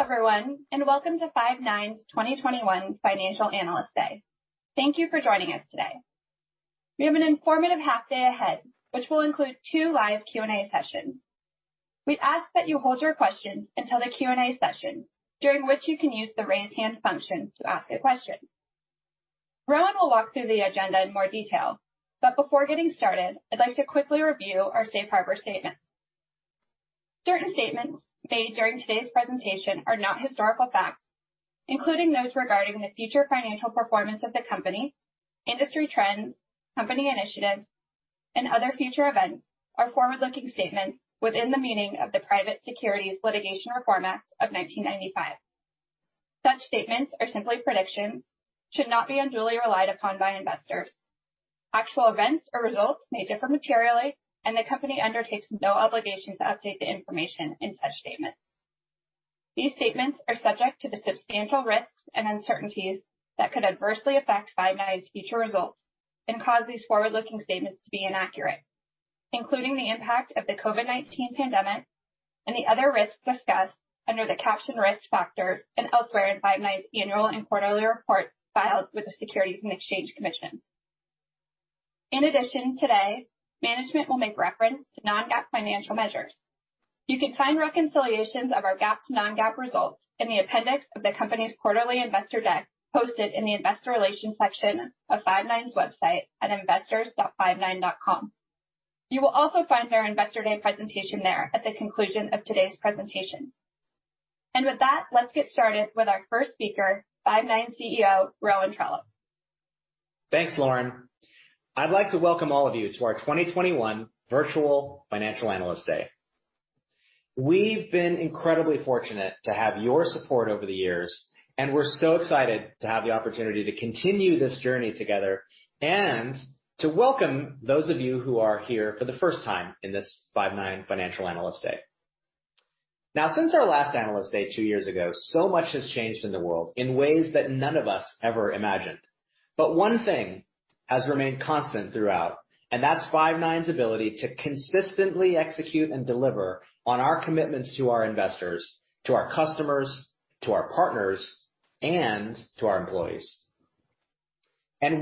Hello, everyone, and welcome to Five9's 2021 Financial Analyst Day. Thank you for joining us today. We have an informative half day ahead, which will include two live Q&A sessions. We ask that you hold your questions until the Q&A session, during which you can use the Raise Hand function to ask a question. Rowan will walk through the agenda in more detail. Before getting started, I'd like to quickly review our safe harbor statement. Certain statements made during today's presentation are not historical facts, including those regarding the future financial performance of the company, industry trends, company initiatives, and other future events are forward-looking statements within the meaning of the Private Securities Litigation Reform Act of 1995. Such statements are simply predictions, should not be unduly relied upon by investors. Actual events or results may differ materially and the company undertakes no obligation to update the information in such statements. These statements are subject to the substantial risks and uncertainties that could adversely affect Five9's future results and cause these forward-looking statements to be inaccurate, including the impact of the COVID-19 pandemic and the other risks discussed under the caption Risk Factors and elsewhere in Five9's annual and quarterly reports filed with the Securities and Exchange Commission. In addition, today, management will make reference to non-GAAP financial measures. You can find reconciliations of our GAAP to non-GAAP results in the appendix of the company's quarterly investor deck posted in the investor relations section of Five9's website at investors.five9.com. You will also find their Investor Day presentation there at the conclusion of today's presentation. With that, let's get started with our first speaker, Five9 CEO, Rowan Trollope. Thanks, Lauren. I'd like to welcome all of you to our 2021 virtual Financial Analyst Day. We've been incredibly fortunate to have your support over the years, and we're so excited to have the opportunity to continue this journey together and to welcome those of you who are here for the first time in this Five9 Financial Analyst Day. Now, since our last Analyst Day two years ago, so much has changed in the world in ways that none of us ever imagined. But one thing has remained constant throughout, and that's Five9's ability to consistently execute and deliver on our commitments to our investors, to our customers, to our partners, and to our employees.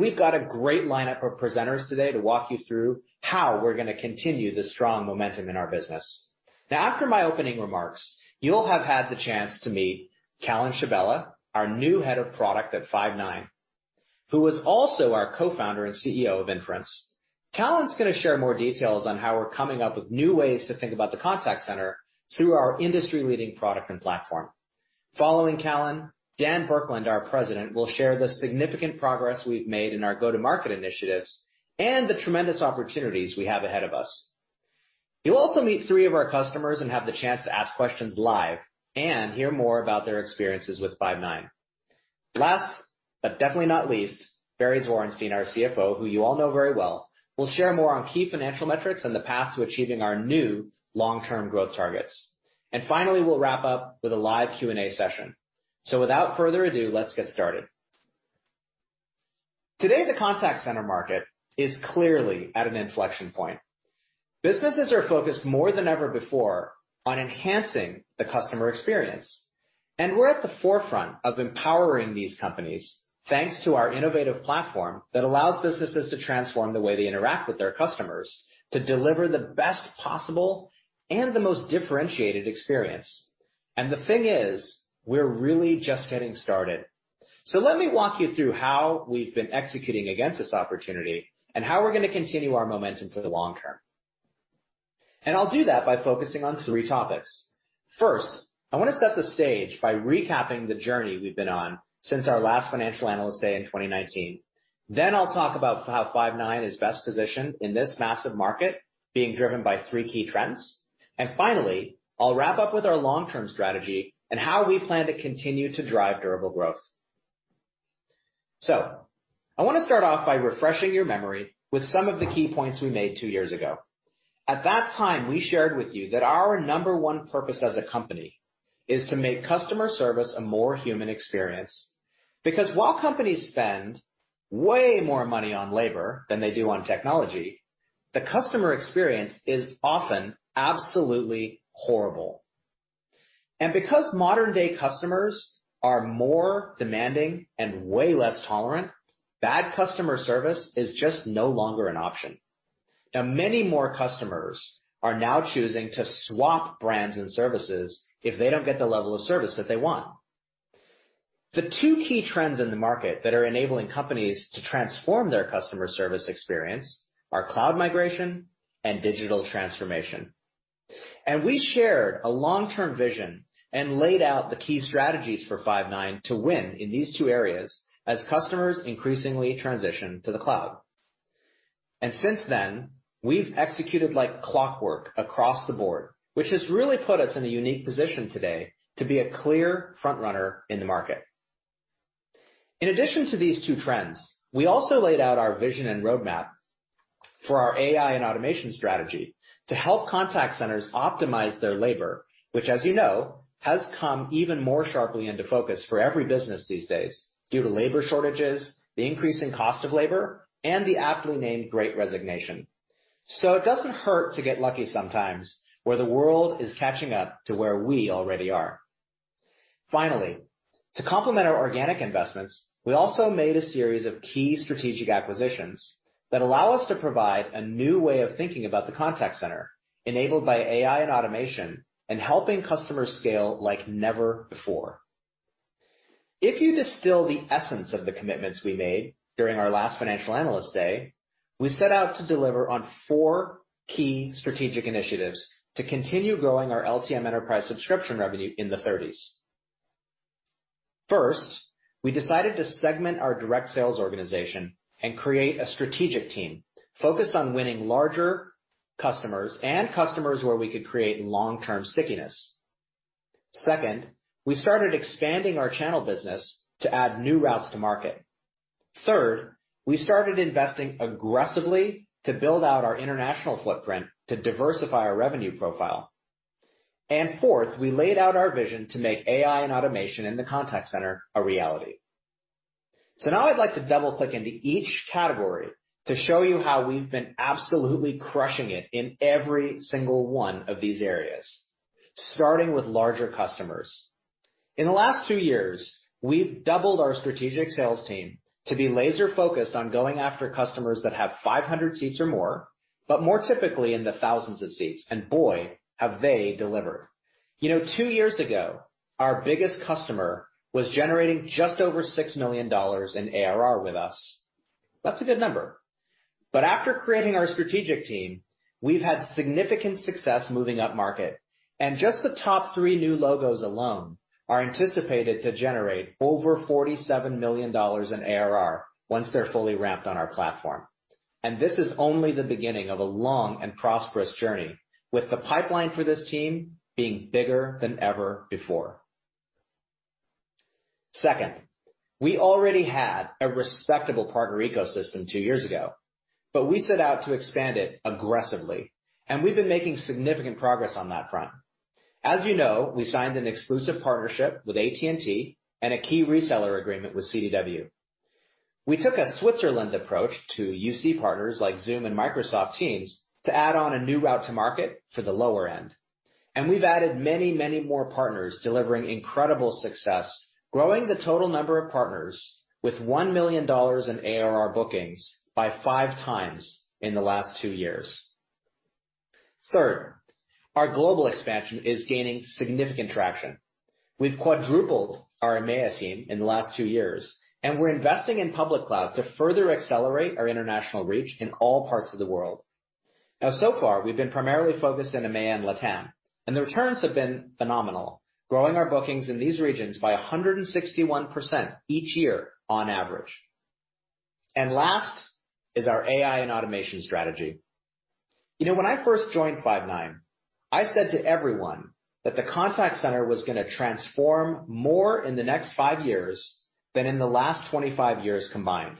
We've got a great lineup of presenters today to walk you through how we're gonna continue the strong momentum in our business. Now, after my opening remarks, you'll have had the chance to meet Callan Schebella, our new Head of Product at Five9, who was also our co-founder and CEO of Inference. Callan's gonna share more details on how we're coming up with new ways to think about the contact center through our industry-leading product and platform. Following Callan, Dan Burkland, our President, will share the significant progress we've made in our go-to-market initiatives and the tremendous opportunities we have ahead of us. You'll also meet three of our customers and have the chance to ask questions live and hear more about their experiences with Five9. Last, but definitely not least, Barry Zwarenstein, our CFO, who you all know very well, will share more on key financial metrics and the path to achieving our new long-term growth targets. Finally, we'll wrap up with a live Q&A session. Without further ado, let's get started. Today, the contact center market is clearly at an inflection point. Businesses are focused more than ever before on enhancing the customer experience, and we're at the forefront of empowering these companies thanks to our innovative platform that allows businesses to transform the way they interact with their customers to deliver the best possible and the most differentiated experience. The thing is, we're really just getting started. Let me walk you through how we've been executing against this opportunity and how we're gonna continue our momentum for the long term. I'll do that by focusing on three topics. First, I wanna set the stage by recapping the journey we've been on since our last Financial Analyst Day in 2019. Then I'll talk about how Five9 is best positioned in this massive market being driven by three key trends. Finally, I'll wrap up with our long-term strategy and how we plan to continue to drive durable growth. I wanna start off by refreshing your memory with some of the key points we made two years ago. At that time, we shared with you that our number one purpose as a company is to make customer service a more human experience, because while companies spend way more money on labor than they do on technology, the customer experience is often absolutely horrible. Because modern-day customers are more demanding and way less tolerant, bad customer service is just no longer an option. Now, many more customers are now choosing to swap brands and services if they don't get the level of service that they want. The two key trends in the market that are enabling companies to transform their customer service experience are cloud migration and digital transformation. We shared a long-term vision and laid out the key strategies for Five9 to win in these two areas as customers increasingly transition to the cloud. Since then, we've executed like clockwork across the board, which has really put us in a unique position today to be a clear front-runner in the market. In addition to these two trends, we also laid out our vision and roadmap for our AI and automation strategy to help contact centers optimize their labor, which, as you know, has come even more sharply into focus for every business these days due to labor shortages, the increase in cost of labor, and the aptly named great resignation. It doesn't hurt to get lucky sometimes where the world is catching up to where we already are. Finally, to complement our organic investments, we also made a series of key strategic acquisitions that allow us to provide a new way of thinking about the contact center enabled by AI and automation and helping customers scale like never before. If you distill the essence of the commitments we made during our last financial analyst day, we set out to deliver on four key strategic initiatives to continue growing our LTM enterprise subscription revenue in the thirties. First, we decided to segment our direct sales organization and create a strategic team focused on winning larger customers and customers where we could create long-term stickiness. Second, we started expanding our channel business to add new routes to market. Third, we started investing aggressively to build out our international footprint to diversify our revenue profile. Fourth, we laid out our vision to make AI and automation in the contact center a reality. Now I'd like to double-click into each category to show you how we've been absolutely crushing it in every single one of these areas, starting with larger customers. In the last two years, we've doubled our strategic sales team to be laser-focused on going after customers that have 500 seats or more, but more typically in the thousands of seats. Boy, have they delivered. You know, two years ago, our biggest customer was generating just over $6 million in ARR with us. That's a good number. After creating our strategic team, we've had significant success moving up market, and just the top 3 new logos alone are anticipated to generate over $47 million in ARR once they're fully ramped on our platform. This is only the beginning of a long and prosperous journey with the pipeline for this team being bigger than ever before. Second, we already had a respectable partner ecosystem two years ago, but we set out to expand it aggressively, and we've been making significant progress on that front. As you know, we signed an exclusive partnership with AT&T and a key reseller agreement with CDW. We took a Switzerland approach to UC partners like Zoom and Microsoft Teams to add on a new route to market for the lower end. We've added many, many more partners delivering incredible success, growing the total number of partners with $1 million in ARR bookings by 5x in the last two years. Third, our global expansion is gaining significant traction. We've quadrupled our EMEA team in the last two years, and we're investing in public cloud to further accelerate our international reach in all parts of the world. Now, so far, we've been primarily focused in EMEA and LATAM, and the returns have been phenomenal, growing our bookings in these regions by 161% each year on average. Last is our AI and automation strategy. You know, when I first joined Five9, I said to everyone that the contact center was gonna transform more in the next five years than in the last 25 years combined,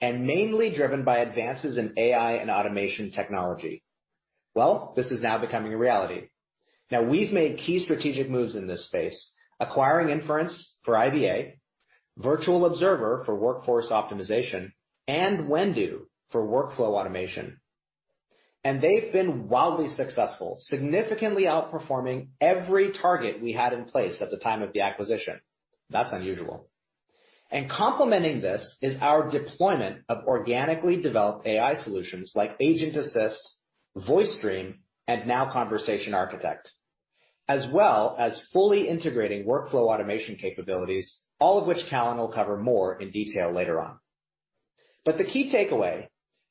and mainly driven by advances in AI and automation technology. Well, this is now becoming a reality. Now we've made key strategic moves in this space, acquiring Inference for IVA, Virtual Observer for workforce optimization, and Whendu for workflow automation. They've been wildly successful, significantly outperforming every target we had in place at the time of the acquisition. That's unusual. Complementing this is our deployment of organically developed AI solutions like Agent Assist, VoiceStream, and now Conversation Architect, as well as fully integrating workflow automation capabilities, all of which Callan will cover more in detail later on. The key takeaway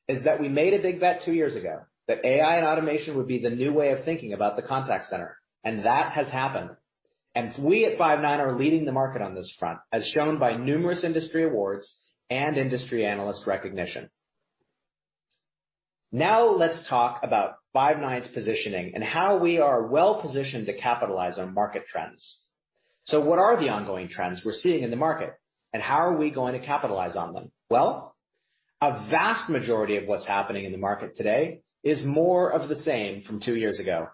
is that we made a big bet two years ago that AI and automation would be the new way of thinking about the contact center, and that has happened. We at Five9 are leading the market on this front, as shown by numerous industry awards and industry analyst recognition. Now let's talk about Five9's positioning and how we are well-positioned to capitalize on market trends. What are the ongoing trends we're seeing in the market, and how are we going to capitalize on them? Well, a vast majority of what's happening in the market today is more of the same from two years ago,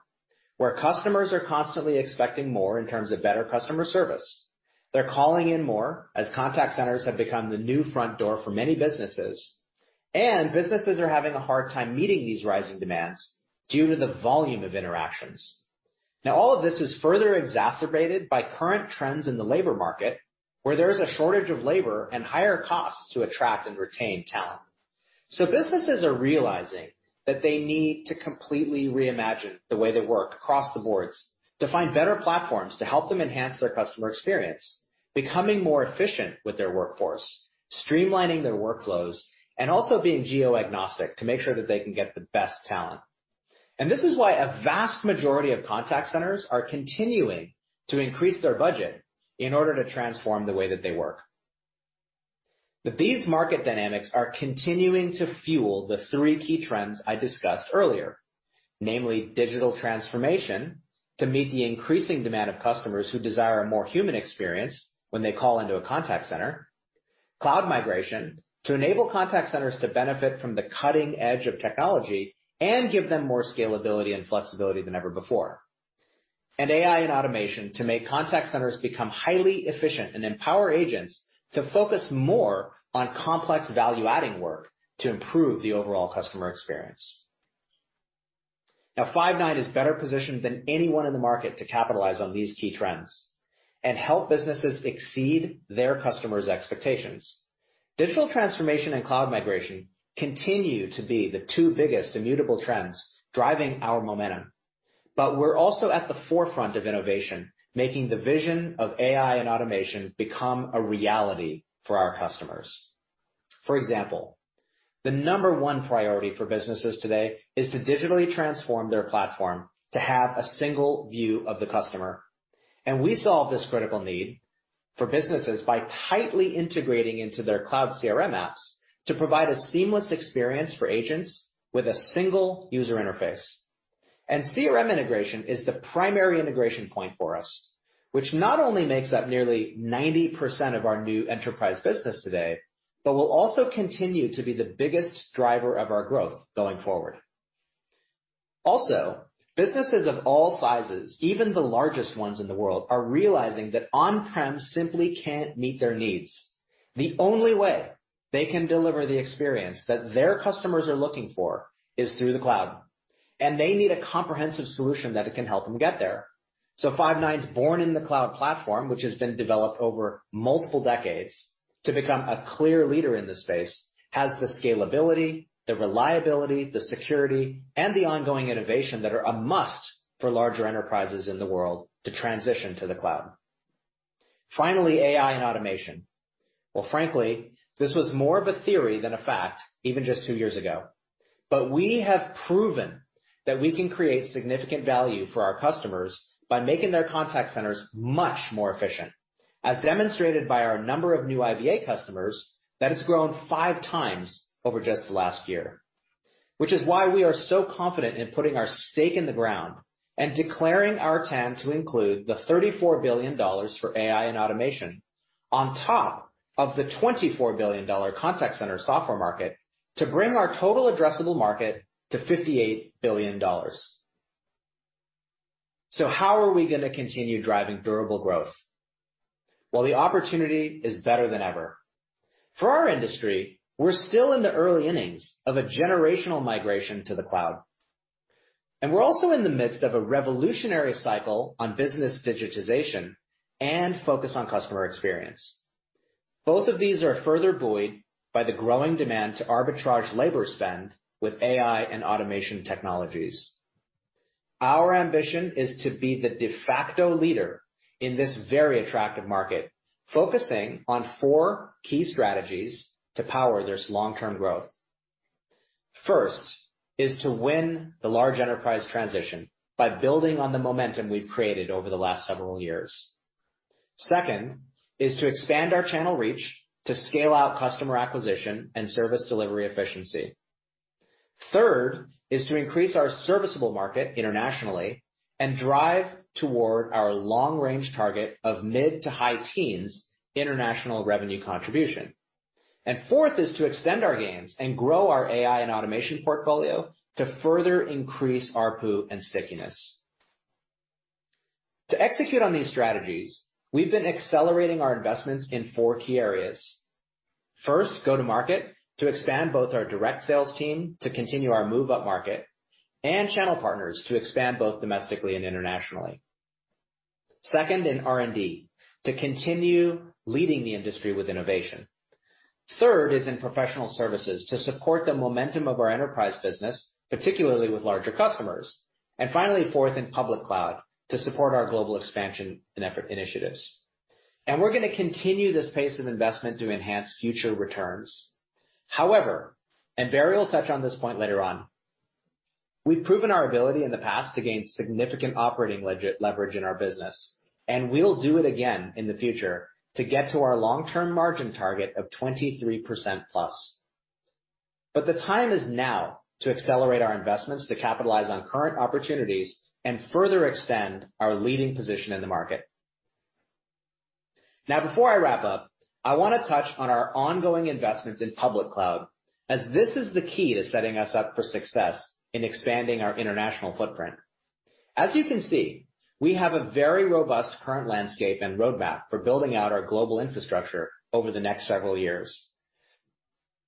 where customers are constantly expecting more in terms of better customer service. They're calling in more as contact centers have become the new front door for many businesses, and businesses are having a hard time meeting these rising demands due to the volume of interactions. Now, all of this is further exacerbated by current trends in the labor market, where there is a shortage of labor and higher costs to attract and retain talent. Businesses are realizing that they need to completely reimagine the way they work across the boards to find better platforms to help them enhance their customer experience, becoming more efficient with their workforce, streamlining their workflows, and also being geo-agnostic to make sure that they can get the best talent. This is why a vast majority of contact centers are continuing to increase their budget in order to transform the way that they work. These market dynamics are continuing to fuel the three key trends I discussed earlier, namely digital transformation to meet the increasing demand of customers who desire a more human experience when they call into a contact center, cloud migration to enable contact centers to benefit from the cutting edge of technology and give them more scalability and flexibility than ever before. AI and automation to make contact centers become highly efficient and empower agents to focus more on complex value-adding work to improve the overall customer experience. Now, Five9 is better positioned than anyone in the market to capitalize on these key trends and help businesses exceed their customers' expectations. Digital transformation and cloud migration continue to be the two biggest immutable trends driving our momentum. We're also at the forefront of innovation, making the vision of AI and automation become a reality for our customers. For example, the number one priority for businesses today is to digitally transform their platform to have a single view of the customer, and we solve this critical need for businesses by tightly integrating into their cloud CRM apps to provide a seamless experience for agents with a single user interface. CRM integration is the primary integration point for us, which not only makes up nearly 90% of our new enterprise business today, but will also continue to be the biggest driver of our growth going forward. Also, businesses of all sizes, even the largest ones in the world, are realizing that on-prem simply can't meet their needs. The only way they can deliver the experience that their customers are looking for is through the cloud, and they need a comprehensive solution that can help them get there. Five9's born in the cloud platform, which has been developed over multiple decades to become a clear leader in this space, has the scalability, the reliability, the security, and the ongoing innovation that are a must for larger enterprises in the world to transition to the cloud. Finally, AI and automation. Well, frankly, this was more of a theory than a fact, even just two years ago. We have proven that we can create significant value for our customers by making their contact centers much more efficient, as demonstrated by our number of new IVA customers that has grown 5x over just the last year. Which is why we are so confident in putting our stake in the ground and declaring our TAM to include the $34 billion for AI and automation on top of the $24 billion contact center software market to bring our total addressable market to $58 billion. How are we gonna continue driving durable growth? Well, the opportunity is better than ever. For our industry, we're still in the early innings of a generational migration to the cloud, and we're also in the midst of a revolutionary cycle on business digitization and focus on customer experience. Both of these are further buoyed by the growing demand to arbitrage labor spend with AI and automation technologies. Our ambition is to be the de facto leader in this very attractive market, focusing on four key strategies to power this long-term growth. First is to win the large enterprise transition by building on the momentum we've created over the last several years. Second is to expand our channel reach to scale out customer acquisition and service delivery efficiency. Third is to increase our serviceable market internationally and drive toward our long-range target of mid to high teens international revenue contribution. Fourth is to extend our gains and grow our AI and automation portfolio to further increase ARPU and stickiness. To execute on these strategies, we've been accelerating our investments in four key areas. First, go to market to expand both our direct sales team, to continue our move up market, and channel partners to expand both domestically and internationally. Second, in R&D, to continue leading the industry with innovation. Third is in professional services to support the momentum of our enterprise business, particularly with larger customers. Finally, fourth, in public cloud to support our global expansion and effort initiatives. We're gonna continue this pace of investment to enhance future returns. However, and Barry will touch on this point later on, we've proven our ability in the past to gain significant operating leverage in our business, and we'll do it again in the future to get to our long-term margin target of 23%+. The time is now to accelerate our investments to capitalize on current opportunities and further extend our leading position in the market. Now before I wrap up, I wanna touch on our ongoing investments in public cloud as this is the key to setting us up for success in expanding our international footprint. As you can see, we have a very robust current landscape and roadmap for building out our global infrastructure over the next several years.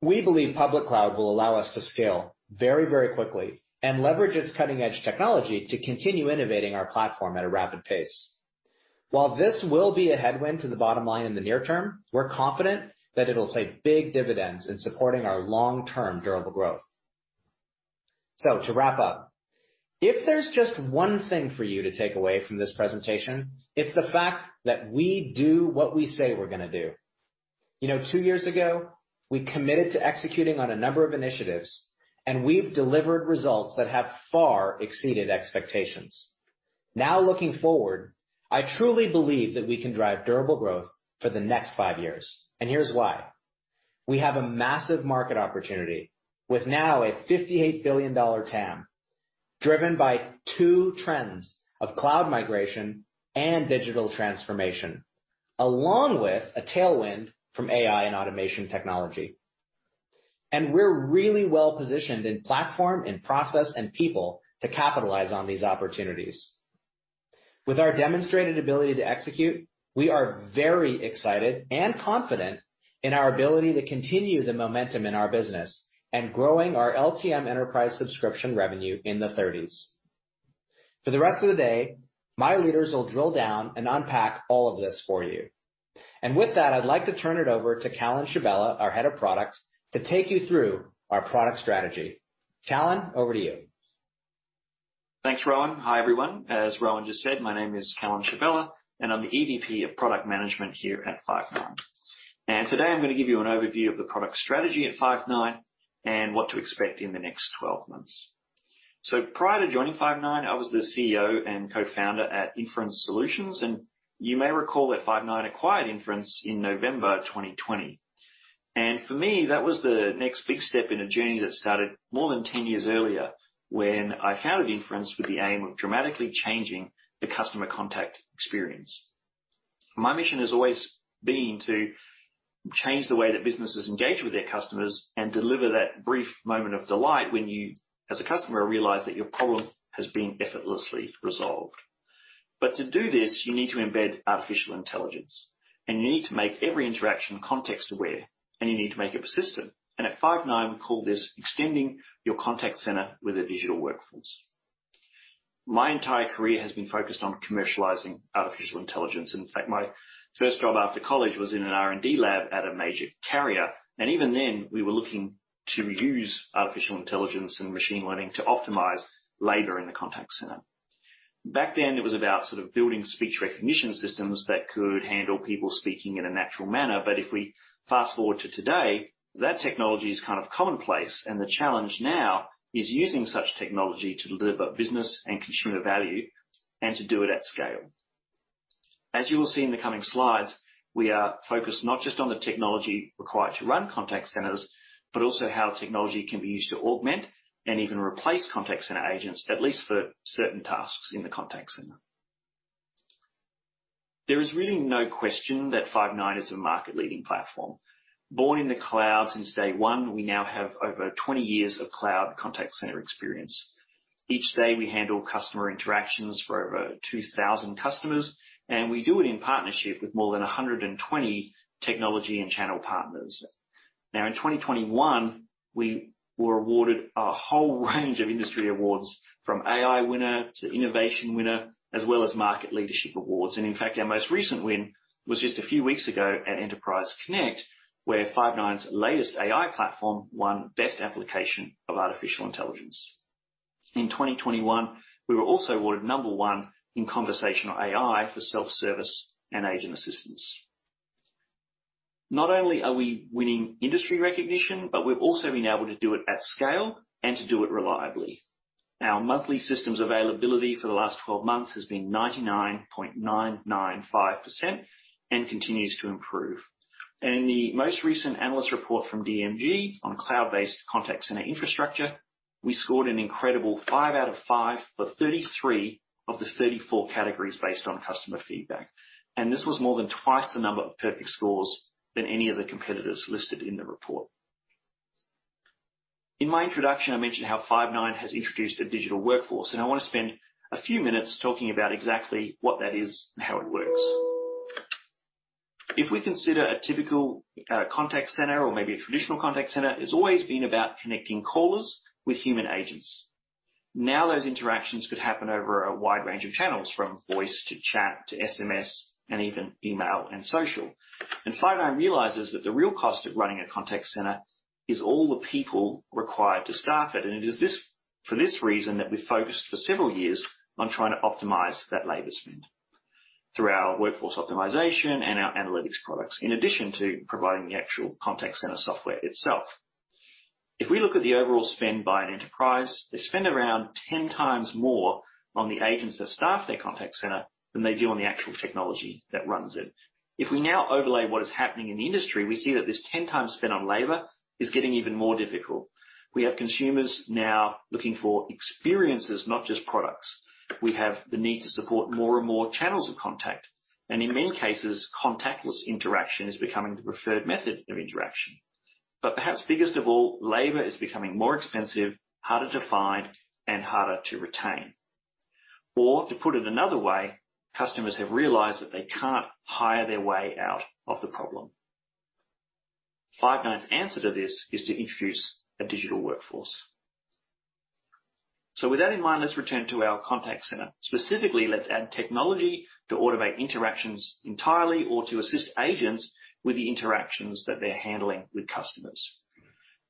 We believe public cloud will allow us to scale very, very quickly and leverage its cutting-edge technology to continue innovating our platform at a rapid pace. While this will be a headwind to the bottom line in the near term, we're confident that it'll pay big dividends in supporting our long-term durable growth. So to wrap up, if there's just one thing for you to take away from this presentation, it's the fact that we do what we say we're gonna do. You know, two years ago, we committed to executing on a number of initiatives, and we've delivered results that have far exceeded expectations. Now, looking forward, I truly believe that we can drive durable growth for the next five years. Here's why. We have a massive market opportunity with now a $58 billion TAM, driven by two trends of cloud migration and digital transformation, along with a tailwind from AI and automation technology. We're really well-positioned in platform and process and people to capitalize on these opportunities. With our demonstrated ability to execute, we are very excited and confident in our ability to continue the momentum in our business and growing our LTM enterprise subscription revenue in the 30s. For the rest of the day, my leaders will drill down and unpack all of this for you. With that, I'd like to turn it over to Callan Schebella, our head of product, to take you through our product strategy. Callan, over to you. Thanks, Rowan. Hi, everyone. As Rowan just said, my name is Callan Schebella, and I'm the EVP of Product Management here at Five9. Today I'm gonna give you an overview of the product strategy at Five9 and what to expect in the next 12 months. Prior to joining Five9, I was the CEO and co-founder at Inference Solutions, and you may recall that Five9 acquired Inference in November 2020. For me, that was the next big step in a journey that started more than 10 years earlier when I founded Inference with the aim of dramatically changing the customer contact experience. My mission has always been to change the way that businesses engage with their customers and deliver that brief moment of delight when you, as a customer, realize that your problem has been effortlessly resolved. To do this, you need to embed artificial intelligence, and you need to make every interaction context aware, and you need to make it persistent. At Five9, we call this extending your contact center with a digital workforce. My entire career has been focused on commercializing artificial intelligence. In fact, my first job after college was in an R&D lab at a major carrier, and even then, we were looking to use artificial intelligence and machine learning to optimize labor in the contact center. Back then, it was about sort of building speech recognition systems that could handle people speaking in a natural manner. If we fast-forward to today, that technology is kind of commonplace, and the challenge now is using such technology to deliver business and consumer value and to do it at scale. As you will see in the coming slides, we are focused not just on the technology required to run contact centers, but also how technology can be used to augment and even replace contact center agents, at least for certain tasks in the contact center. There is really no question that Five9 is a market-leading platform. Born in the cloud since day one, we now have over 20 years of cloud contact center experience. Each day, we handle customer interactions for over 2,000 customers, and we do it in partnership with more than 120 technology and channel partners. Now, in 2021, we were awarded a whole range of industry awards, from AI winner to innovation winner, as well as market leadership awards. In fact, our most recent win was just a few weeks ago at Enterprise Connect, where Five9's latest AI platform won Best Application of Artificial Intelligence. In 2021, we were also awarded No. 1 in conversational AI for self-service and agent assistance. Not only are we winning industry recognition, but we've also been able to do it at scale and to do it reliably. Our monthly systems availability for the last 12 months has been 99.995% and continues to improve. In the most recent analyst report from DMG on cloud-based contact center infrastructure, we scored an incredible five out of five for 33 of the 34 categories based on customer feedback. This was more than twice the number of perfect scores than any of the competitors listed in the report. In my introduction, I mentioned how Five9 has introduced a digital workforce, and I want to spend a few minutes talking about exactly what that is and how it works. If we consider a typical contact center or maybe a traditional contact center, it's always been about connecting callers with human agents. Now, those interactions could happen over a wide range of channels, from voice to chat to SMS and even email and social. Five9 realizes that the real cost of running a contact center is all the people required to staff it. It is for this reason that we focused for several years on trying to optimize that labor spend through our workforce optimization and our analytics products, in addition to providing the actual contact center software itself. If we look at the overall spend by an enterprise, they spend around 10x more on the agents that staff their contact center than they do on the actual technology that runs it. If we now overlay what is happening in the industry, we see that this 10x spend on labor is getting even more difficult. We have consumers now looking for experiences, not just products. We have the need to support more and more channels of contact, and in many cases, contactless interaction is becoming the preferred method of interaction. Perhaps biggest of all, labor is becoming more expensive, harder to find, and harder to retain. To put it another way, customers have realized that they can't hire their way out of the problem. Five9's answer to this is to introduce a digital workforce. With that in mind, let's return to our contact center. Specifically, let's add technology to automate interactions entirely or to assist agents with the interactions that they're handling with customers.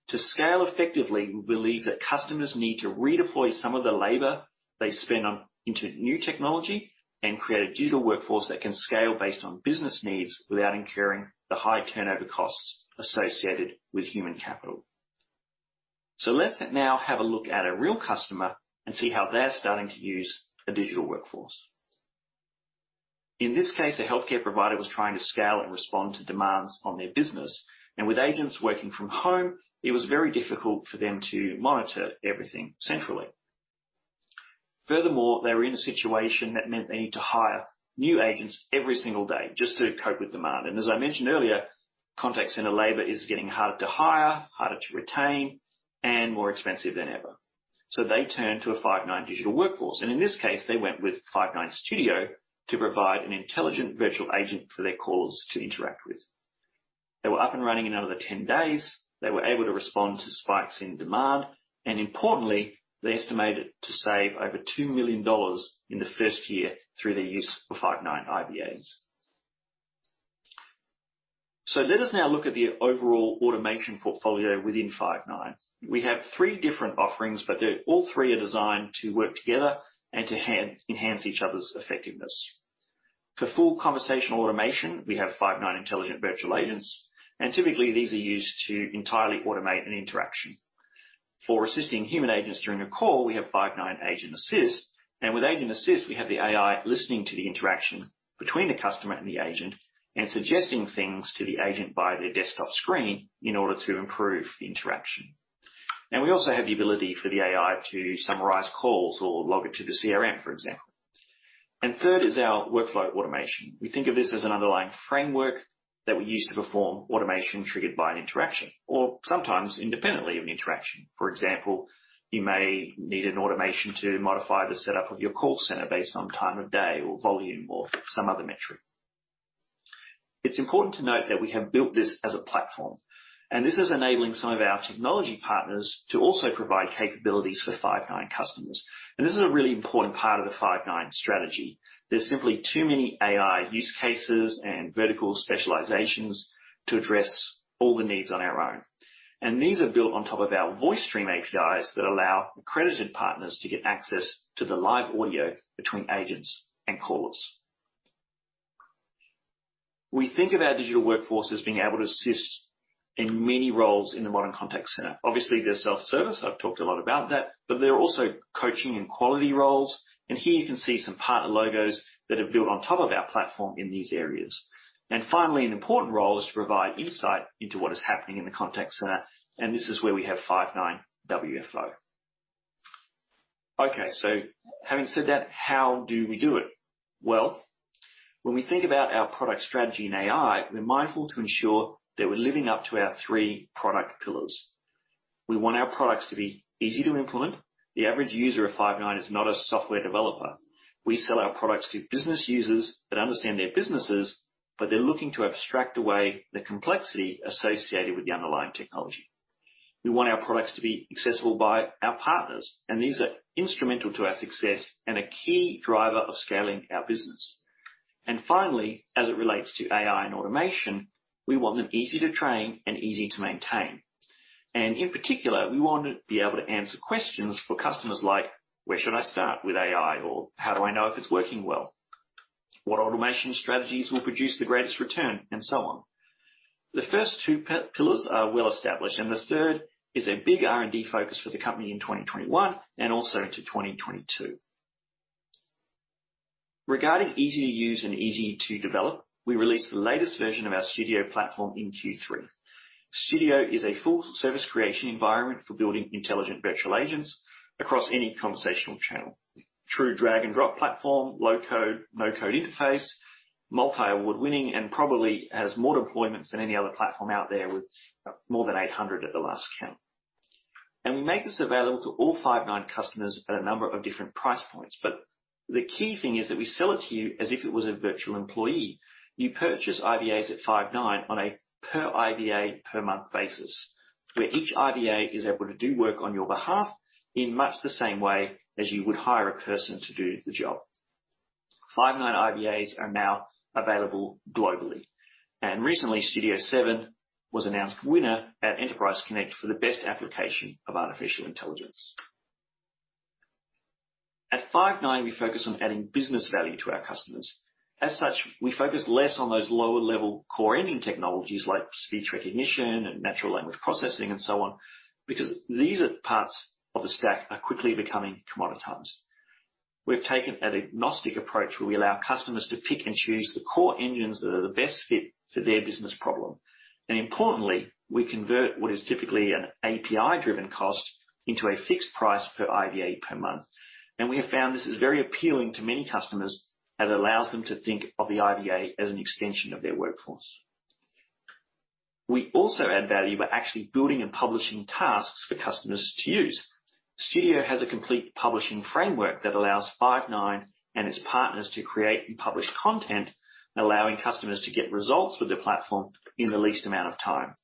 To scale effectively, we believe that customers need to redeploy some of the labor they spend on into new technology and create a digital workforce that can scale based on business needs without incurring the high turnover costs associated with human capital. Let's now have a look at a real customer and see how they're starting to use a digital workforce. In this case, a healthcare provider was trying to scale and respond to demands on their business, and with agents working from home, it was very difficult for them to monitor everything centrally. Furthermore, they were in a situation that meant they need to hire new agents every single day just to cope with demand. As I mentioned earlier, contact center labor is getting harder to hire, harder to retain, and more expensive than ever. They turned to a Five9 digital workforce, and in this case, they went with Five9 Studio to provide an intelligent virtual agent for their calls to interact with. They were up and running in under 10 days, they were able to respond to spikes in demand, and importantly, they estimated to save over $2 million in the first year through the use of Five9 IVAs. Let us now look at the overall automation portfolio within Five9. We have three different offerings, but they're all three are designed to work together and to hand enhance each other's effectiveness. For full conversational automation, we have Five9 Intelligent Virtual Agents. Typically these are used to entirely automate an interaction. For assisting human agents during a call, we have Five9 Agent Assist. With Agent Assist, we have the AI listening to the interaction between the customer and the agent and suggesting things to the agent via their desktop screen in order to improve the interaction. Now, we also have the ability for the AI to summarize calls or log it to the CRM, for example. Third is our workflow automation. We think of this as an underlying framework that we use to perform automation triggered by an interaction or sometimes independently of an interaction. For example, you may need an automation to modify the setup of your call center based on time of day or volume or some other metric. It's important to note that we have built this as a platform, and this is enabling some of our technology partners to also provide capabilities for Five9 customers. This is a really important part of the Five9 strategy. There's simply too many AI use cases and vertical specializations to address all the needs on our own. These are built on top of our VoiceStream APIs that allow accredited partners to get access to the live audio between agents and callers. We think of our digital workforce as being able to assist in many roles in the modern contact center. Obviously, there's self-service. I've talked a lot about that, but there are also coaching and quality roles. Here you can see some partner logos that have built on top of our platform in these areas. Finally, an important role is to provide insight into what is happening in the contact center, and this is where we have Five9 WFO. Okay, having said that, how do we do it? Well, when we think about our product strategy in AI, we're mindful to ensure that we're living up to our three product pillars. We want our products to be easy to implement. The average user of Five9 is not a software developer. We sell our products to business users that understand their businesses, but they're looking to abstract away the complexity associated with the underlying technology. We want our products to be accessible by our partners, and these are instrumental to our success and a key driver of scaling our business. Finally, as it relates to AI and automation, we want them easy to train and easy to maintain. In particular, we wanna be able to answer questions for customers like, Where should I start with AI? Or, How do I know if it's working well? What automation strategies will produce the greatest return? And so on. The first two pillars are well-established, and the third is a big R&D focus for the company in 2021 and also to 2022. Regarding easy to use and easy to develop, we released the latest version of our Studio platform in Q3. Studio is a full service creation environment for building intelligent virtual agents across any conversational channel. True drag and drop platform, low-code, no-code interface, multi-award-winning, and probably has more deployments than any other platform out there with more than 800 at the last count. We make this available to all Five9 customers at a number of different price points. The key thing is that we sell it to you as if it was a virtual employee. You purchase IVAs at Five9 on a per IVA per month basis, where each IVA is able to do work on your behalf in much the same way as you would hire a person to do the job. Five9 IVAs are now available globally. Recently, Studio 7 was announced winner at Enterprise Connect for the best application of artificial intelligence. At Five9, we focus on adding business value to our customers. As such, we focus less on those lower level core engine technologies like speech recognition and natural language processing and so on, because these are parts of the stack are quickly becoming commoditized. We've taken an agnostic approach where we allow customers to pick and choose the core engines that are the best fit for their business problem. Importantly, we convert what is typically an API driven cost into a fixed price per IVA per month. We have found this is very appealing to many customers as it allows them to think of the IVA as an extension of their workforce. We also add value by actually building and publishing tasks for customers to use. Studio has a complete publishing framework that allows Five9 and its partners to create and publish content, allowing customers to get results with their platform in the least amount of time.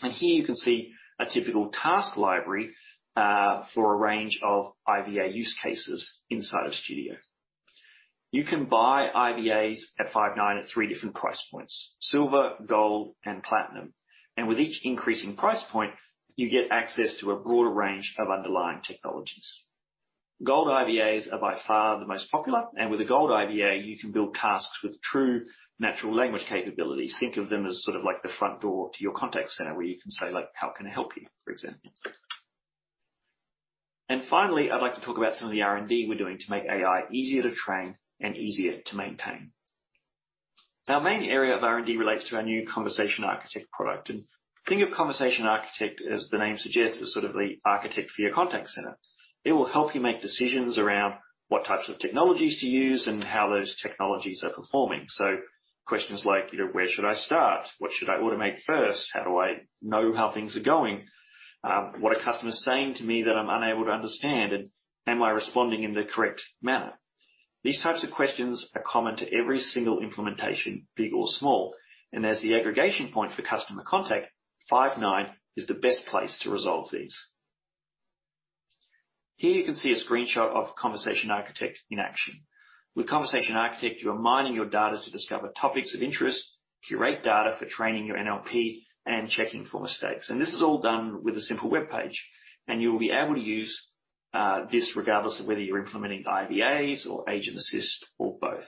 Here you can see a typical task library, for a range of IVA use cases inside of Studio. You can buy IVAs at Five9 at three different price points, silver, gold, and platinum. With each increasing price point, you get access to a broader range of underlying technologies. Gold IVAs are by far the most popular, and with a gold IVA, you can build tasks with true natural language capabilities. Think of them as sort of like the front door to your contact center where you can say like, How can I help you?" For example. Finally, I'd like to talk about some of the R&D we're doing to make AI easier to train and easier to maintain. Our main area of R&D relates to our new Conversation Architect product. Think of Conversation Architect, as the name suggests, as sort of the architect for your contact center. It will help you make decisions around what types of technologies to use and how those technologies are performing. Questions like, you know, where should I start? What should I automate first? How do I know how things are going? What are customers saying to me that I'm unable to understand, and am I responding in the correct manner? These types of questions are common to every single implementation, big or small. As the aggregation point for customer contact, Five9 is the best place to resolve these. Here you can see a screenshot of Conversation Architect in action. With Conversation Architect, you are mining your data to discover topics of interest, curate data for training your NLP, and checking for mistakes. This is all done with a simple webpage, and you'll be able to use this regardless of whether you're implementing IVAs or Agent Assist or both.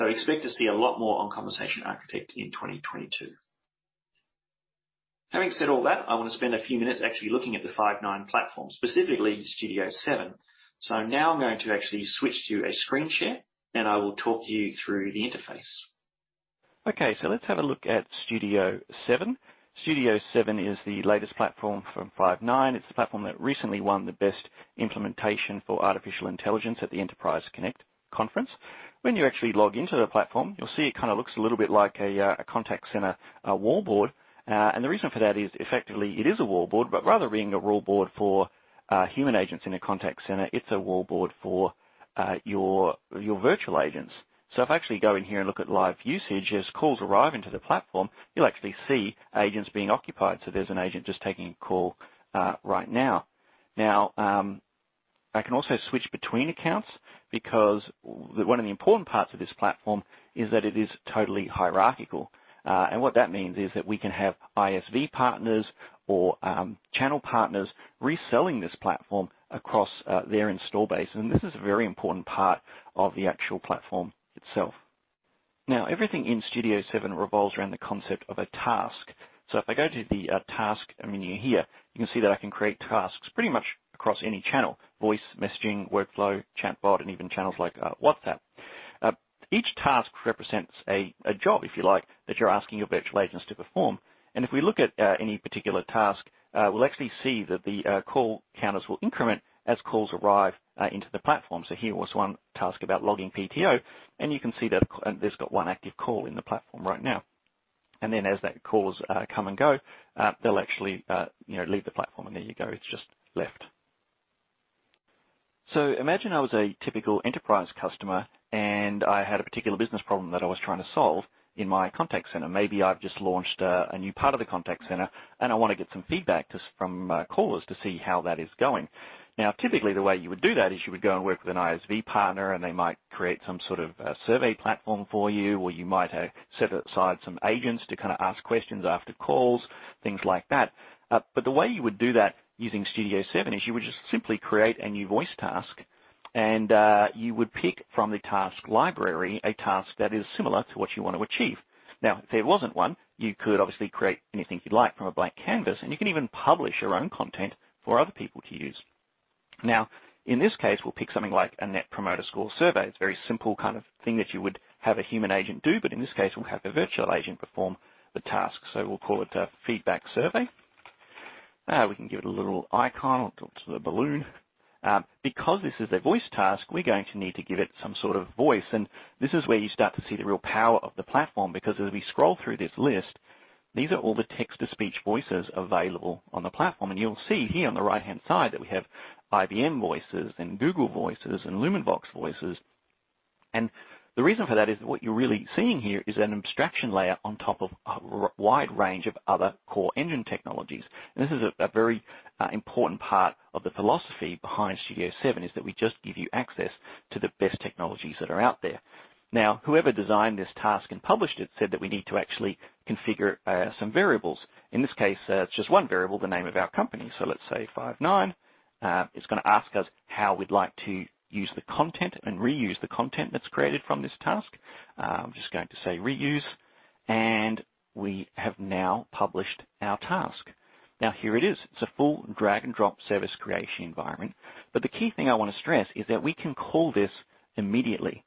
Expect to see a lot more on Conversation Architect in 2022. Having said all that, I want to spend a few minutes actually looking at the Five9 platform, specifically Studio 7. Now I'm going to actually switch to a screen share, and I will talk to you through the interface. Okay, let's have a look at Studio 7. Studio 7 is the latest platform from Five9. It's the platform that recently won the Best Implementation for Artificial Intelligence at the Enterprise Connect Conference. When you actually log into the platform, you'll see it kinda looks a little bit like a contact center wall board. The reason for that is, effectively, it is a wall board, but rather than being a wall board for human agents in a contact center, it's a wall board for your virtual agents. If I actually go in here and look at live usage, as calls arrive into the platform, you'll actually see agents being occupied. There's an agent just taking a call right now. Now, I can also switch between accounts because one of the important parts of this platform is that it is totally hierarchical. What that means is that we can have ISV partners or channel partners reselling this platform across their install base, and this is a very important part of the actual platform itself. Now, everything in Studio 7 revolves around the concept of a task. If I go to the task menu here, you can see that I can create tasks pretty much across any channel, voice, messaging, workflow, chatbot, and even channels like WhatsApp. Each task represents a job, if you like, that you're asking your virtual agents to perform. If we look at any particular task, we'll actually see that the call counters will increment as calls arrive into the platform. Here was one task about logging PTO, and you can see that there's one active call in the platform right now. As the calls come and go, they'll actually, you know, leave the platform. There you go. It's just left. Imagine I was a typical enterprise customer, and I had a particular business problem that I was trying to solve in my contact center. Maybe I've just launched a new part of the contact center, and I wanna get some feedback just from callers to see how that is going. Now, typically, the way you would do that is you would go and work with an ISV partner, and they might create some sort of a survey platform for you, or you might set aside some agents to kinda ask questions after calls, things like that. The way you would do that using Studio 7 is you would just simply create a new voice task, and you would pick from the task library a task that is similar to what you want to achieve. Now, if there wasn't one, you could obviously create anything you'd like from a blank canvas, and you can even publish your own content for other people to use. Now, in this case, we'll pick something like a Net Promoter Score survey. It's a very simple kind of thing that you would have a human agent do, but in this case, we'll have the virtual agent perform the task. We'll call it a feedback survey. We can give it a little icon attached to the balloon. Because this is a voice task, we're going to need to give it some sort of voice, and this is where you start to see the real power of the platform because as we scroll through this list, these are all the text-to-speech voices available on the platform. You'll see here on the right-hand side that we have IBM voices and Google voices and LumenVox voices. The reason for that is what you're really seeing here is an abstraction layer on top of a wide range of other core engine technologies. This is a very important part of the philosophy behind Studio 7, is that we just give you access to the best technologies that are out there. Now, whoever designed this task and published it said that we need to actually configure some variables. In this case, it's just one variable, the name of our company. Let's say Five9. It's gonna ask us how we'd like to use the content and reuse the content that's created from this task. I'm just going to say reuse, and we have now published our task. Now here it is. It's a full drag-and-drop service creation environment. The key thing I wanna stress is that we can call this immediately.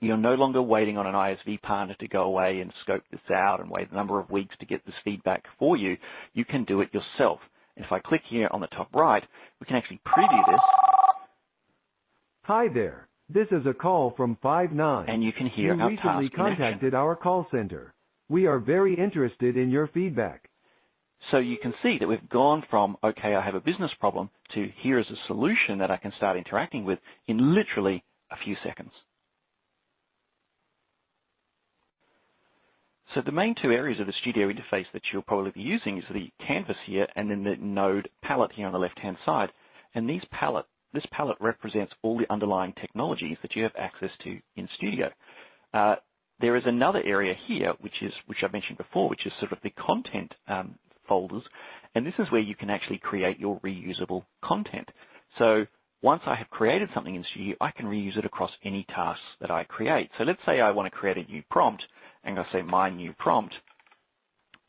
You're no longer waiting on an ISV partner to go away and scope this out and wait a number of weeks to get this feedback for you. You can do it yourself. If I click here on the top right, we can actually preview this. Hi there. This is a call from Five9. You can hear our task in action. You recently contacted our call center. We are very interested in your feedback. You can see that we've gone from, Okay, I have a business problem, to, Here is a solution that I can start interacting with, in literally a few seconds. The main two areas of the Studio interface that you'll probably be using is the canvas here and then the node palette here on the left-hand side. This palette represents all the underlying technologies that you have access to in Studio. There is another area here, which is, which I mentioned before, which is sort of the content, folders, and this is where you can actually create your reusable content. Once I have created something in Studio, I can reuse it across any tasks that I create. Let's say I wanna create a new prompt. I'm gonna say, My new prompt.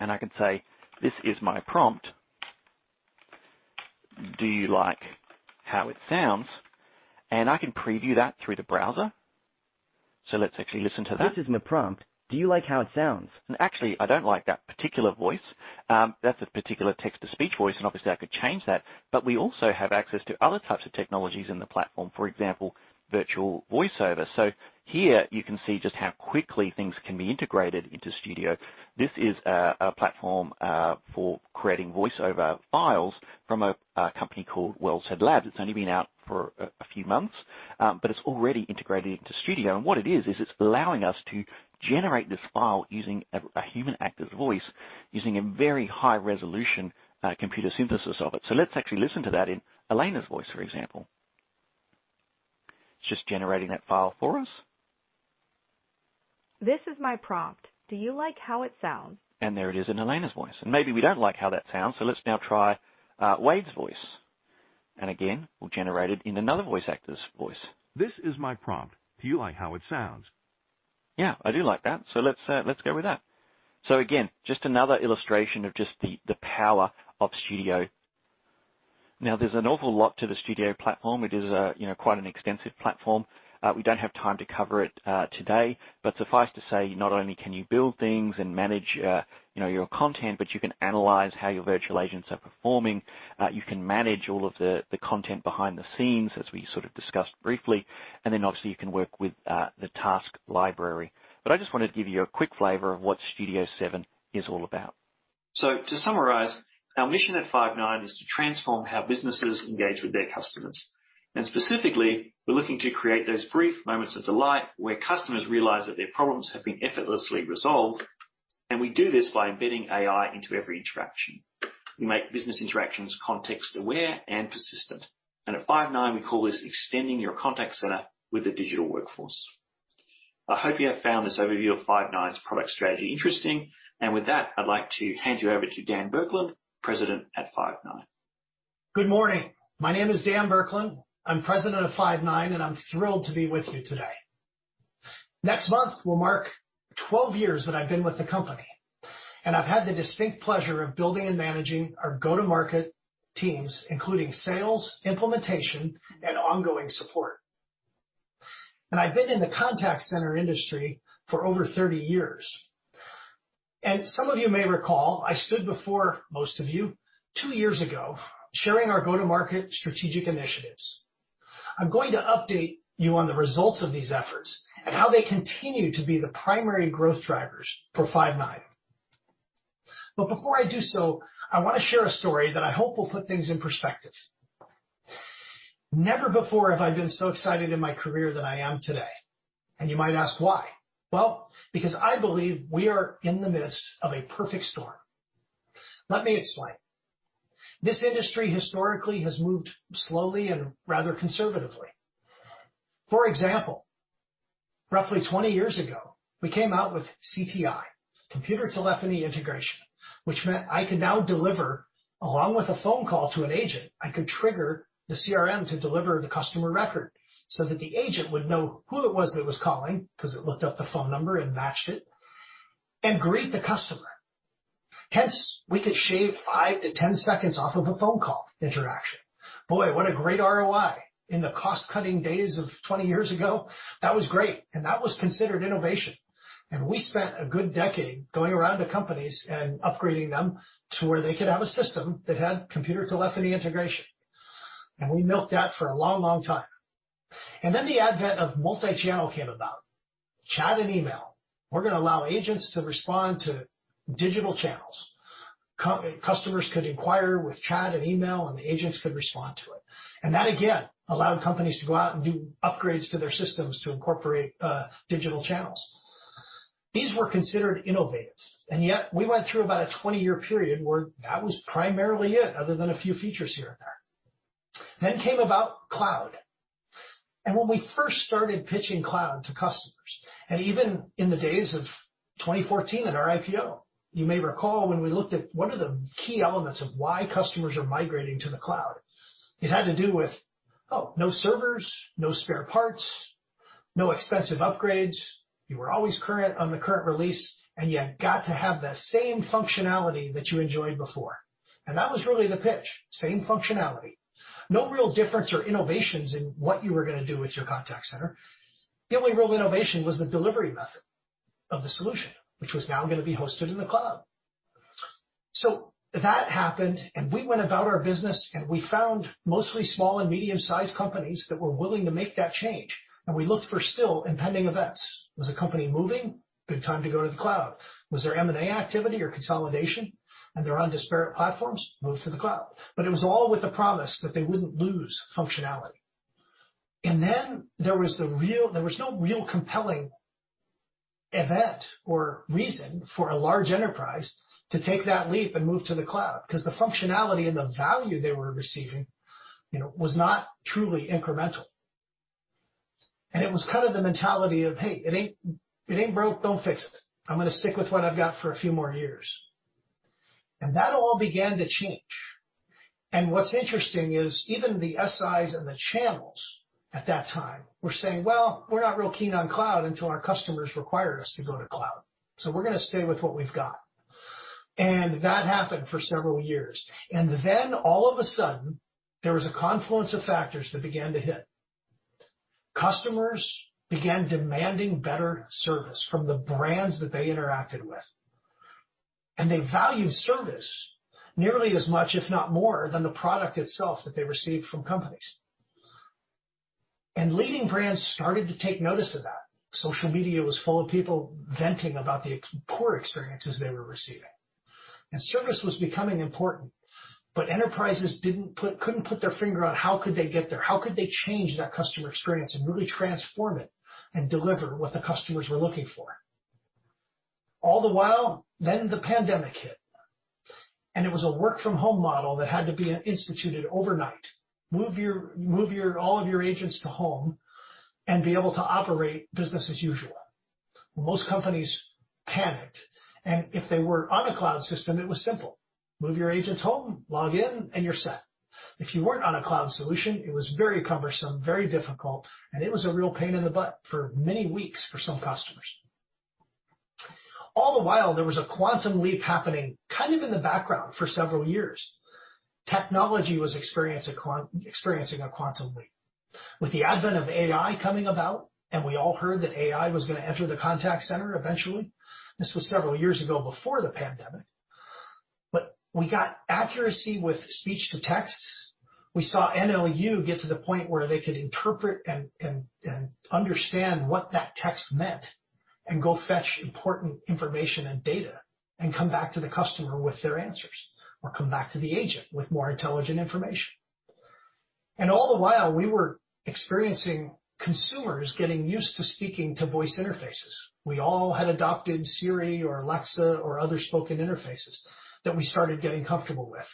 I can say, This is my prompt. Do you like how it sounds? I can preview that through the browser. Let's actually listen to that. This is my prompt. Do you like how it sounds? Actually, I don't like that particular voice. That's a particular text to speech voice, and obviously I could change that. We also have access to other types of technologies in the platform, for example, virtual voice over. Here you can see just how quickly things can be integrated into Studio. This is a platform for creating voice over files from a company called WellSaid Labs. It's only been out for a few months, but it's already integrated into Studio. What it is it's allowing us to generate this file using a human actor's voice, using a very high resolution computer synthesis of it. Let's actually listen to that in Elena's voice, for example. It's just generating that file for us. This is my prompt. Do you like how it sounds? There it is in Elena's voice. Maybe we don't like how that sounds, so let's now try Wade's voice. Again, we'll generate it in another voice actor's voice. This is my prompt. Do you like how it sounds? Yeah, I do like that. Let's go with that. Again, just another illustration of just the power of Studio. Now there's an awful lot to the Studio platform. It is, you know, quite an extensive platform. We don't have time to cover it today, but suffice to say, not only can you build things and manage your content, but you can analyze how your virtual agents are performing. You can manage all of the content behind the scenes, as we sort of discussed briefly. Then obviously you can work with the task library. I just wanted to give you a quick flavor of what Studio 7 is all about. To summarize, our mission at Five9 is to transform how businesses engage with their customers. Specifically, we're looking to create those brief moments of delight where customers realize that their problems have been effortlessly resolved. We do this by embedding AI into every interaction. We make business interactions context aware and persistent. At Five9 we call this extending your contact center with a digital workforce. I hope you have found this overview of Five9's product strategy interesting. With that, I'd like to hand you over to Dan Burkland, President at Five9. Good morning. My name is Dan Burkland. I'm President of Five9, and I'm thrilled to be with you today. Next month will mark 12 years that I've been with the company, and I've had the distinct pleasure of building and managing our go-to-market teams, including sales, implementation and ongoing support. I've been in the contact center industry for over 30 years. Some of you may recall I stood before most of you two years ago, sharing our go-to-market strategic initiatives. I'm going to update you on the results of these efforts and how they continue to be the primary growth drivers for Five9. Before I do so, I want to share a story that I hope will put things in perspective. Never before have I been so excited in my career than I am today. You might ask why. Well, because I believe we are in the midst of a perfect storm. Let me explain. This industry historically has moved slowly and rather conservatively. For example, roughly 20 years ago, we came out with CTI, Computer Telephony Integration, which meant I could now deliver along with a phone call to an agent, I could trigger the CRM to deliver the customer record so that the agent would know who it was that was calling, 'cause it looked up the phone number and matched it, and greet the customer. Hence, we could shave five to 10 seconds off of a phone call interaction. Boy, what a great ROI. In the cost-cutting days of 20 years ago, that was great, and that was considered innovation. We spent a good decade going around to companies and upgrading them to where they could have a system that had computer telephony integration. We milked that for a long, long time. The advent of multi-channel came about, chat and email. We're gonna allow agents to respond to digital channels. Customers could inquire with chat and email, and the agents could respond to it. That again allowed companies to go out and do upgrades to their systems to incorporate digital channels. These were considered innovative, and yet we went through about a 20 year period where that was primarily it, other than a few features here and there. Cloud came about. When we first started pitching cloud to customers, and even in the days of 2014 and our IPO, you may recall when we looked at what are the key elements of why customers are migrating to the cloud, it had to do with no servers, no spare parts, no expensive upgrades. You were always current on the current release, and you got to have the same functionality that you enjoyed before. That was really the pitch, same functionality. No real difference or innovations in what you were gonna do with your contact center. The only real innovation was the delivery method of the solution, which was now gonna be hosted in the cloud. That happened, and we went about our business, and we found mostly small and medium-sized companies that were willing to make that change. We looked for still impending events. Was the company moving? Good time to go to the cloud. Was there M&A activity or consolidation and there on disparate platforms? Move to the cloud. It was all with the promise that they wouldn't lose functionality. Then there was the real There was no real compelling event or reason for a large enterprise to take that leap and move to the cloud because the functionality and the value they were receiving, you know, was not truly incremental. It was kind of the mentality of, Hey, it ain't broke, don't fix it. I'm gonna stick with what I've got for a few more years That all began to change. What's interesting is even the SIs and the channels at that time were saying, Well, we're not real keen on cloud until our customers require us to go to cloud. So we're gonna stay with what we've got. That happened for several years. All of a sudden, there was a confluence of factors that began to hit. Customers began demanding better service from the brands that they interacted with. They valued service nearly as much, if not more, than the product itself that they received from companies. Leading brands started to take notice of that. Social media was full of people venting about the poor experiences they were receiving. Service was becoming important, but enterprises couldn't put their finger on how could they get there, how could they change that customer experience and really transform it and deliver what the customers were looking for. All the while, the pandemic hit, and it was a work from home model that had to be instituted overnight. Move all of your agents home and be able to operate business as usual. Most companies panicked, and if they were on a cloud system, it was simple. Move your agents home, log in, and you're set. If you weren't on a cloud solution, it was very cumbersome, very difficult, and it was a real pain in the butt for many weeks for some customers. All the while, there was a quantum leap happening kind of in the background for several years. Technology was experiencing a quantum leap. With the advent of AI coming about, and we all heard that AI was gonna enter the contact center eventually. This was several years ago, before the pandemic. We got accuracy with speech-to-text. We saw NLU get to the point where they could interpret and understand what that text meant and go fetch important information and data and come back to the customer with their answers or come back to the agent with more intelligent information. All the while, we were experiencing consumers getting used to speaking to voice interfaces. We all had adopted Siri or Alexa or other spoken interfaces that we started getting comfortable with.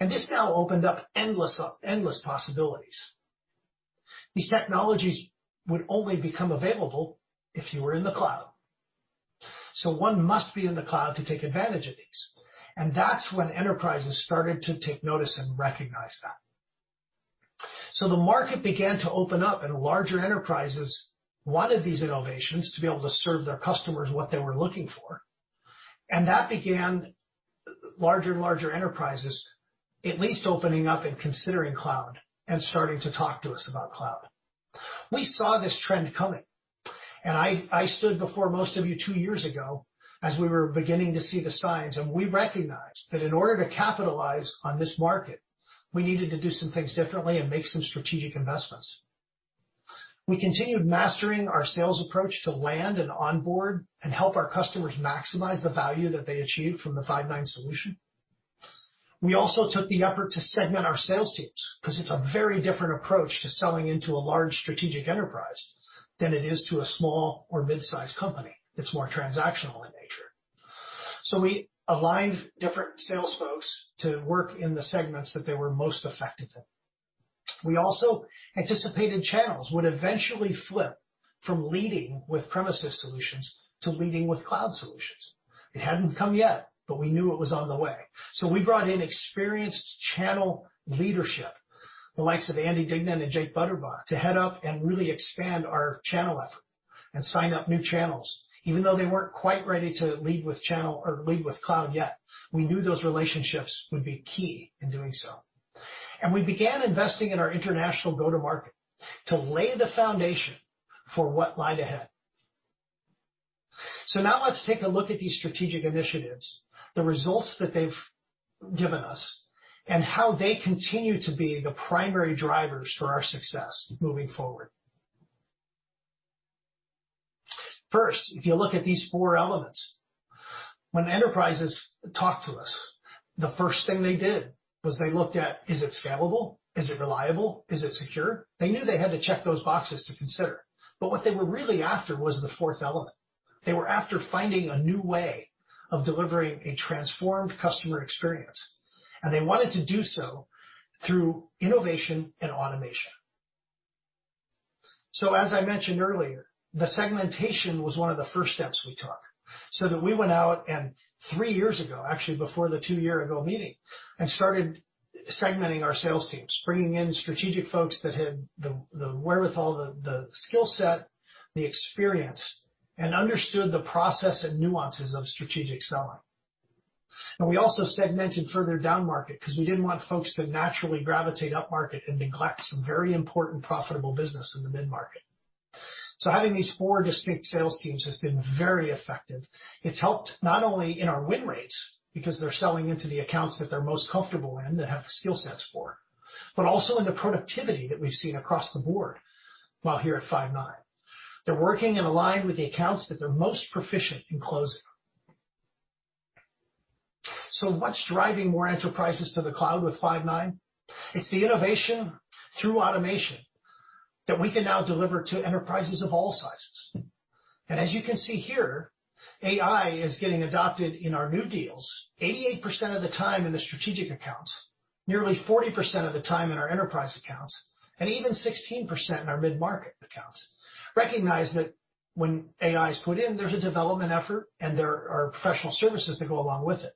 This now opened up endless possibilities. These technologies would only become available if you were in the cloud. One must be in the cloud to take advantage of these. That's when enterprises started to take notice and recognize that. The market began to open up, and larger enterprises wanted these innovations to be able to serve their customers what they were looking for. That began larger and larger enterprises at least opening up and considering cloud and starting to talk to us about cloud. We saw this trend coming, and I stood before most of you two years ago as we were beginning to see the signs, and we recognized that in order to capitalize on this market, we needed to do some things differently and make some strategic investments. We continued mastering our sales approach to land and onboard and help our customers maximize the value that they achieved from the Five9 solution. We also took the effort to segment our sales teams 'cause it's a very different approach to selling into a large strategic enterprise than it is to a small or mid-sized company that's more transactional in nature. We aligned different sales folks to work in the segments that they were most effective in. We also anticipated channels would eventually flip from leading with premises solutions to leading with cloud solutions. It hadn't come yet, but we knew it was on the way. We brought in experienced channel leadership, the likes of Andy Dignan and Jake Butterbaugh, to head up and really expand our channel effort and sign up new channels. Even though they weren't quite ready to lead with channel or lead with cloud yet, we knew those relationships would be key in doing so. We began investing in our international go-to-market to lay the foundation for what lay ahead. Now let's take a look at these strategic initiatives, the results that they've given us, and how they continue to be the primary drivers for our success moving forward. First, if you look at these four elements, when enterprises talk to us, the first thing they did was they looked at, is it scalable? Is it reliable? Is it secure? They knew they had to check those boxes to consider. What they were really after was the fourth element. They were after finding a new way of delivering a transformed customer experience, and they wanted to do so through innovation and automation. As I mentioned earlier, the segmentation was one of the first steps we took, so that we went out and three years ago, actually before the two year ago meeting, and started segmenting our sales teams, bringing in strategic folks that had the wherewithal, the skill set, the experience, and understood the process and nuances of strategic selling. We also segmented further down market 'cause we didn't want folks to naturally gravitate up market and neglect some very important profitable business in the mid-market. Having these four distinct sales teams has been very effective. It's helped not only in our win rates, because they're selling into the accounts that they're most comfortable in, that have the skill sets for, but also in the productivity that we've seen across the board while here at Five9. They're working and aligned with the accounts that they're most proficient in closing. What's driving more enterprises to the cloud with Five9? It's the innovation through automation that we can now deliver to enterprises of all sizes. As you can see here, AI is getting adopted in our new deals 88% of the time in the strategic accounts, nearly 40% of the time in our enterprise accounts, and even 16% in our mid-market accounts. Recognize that when AI is put in, there's a development effort and there are professional services that go along with it.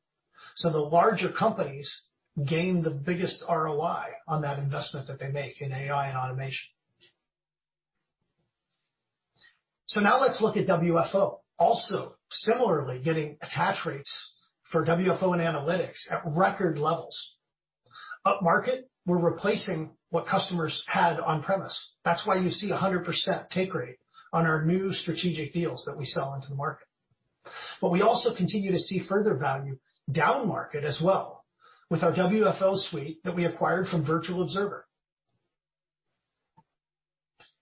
The larger companies gain the biggest ROI on that investment that they make in AI and automation. Now let's look at WFO. Also, similarly getting attach rates for WFO and analytics at record levels. Upmarket, we're replacing what customers had on-premise. That's why you see a 100% take rate on our new strategic deals that we sell into the market. We also continue to see further value downmarket as well with our WFO suite that we acquired from Virtual Observer.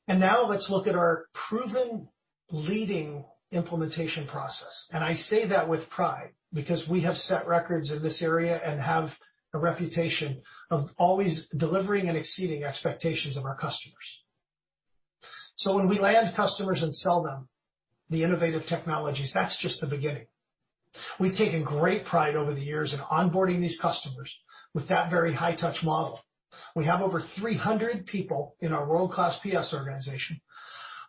Now let's look at our proven leading implementation process. I say that with pride because we have set records in this area and have a reputation of always delivering and exceeding expectations of our customers. When we land customers and sell them the innovative technologies, that's just the beginning. We've taken great pride over the years in onboarding these customers with that very high touch model. We have over 300 people in our world-class PS organization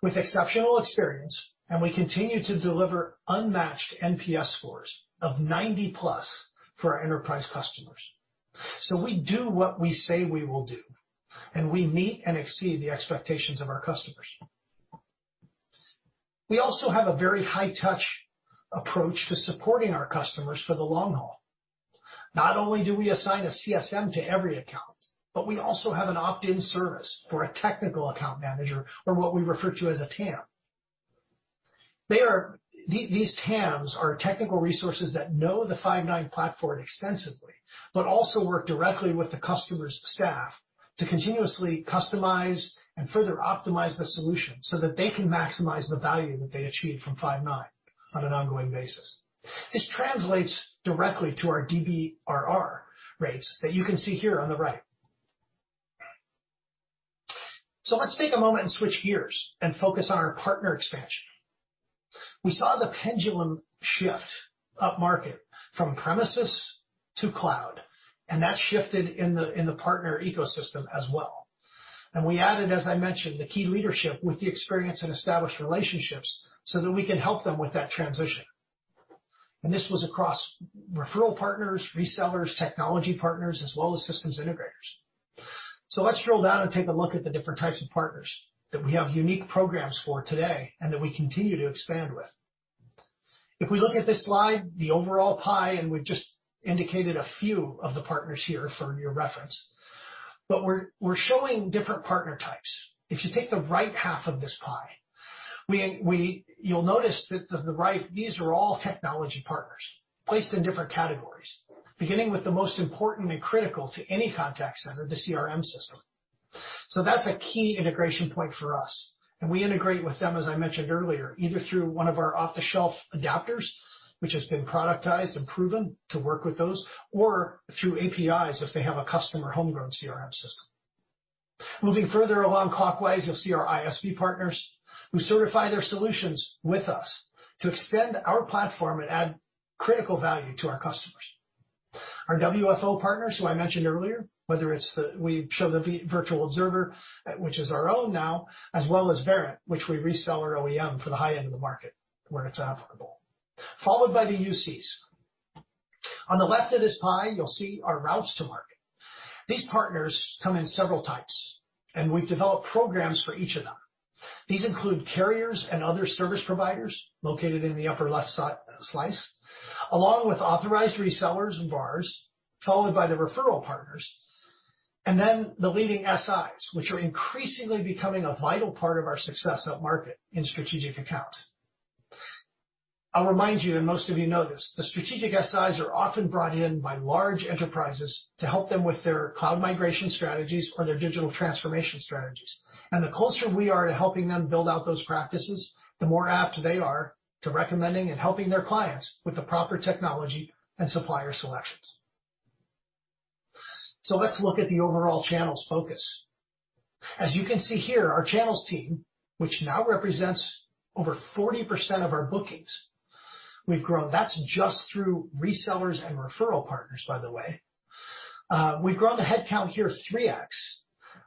with exceptional experience, and we continue to deliver unmatched NPS scores of 90+ for our enterprise customers. We do what we say we will do, and we meet and exceed the expectations of our customers. We also have a very high touch approach to supporting our customers for the long haul. Not only do we assign a CSM to every account, but we also have an opt-in service for a technical account manager or what we refer to as a TAM. These TAMs are technical resources that know the Five9 platform extensively, but also work directly with the customer's staff to continuously customize and further optimize the solution so that they can maximize the value that they achieve from Five9 on an ongoing basis. This translates directly to our DBRR rates that you can see here on the right. Let's take a moment and switch gears and focus on our partner expansion. We saw the pendulum shift upmarket from premises to cloud, and that shifted in the partner ecosystem as well. We added, as I mentioned, the key leadership with the experience and established relationships so that we can help them with that transition. This was across referral partners, resellers, technology partners, as well as systems integrators. Let's drill down and take a look at the different types of partners that we have unique programs for today and that we continue to expand with. If we look at this slide, the overall pie, and we've just indicated a few of the partners here for your reference, but we're showing different partner types. If you take the right half of this pie, you'll notice that to the right, these are all technology partners placed in different categories, beginning with the most important and critical to any contact center, the CRM system. That's a key integration point for us, and we integrate with them, as I mentioned earlier, either through one of our off-the-shelf adapters, which has been productized and proven to work with those, or through APIs if they have a custom or homegrown CRM system. Moving further along clockwise, you'll see our ISV partners who certify their solutions with us to extend our platform and add critical value to our customers. Our WFO partners who I mentioned earlier, whether it's the Virtual Observer, which is our own now, as well as Verint, which we resell our OEM for the high-end of the market where it's applicable, followed by the UCs. On the left of this pie, you'll see our routes to market. These partners come in several types, and we've developed programs for each of them. These include carriers and other service providers located in the upper left slice, along with authorized resellers and VARs, followed by the referral partners, and then the leading SIs, which are increasingly becoming a vital part of our success upmarket in strategic accounts. I'll remind you, and most of you know this, the strategic SIs are often brought in by large enterprises to help them with their cloud migration strategies or their digital transformation strategies. The closer we are to helping them build out those practices, the more apt they are to recommending and helping their clients with the proper technology and supplier selections. Let's look at the overall channels focus. As you can see here, our channels team, which now represents over 40% of our bookings, we've grown. That's just through resellers and referral partners, by the way. We've grown the headcount here 3x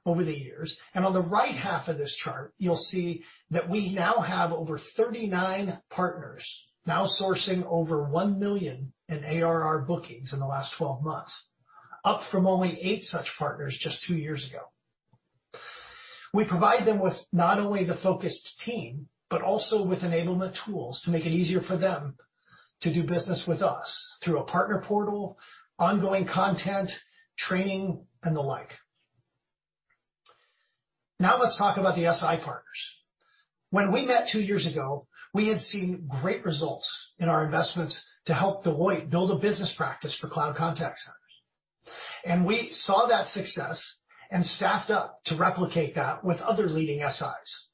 over the years, and on the right half of this chart, you'll see that we now have over 39 partners now sourcing over $1 million in ARR bookings in the last 12 months, up from only eight such partners just two years ago. We provide them with not only the focused team, but also with enablement tools to make it easier for them to do business with us through a partner portal, ongoing content, training, and the like. Now let's talk about the SI partners. When we met two years ago, we had seen great results in our investments to help Deloitte build a business practice for cloud contact centers. We saw that success and staffed up to replicate that with other leading SIs.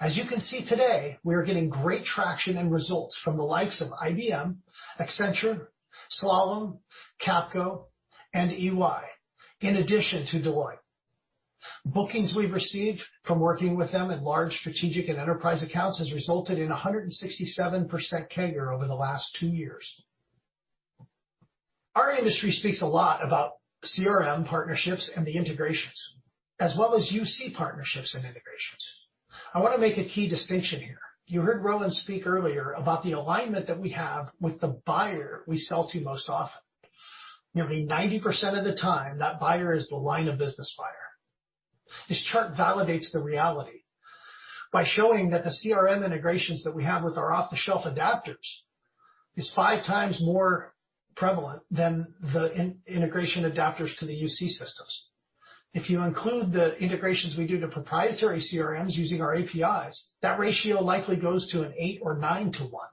As you can see today, we are getting great traction and results from the likes of IBM, Accenture, Slalom, Capco, and EY, in addition to Deloitte. Bookings we've received from working with them in large strategic and enterprise accounts has resulted in 167% CAGR over the last two years. Our industry speaks a lot about CRM partnerships and the integrations, as well as UC partnerships and integrations. I wanna make a key distinction here. You heard Rowan speak earlier about the alignment that we have with the buyer we sell to most often. Nearly 90% of the time, that buyer is the line of business buyer. This chart validates the reality by showing that the CRM integrations that we have with our off-the-shelf adapters is five times more prevalent than the integration adapters to the UC systems. If you include the integrations we do to proprietary CRMs using our APIs, that ratio likely goes to an eight or nine to one.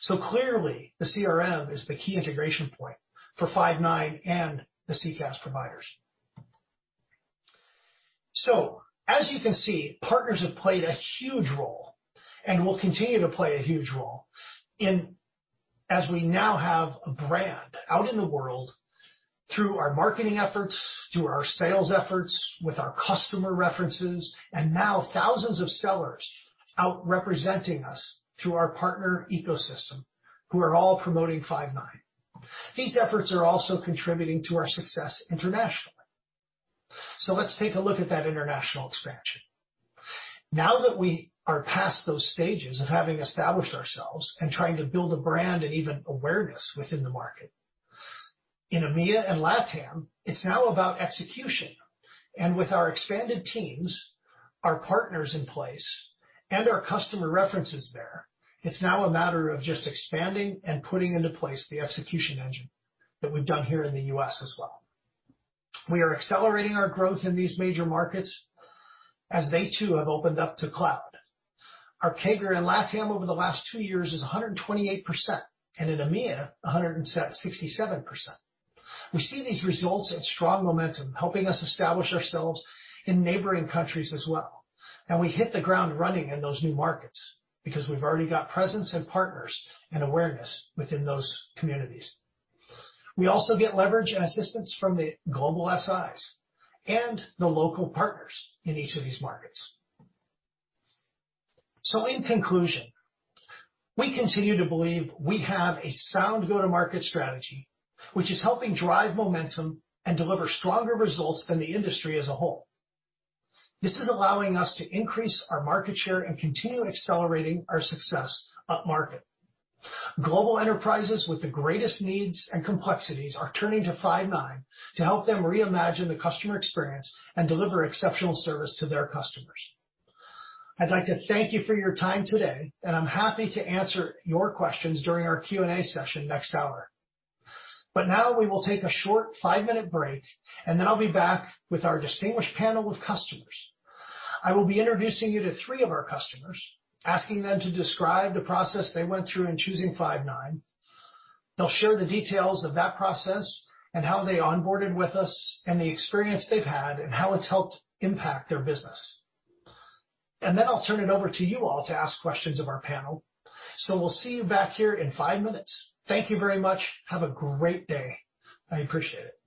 So clearly, the CRM is the key integration point for Five9 and the CCaaS providers. As you can see, partners have played a huge role, and will continue to play a huge role in as we now have a brand out in the world through our marketing efforts, through our sales efforts, with our customer references, and now thousands of sellers out representing us through our partner ecosystem, who are all promoting Five9. These efforts are also contributing to our success internationally. Let's take a look at that international expansion. Now that we are past those stages of having established ourselves and trying to build a brand and even awareness within the market, in EMEA and LATAM, it's now about execution. With our expanded teams, our partners in place, and our customer references there, it's now a matter of just expanding and putting into place the execution engine that we've done here in the U.S. as well. We are accelerating our growth in these major markets as they too have opened up to cloud. Our CAGR in LATAM over the last two years is 128%, and in EMEA, 167%. We see these results as strong momentum, helping us establish ourselves in neighboring countries as well. We hit the ground running in those new markets because we've already got presence and partners and awareness within those communities. We also get leverage and assistance from the global SIs and the local partners in each of these markets. In conclusion, we continue to believe we have a sound go-to-market strategy, which is helping drive momentum and deliver stronger results than the industry as a whole. This is allowing us to increase our market share and continue accelerating our success upmarket. Global enterprises with the greatest needs and complexities are turning to Five9 to help them reimagine the customer experience and deliver exceptional service to their customers. I'd like to thank you for your time today, and I'm happy to answer your questions during our Q&A session next hour. Now we will take a short five-minute break, and then I'll be back with our distinguished panel of customers. I will be introducing you to three of our customers, asking them to describe the process they went through in choosing Five9. They'll share the details of that process and how they onboarded with us and the experience they've had and how it's helped impact their business. Then I'll turn it over to you all to ask questions of our panel. We'll see you back here in five minutes. Thank you very much. Have a great day. I appreciate it.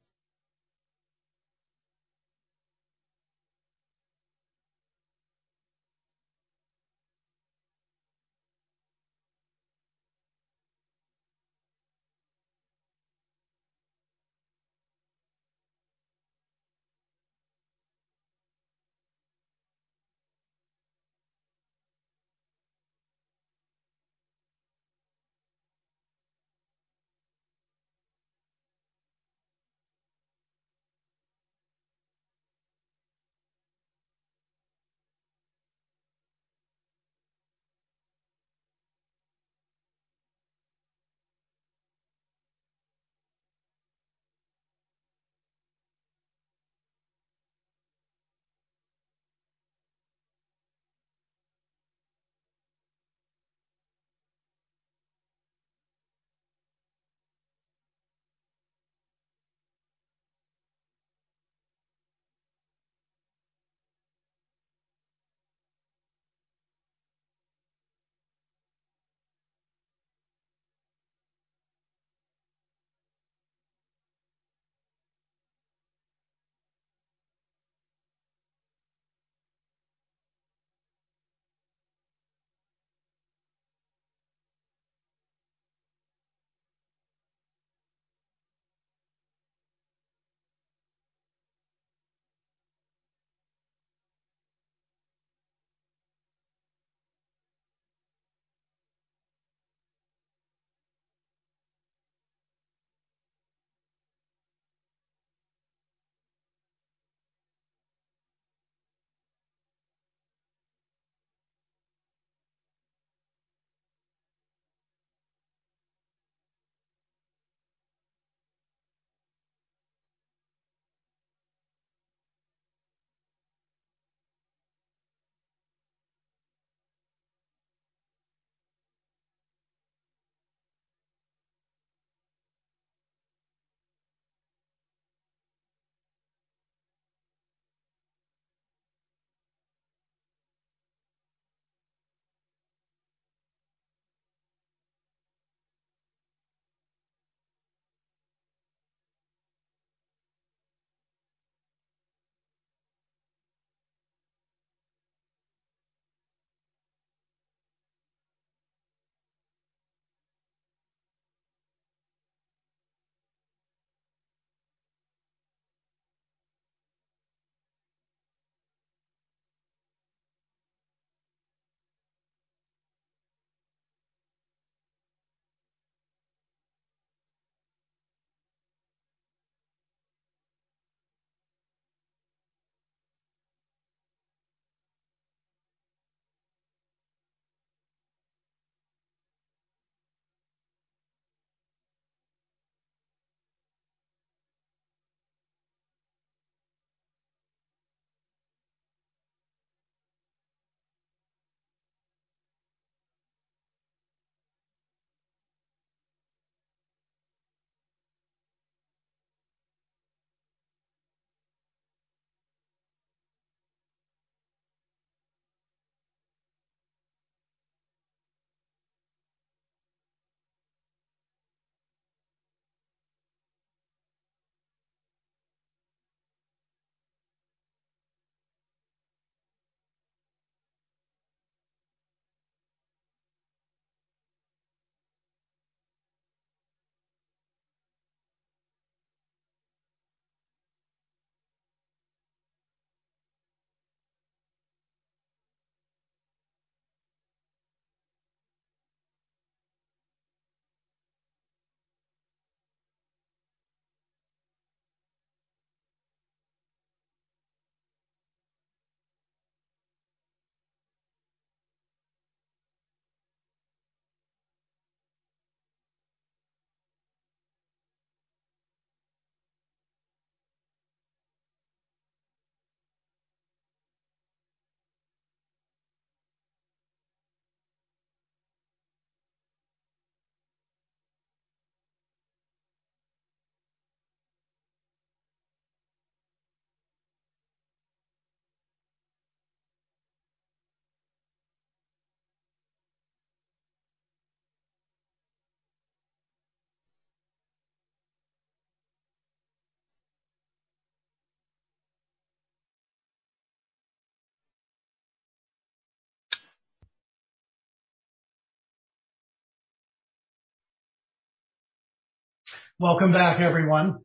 Welcome back, everyone.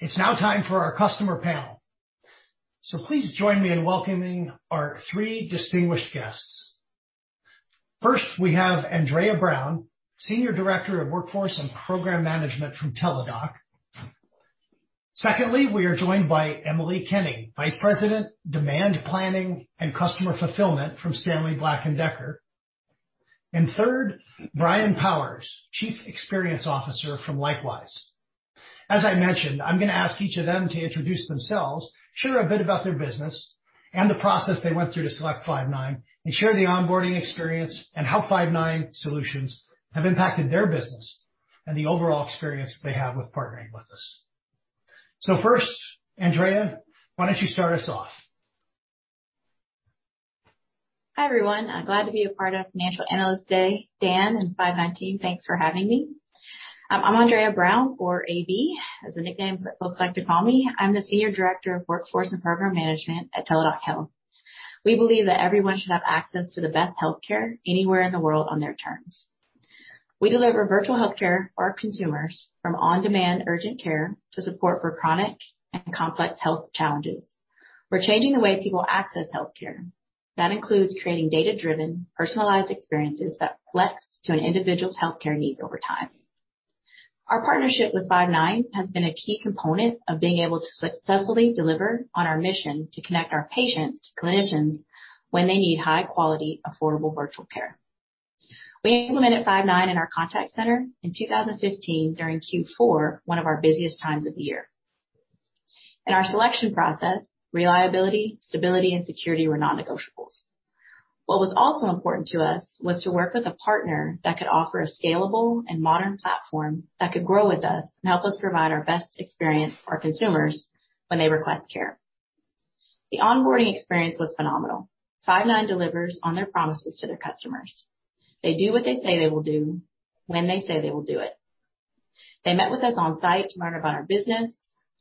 It's now time for our customer panel. Please join me in welcoming our three distinguished guests. First, we have Andrea Brown, Senior Director of Workforce and Program Management from Teladoc. Secondly, we are joined by Emily Kenning, Vice President, Demand Planning and Customer Fulfillment from Stanley Black & Decker. And third, Brian Powers, Chief Experience Officer from Likewize. As I mentioned, I'm gonna ask each of them to introduce themselves, share a bit about their business and the process they went through to select Five9, and share the onboarding experience and how Five9 solutions have impacted their business and the overall experience they have with partnering with us. First, Andrea, why don't you start us off? Hi, everyone. I'm glad to be a part of Financial Analyst Day. Dan and Five9 team, thanks for having me. I'm Andrea Brown or AB as the nickname that folks like to call me. I'm the Senior Director of Workforce and Program Management at Teladoc Health. We believe that everyone should have access to the best healthcare anywhere in the world on their terms. We deliver virtual healthcare for our consumers from on-demand urgent care to support for chronic and complex health challenges. We're changing the way people access healthcare. That includes creating data-driven, personalized experiences that flex to an individual's healthcare needs over time. Our partnership with Five9 has been a key component of being able to successfully deliver on our mission to connect our patients to clinicians when they need high quality, affordable virtual care. We implemented Five9 in our contact center in 2015 during Q4, one of our busiest times of the year. In our selection process, reliability, stability, and security were non-negotiables. What was also important to us was to work with a partner that could offer a scalable and modern platform that could grow with us and help us provide our best experience for our consumers when they request care. The onboarding experience was phenomenal. Five9 delivers on their promises to their customers. They do what they say they will do when they say they will do it. They met with us on-site to learn about our business,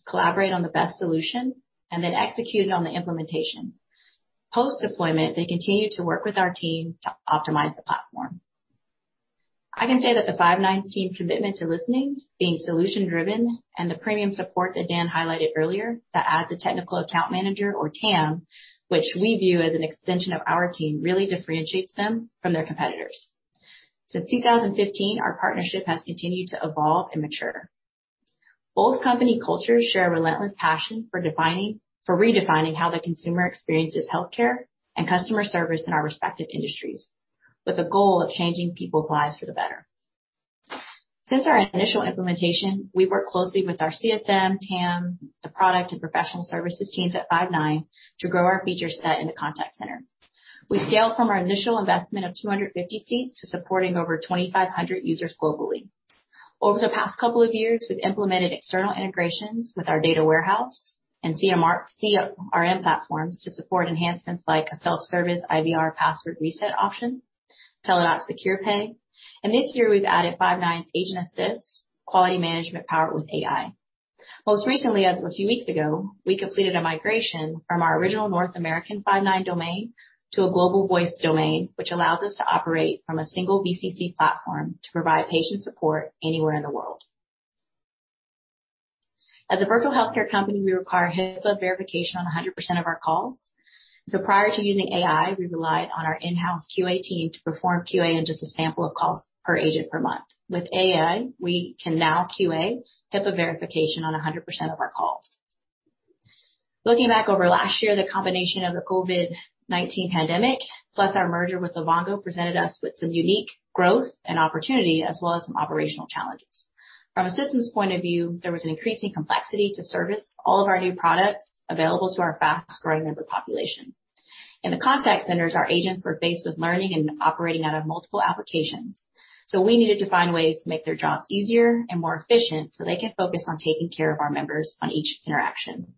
collaborate on the best solution, and then executed on the implementation. Post-deployment, they continued to work with our team to optimize the platform. I can say that the Five9 team commitment to listening, being solution-driven, and the premium support that Dan highlighted earlier that adds a technical account manager or TAM, which we view as an extension of our team, really differentiates them from their competitors. Since 2015, our partnership has continued to evolve and mature. Both company cultures share a relentless passion for redefining how the consumer experiences healthcare and customer service in our respective industries with a goal of changing people's lives for the better. Since our initial implementation, we've worked closely with our CSM, TAM, the product and professional services teams at Five9 to grow our feature set in the contact center. We scaled from our initial investment of 250 seats to supporting over 2,500 users globally. Over the past couple of years, we've implemented external integrations with our data warehouse and CRM platforms to support enhancements like a self-service IVR password reset option, Teladoc Secure Pay. This year we've added Five9's Agent Assist quality management powered with AI. Most recently, as of a few weeks ago, we completed a migration from our original North American Five9 domain to a global voice domain, which allows us to operate from a single VCC platform to provide patient support anywhere in the world. As a virtual healthcare company, we require HIPAA verification on 100% of our calls. Prior to using AI, we relied on our in-house QA team to perform QA on just a sample of calls per agent per month. With AI, we can now QA HIPAA verification on 100% of our calls. Looking back over last year, the combination of the COVID-19 pandemic, plus our merger with Livongo, presented us with some unique growth and opportunity, as well as some operational challenges. From a systems point of view, there was an increasing complexity to service all of our new products available to our fast-growing member population. In the contact centers, our agents were faced with learning and operating out of multiple applications, so we needed to find ways to make their jobs easier and more efficient so they could focus on taking care of our members on each interaction.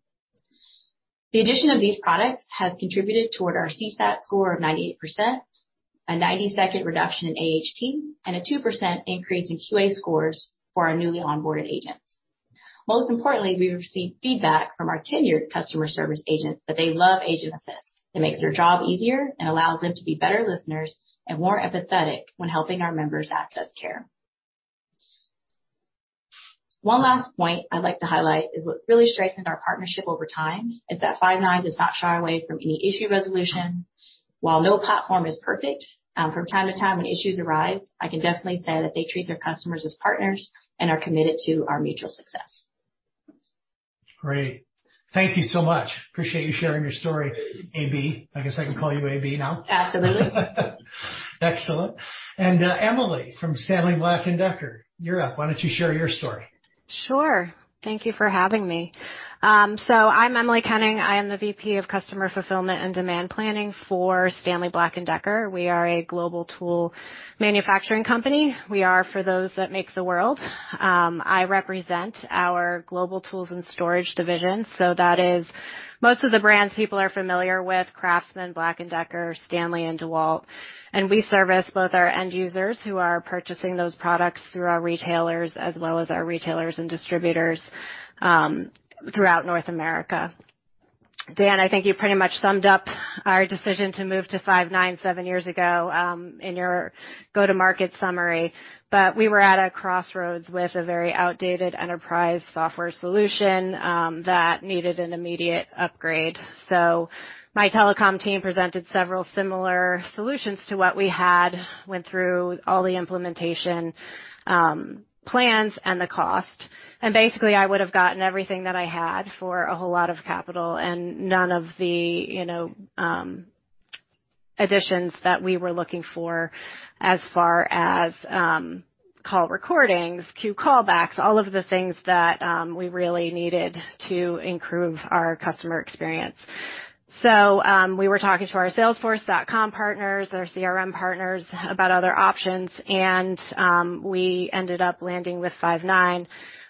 The addition of these products has contributed toward our CSAT score of 98%, a 90-second reduction in AHT, and a 2% increase in QA scores for our newly onboarded agents. Most importantly, we received feedback from our tenured customer service agents that they love Agent Assist. It makes their job easier and allows them to be better listeners and more empathetic when helping our members access care. One last point I'd like to highlight is what really strengthened our partnership over time is that Five9 does not shy away from any issue resolution. While no platform is perfect, from time to time, when issues arise, I can definitely say that they treat their customers as partners and are committed to our mutual success. Great. Thank you so much. Appreciate you sharing your story, A.B. I guess I can call you A.B. now. Absolutely. Excellent. Emily from Stanley Black & Decker, you're up. Why don't you share your story? Sure. Thank you for having me. I'm Emily Kenning. I am the VP of Customer Fulfillment and Demand Planning for Stanley Black & Decker. We are a global tool manufacturing company. We are for those that make the world. I represent our global tools and storage division, so that is most of the brands people are familiar with, Craftsman, Black & Decker, Stanley, and DeWalt. We service both our end users who are purchasing those products through our retailers as well as our retailers and distributors throughout North America. Dan, I think you pretty much summed up our decision to move to Five9 seven years ago in your go-to-market summary. We were at a crossroads with a very outdated enterprise software solution that needed an immediate upgrade. My telecom team presented several similar solutions to what we had, went through all the implementation, plans and the cost, and basically, I would have gotten everything that I had for a whole lot of capital and none of the, you know, additions that we were looking for as far as, call recordings, queue callbacks, all of the things that, we really needed to improve our customer experience. We were talking to our Salesforce.com partners and our CRM partners about other options, and, we ended up landing with Five9.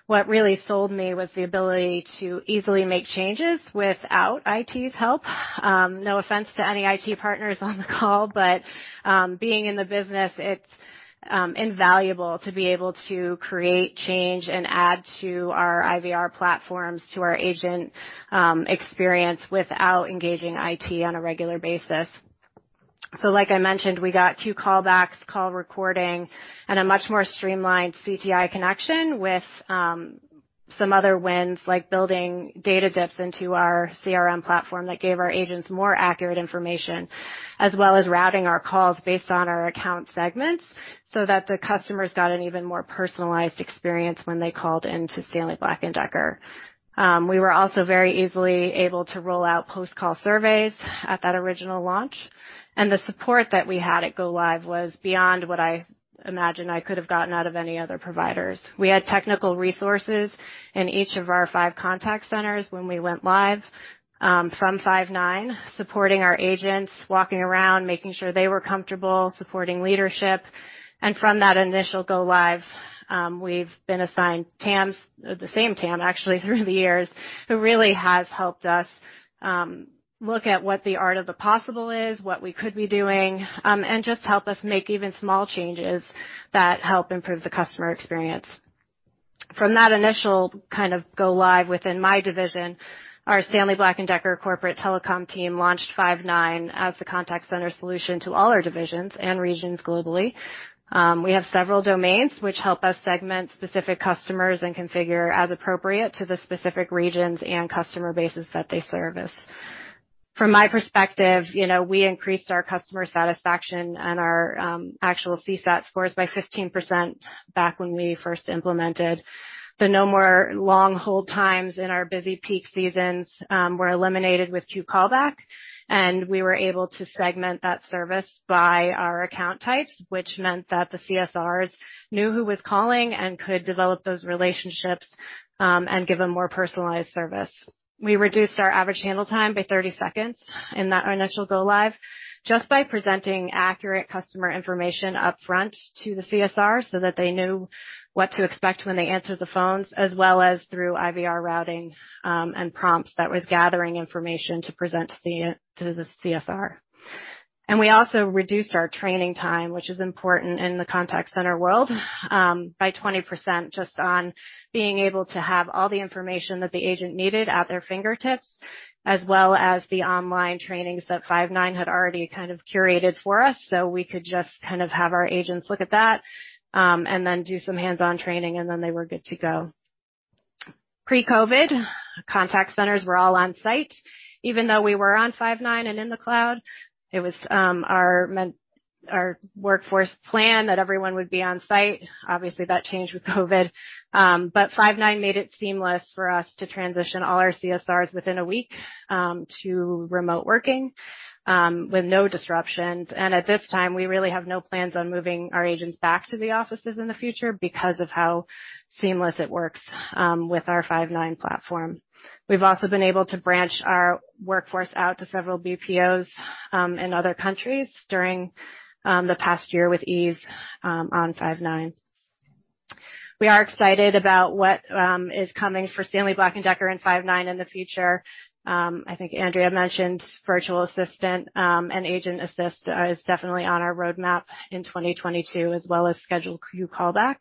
What really sold me was the ability to easily make changes without IT's help. No offense to any IT partners on the call, but being in the business, it's invaluable to be able to create, change and add to our IVR platforms, to our agent experience without engaging IT on a regular basis. Like I mentioned, we got queue callbacks, call recording, and a much more streamlined CTI connection with some other wins, like building data dips into our CRM platform that gave our agents more accurate information, as well as routing our calls based on our account segments so that the customers got an even more personalized experience when they called in to Stanley Black & Decker. We were also very easily able to roll out post-call surveys at that original launch. The support that we had at go live was beyond what I imagined I could have gotten out of any other providers. We had technical resources in each of our five contact centers when we went live from Five9, supporting our agents, walking around, making sure they were comfortable, supporting leadership. From that initial go live, we've been assigned TAMs, the same TAM actually through the years, who really has helped us look at what the art of the possible is, what we could be doing, and just help us make even small changes that help improve the customer experience. From that initial kind of go live within my division, our Stanley Black & Decker corporate telecom team launched Five9 as the contact center solution to all our divisions and regions globally. We have several domains which help us segment specific customers and configure as appropriate to the specific regions and customer bases that they service. From my perspective, you know, we increased our customer satisfaction and our actual CSAT scores by 15% back when we first implemented. Then no more long hold times in our busy peak seasons were eliminated with queue callback, and we were able to segment that service by our account types, which meant that the CSRs knew who was calling and could develop those relationships and give them more personalized service. We reduced our average handle time by 30 seconds in that initial go live just by presenting accurate customer information upfront to the CSR so that they knew what to expect when they answered the phones, as well as through IVR routing and prompts that was gathering information to present to the CSR. We also reduced our training time, which is important in the contact center world, by 20% just on being able to have all the information that the agent needed at their fingertips, as well as the online trainings that Five9 had already kind of curated for us. We could just kind of have our agents look at that, and then do some hands-on training, and then they were good to go. Pre-COVID, contact centers were all on site. Even though we were on Five9 and in the cloud, it was our workforce plan that everyone would be on site. Obviously, that changed with COVID. Five9 made it seamless for us to transition all our CSRs within a week to remote working with no disruptions. At this time, we really have no plans on moving our agents back to the offices in the future because of how seamless it works with our Five9 platform. We've also been able to branch our workforce out to several BPOs in other countries during the past year with ease on Five9. We are excited about what is coming for Stanley Black & Decker and Five9 in the future. I think Andrea mentioned virtual assistant and Agent Assist is definitely on our roadmap in 2022, as well as scheduled queue callbacks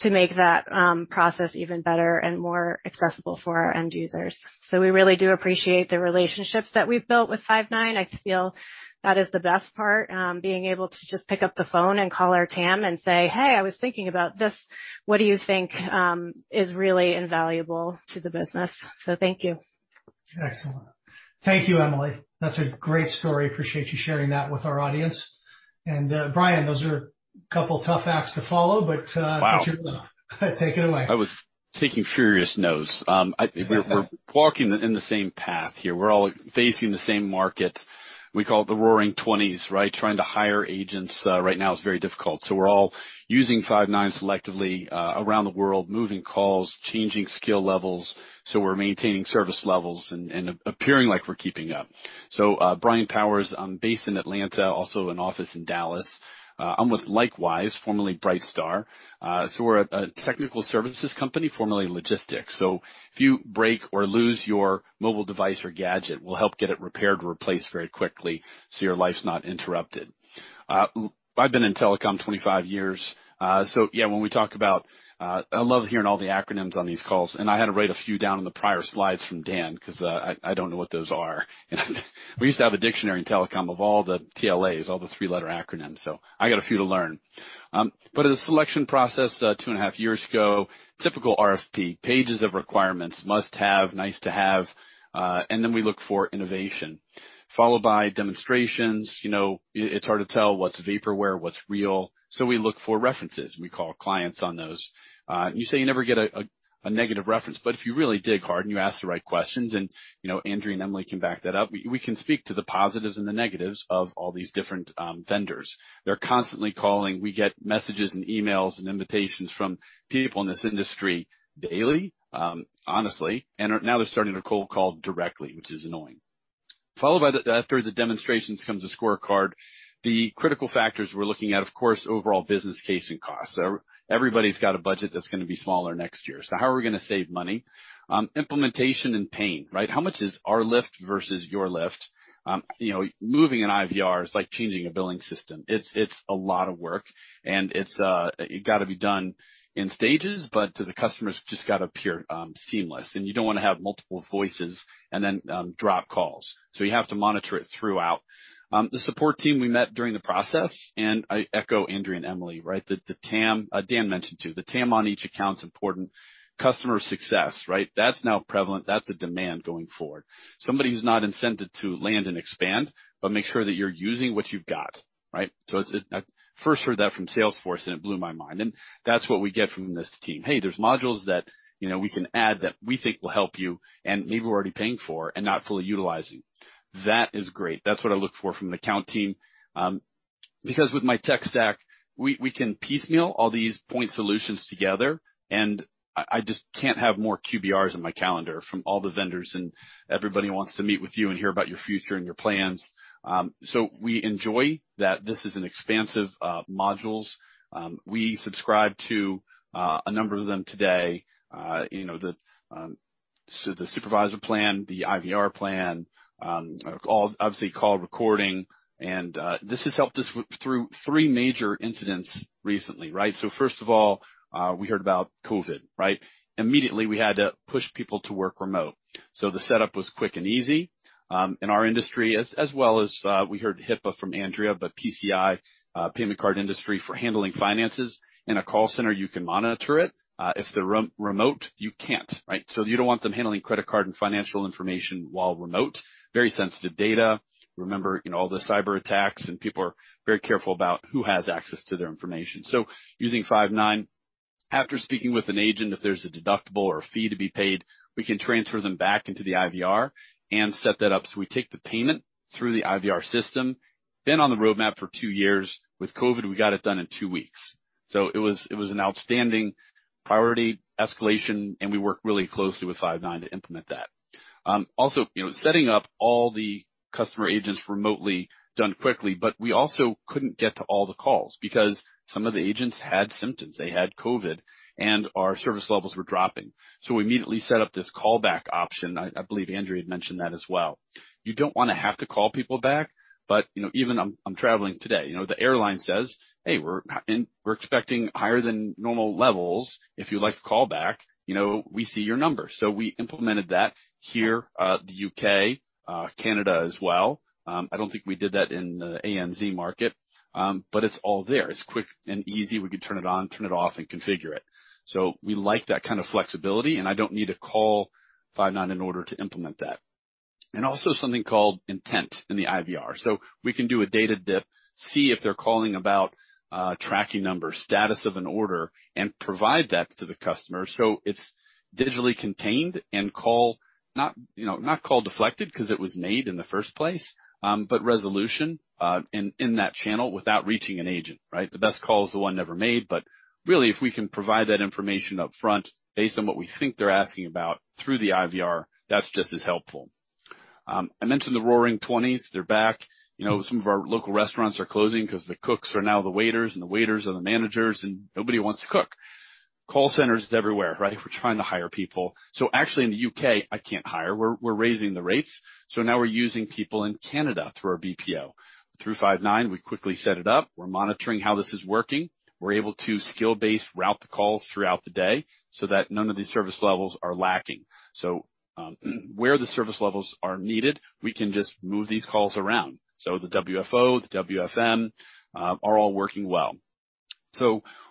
to make that process even better and more accessible for our end users. We really do appreciate the relationships that we've built with Five9. I feel that is the best part, being able to just pick up the phone and call our TAM and say, "Hey, I was thinking about this. What do you think?" is really invaluable to the business. Thank you. Excellent. Thank you, Emily. That's a great story. Appreciate you sharing that with our audience. Brian, those are a couple of tough acts to follow, but. Wow. Take it away. I was taking furious notes. We're walking in the same path here. We're all facing the same market. We call it the roaring twenties, right? Trying to hire agents right now is very difficult. We're all using Five9 selectively around the world, moving calls, changing skill levels. We're maintaining service levels and appearing like we're keeping up. Brian Powers. I'm based in Atlanta, also an office in Dallas. I'm with Likewize, formerly Brightstar. We're a technical services company, formerly logistics. If you break or lose your mobile device or gadget, we'll help get it repaired or replaced very quickly, so your life's not interrupted. I've been in telecom 25 years. Yeah, when we talk about, I love hearing all the acronyms on these calls, and I had to write a few down in the prior slides from Dan because I don't know what those are. We used to have a dictionary in telecom of all the TLAs, all the three-letter acronyms, so I got a few to learn. In the selection process, two and a half years ago, typical RFP, pages of requirements, must-have, nice to have, and then we look for innovation, followed by demonstrations. You know, it's hard to tell what's vaporware, what's real. We look for references. We call clients on those. You say you never get a negative reference, but if you really dig hard and you ask the right questions, you know, Andrea and Emily can back that up, we can speak to the positives and the negatives of all these different vendors. They're constantly calling. We get messages and emails and invitations from people in this industry daily, honestly. Now they're starting to cold call directly, which is annoying. After the demonstrations comes the scorecard. The critical factors we're looking at, of course, overall business case and cost. Everybody's got a budget that's gonna be smaller next year. How are we gonna save money? Implementation and pain, right? How much is our lift versus your lift? You know, moving an IVR is like changing a billing system. It's a lot of work, and it's gotta be done in stages, but to the customers it just gotta appear seamless. You don't wanna have multiple voices and then drop calls. You have to monitor it throughout. The support team we met during the process, and I echo Andrea and Emily, right? The TAM Dan mentioned, too. The TAM on each account is important. Customer success, right? That's now prevalent. That's a demand going forward. Somebody who's not incented to land and expand, but make sure that you're using what you've got, right? I first heard that from Salesforce, and it blew my mind. That's what we get from this team. Hey, there's modules that, you know, we can add that we think will help you and maybe we're already paying for and not fully utilizing. That is great. That's what I look for from the account team. Because with my tech stack, we can piecemeal all these point solutions together, and I just can't have more QBRs on my calendar from all the vendors, and everybody wants to meet with you and hear about your future and your plans. We enjoy that this is an expansive modules. We subscribe to a number of them today. You know, the supervisor plan, the IVR plan, all obviously call recording. This has helped us through three major incidents recently, right? First of all, we heard about COVID, right? Immediately, we had to push people to work remote. The setup was quick and easy. In our industry, as well as we heard HIPAA from Andrea, but PCI, Payment Card Industry for handling finances. In a call center, you can monitor it. If they're remote, you can't, right? You don't want them handling credit card and financial information while remote. Very sensitive data. Remember, you know, all the cyberattacks, and people are very careful about who has access to their information. Using Five9, after speaking with an agent, if there's a deductible or a fee to be paid, we can transfer them back into the IVR and set that up. We take the payment through the IVR system. Been on the roadmap for two years. With COVID, we got it done in two weeks. It was an outstanding priority escalation, and we work really closely with Five9 to implement that. Also, you know, setting up all the customer agents remotely, done quickly. We also couldn't get to all the calls because some of the agents had symptoms. They had COVID, and our service levels were dropping. We immediately set up this callback option. I believe Andrea had mentioned that as well. You don't wanna have to call people back, but, you know, even I'm traveling today. You know, the airline says, "Hey, we're expecting higher than normal levels. If you'd like to call back, you know, we see your number." We implemented that here, the U.K., Canada as well. I don't think we did that in the AMEA market, but it's all there. It's quick and easy. We could turn it on, turn it off, and configure it. We like that kind of flexibility, and I don't need to call Five9 in order to implement that. Also something called intent in the IVR. We can do a data dip, see if they're calling about tracking number, status of an order, and provide that to the customer. It's digitally contained and call not deflected 'cause it was made in the first place, but resolution in that channel without reaching an agent, right? The best call is the one never made. Really if we can provide that information up front based on what we think they're asking about through the IVR, that's just as helpful. I mentioned the Roaring Twenties, they're back. You know, some of our local restaurants are closing 'cause the cooks are now the waiters, and the waiters are the managers, and nobody wants to cook. Call centers everywhere, right? We're trying to hire people. Actually in the U.K., I can't hire. We're raising the rates. Now we're using people in Canada through our BPO. Through Five9, we quickly set it up. We're monitoring how this is working. We're able to skill-based route the calls throughout the day so that none of these service levels are lacking. Where the service levels are needed, we can just move these calls around. The WFO, the WFM, are all working well.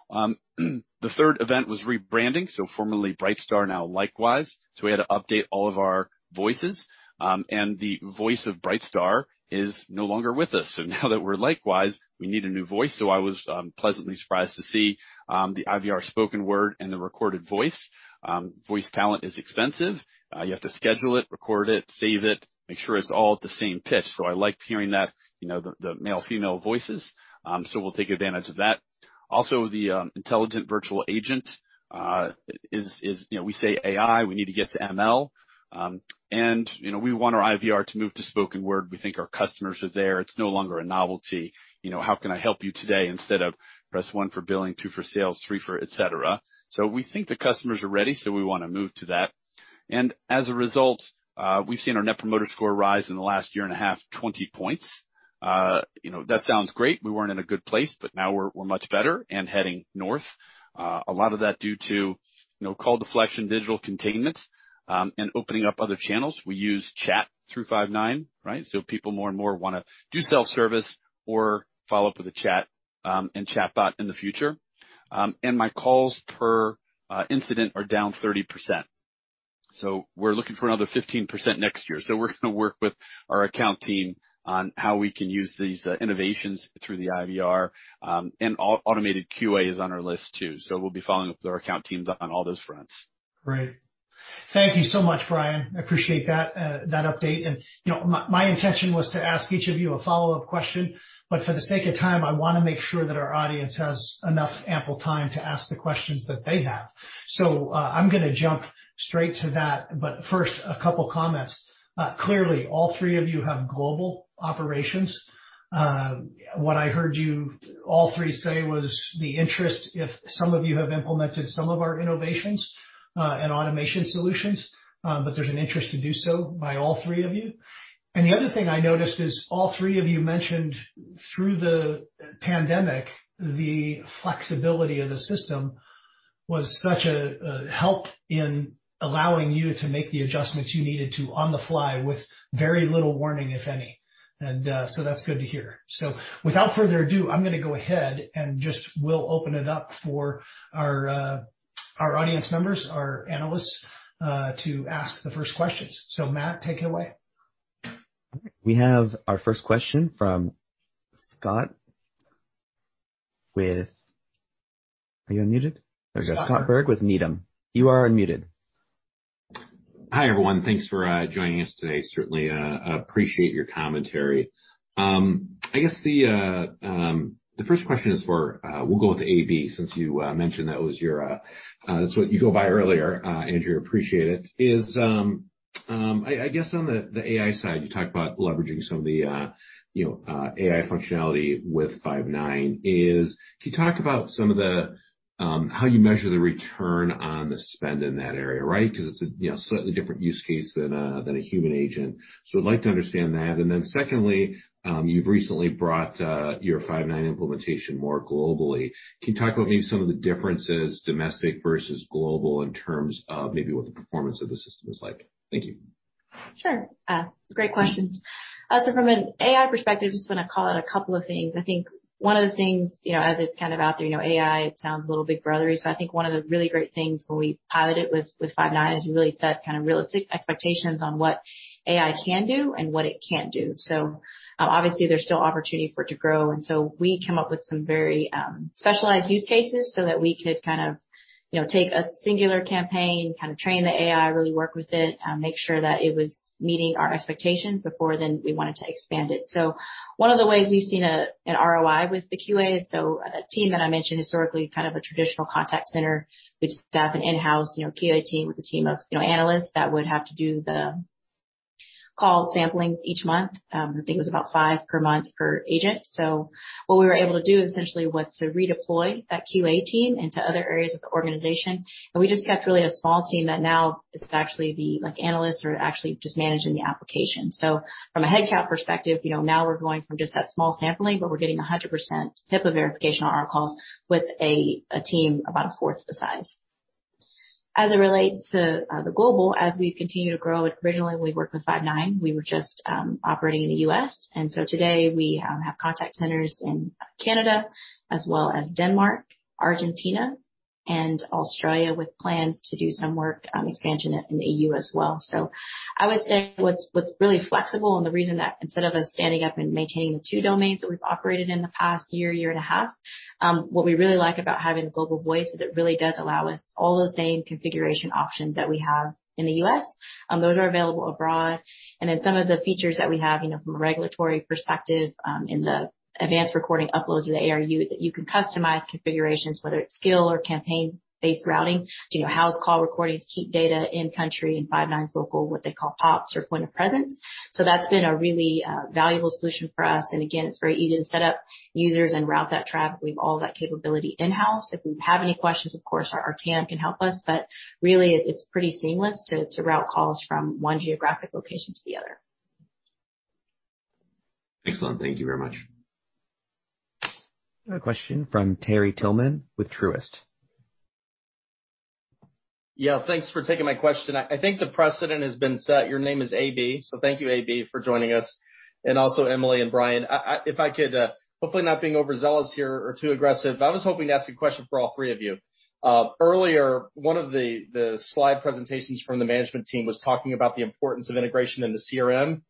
The third event was rebranding, so formerly Brightstar now Likewize. We had to update all of our voices. And the voice of Brightstar is no longer with us. Now that we're Likewize, we need a new voice. I was pleasantly surprised to see the IVR spoken word and the recorded voice. Voice talent is expensive. You have to schedule it, record it, save it, make sure it's all at the same pitch. I liked hearing that, you know, the male, female voices. We'll take advantage of that. Also, the intelligent virtual agent is, you know, we say AI, we need to get to ML. We want our IVR to move to spoken word. We think our customers are there. It's no longer a novelty. You know, how can I help you today instead of press one for billing, two for sales, three for, et cetera. We think the customers are ready, so we wanna move to that. As a result, we've seen our Net Promoter Score rise in the last year and a half, 20 points. You know, that sounds great. We weren't in a good place, but now we're much better and heading north. A lot of that due to, you know, call deflection, digital containment, and opening up other channels. We use chat through Five9, right? People more and more wanna do self-service or follow up with a chat, and chatbot in the future. My calls per incident are down 30%, so we're looking for another 15% next year. We're gonna work with our account team on how we can use these innovations through the IVR. Automated QA is on our list too. We'll be following up with our account teams on all those fronts. Great. Thank you so much, Brian. I appreciate that update. You know, my intention was to ask each of you a follow-up question, but for the sake of time, I wanna make sure that our audience has enough ample time to ask the questions that they have. I'm gonna jump straight to that. First, a couple comments. Clearly all three of you have global operations. What I heard you all three say was the interest if some of you have implemented some of our innovations, and automation solutions, but there's an interest to do so by all three of you. The other thing I noticed is all three of you mentioned through the pandemic, the flexibility of the system was such a help in allowing you to make the adjustments you needed to on the fly with very little warning, if any. That's good to hear. Without further ado, I'm gonna go ahead and we'll open it up for our audience members, our analysts, to ask the first questions. Matt, take it away. We have our first question from Scott with. Are you unmuted? There we go. Scott Berg with Needham. You are unmuted. Hi, everyone. Thanks for joining us today. Certainly appreciate your commentary. I guess the first question is for, we'll go with AB since you mentioned that was your, that's what you go by earlier, Andrea, appreciate it. I guess on the AI side, you talked about leveraging some of the, you know, AI functionality with Five9. Can you talk about some of how you measure the return on the spend in that area, right? 'Cause it's a, you know, slightly different use case than a human agent. So I'd like to understand that. Then secondly, you've recently brought your Five9 implementation more globally. Can you talk about maybe some of the differences domestic versus global in terms of maybe what the performance of the system is like? Thank you. Sure. Great questions. From an AI perspective, just wanna call out a couple of things. I think one of the things, you know, as it's kind of out there, you know, AI, it sounds a little big brotherly. I think one of the really great things when we piloted with Five9 is we really set kind of realistic expectations on what AI can do and what it can't do. Obviously there's still opportunity for it to grow, and so we came up with some very specialized use cases so that we could kind of, you know, take a singular campaign, kind of train the AI, really work with it, make sure that it was meeting our expectations before then we wanted to expand it. One of the ways we've seen an ROI with the QA is a team that I mentioned historically, kind of a traditional contact center. We staff an in-house, you know, QA team with a team of, you know, analysts that would have to do the call samplings each month. I think it was about five per month per agent. What we were able to do essentially was to redeploy that QA team into other areas of the organization. We just kept really a small team that now is actually the, like, analysts who are actually just managing the application. From a headcount perspective, you know, now we're going from just that small sampling, but we're getting 100% HIPAA verification on our calls with a team about a fourth the size. As it relates to the global, as we've continued to grow, originally we worked with Five9, we were just operating in the U.S. Today we have contact centers in Canada as well as Denmark, Argentina, and Australia with plans to do some work expansion in the EU as well. I would say what's really flexible and the reason that instead of us standing up and maintaining the two domains that we've operated in the past year and a half, what we really like about having global voice is it really does allow us all the same configuration options that we have in the U.S. Those are available abroad. Some of the features that we have, you know, from a regulatory perspective, in the advanced recording uploads or the ARUs, that you can customize configurations, whether it's skill or campaign-based routing, do your in-house call recordings, keep data in-country and Five9's local, what they call POPs or point of presence. So that's been a really valuable solution for us. Again, it's very easy to set up users and route that traffic. We have all that capability in-house. If we have any questions, of course, our TAM can help us, but really, it's pretty seamless to route calls from one geographic location to the other. Excellent. Thank you very much. We have a question from Terry Tillman with Truist. Yeah, thanks for taking my question. I think the precedent has been set. Your name is AB, so thank you AB for joining us, and also Emily and Brian. If I could, hopefully not being overzealous here or too aggressive, but I was hoping to ask a question for all three of you. Earlier, one of the slide presentations from the management team was talking about the importance of integration in the CRM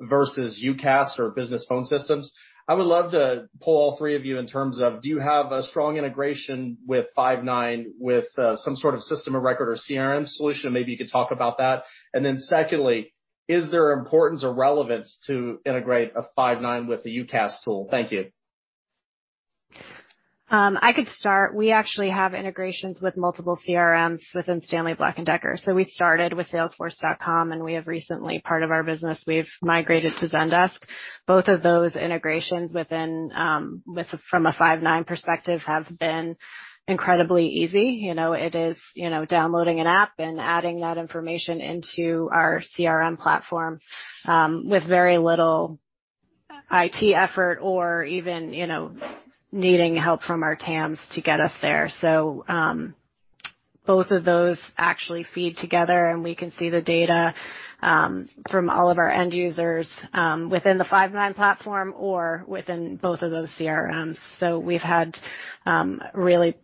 versus UCaaS or business phone systems. I would love to poll all three of you in terms of, do you have a strong integration with Five9 with some sort of system of record or CRM solution? Maybe you could talk about that. Then secondly, is there importance or relevance to integrate a Five9 with a UCaaS tool? Thank you. I could start. We actually have integrations with multiple CRMs within Stanley Black & Decker. We started with salesforce.com, and we have recently, part of our business, we've migrated to Zendesk. Both of those integrations within from a Five9 perspective have been incredibly easy. You know, it is, you know, downloading an app and adding that information into our CRM platform with very little IT effort or even, you know, needing help from our TAMs to get us there. Both of those actually feed together, and we can see the data from all of our end users within the Five9 platform or within both of those CRMs. We've had really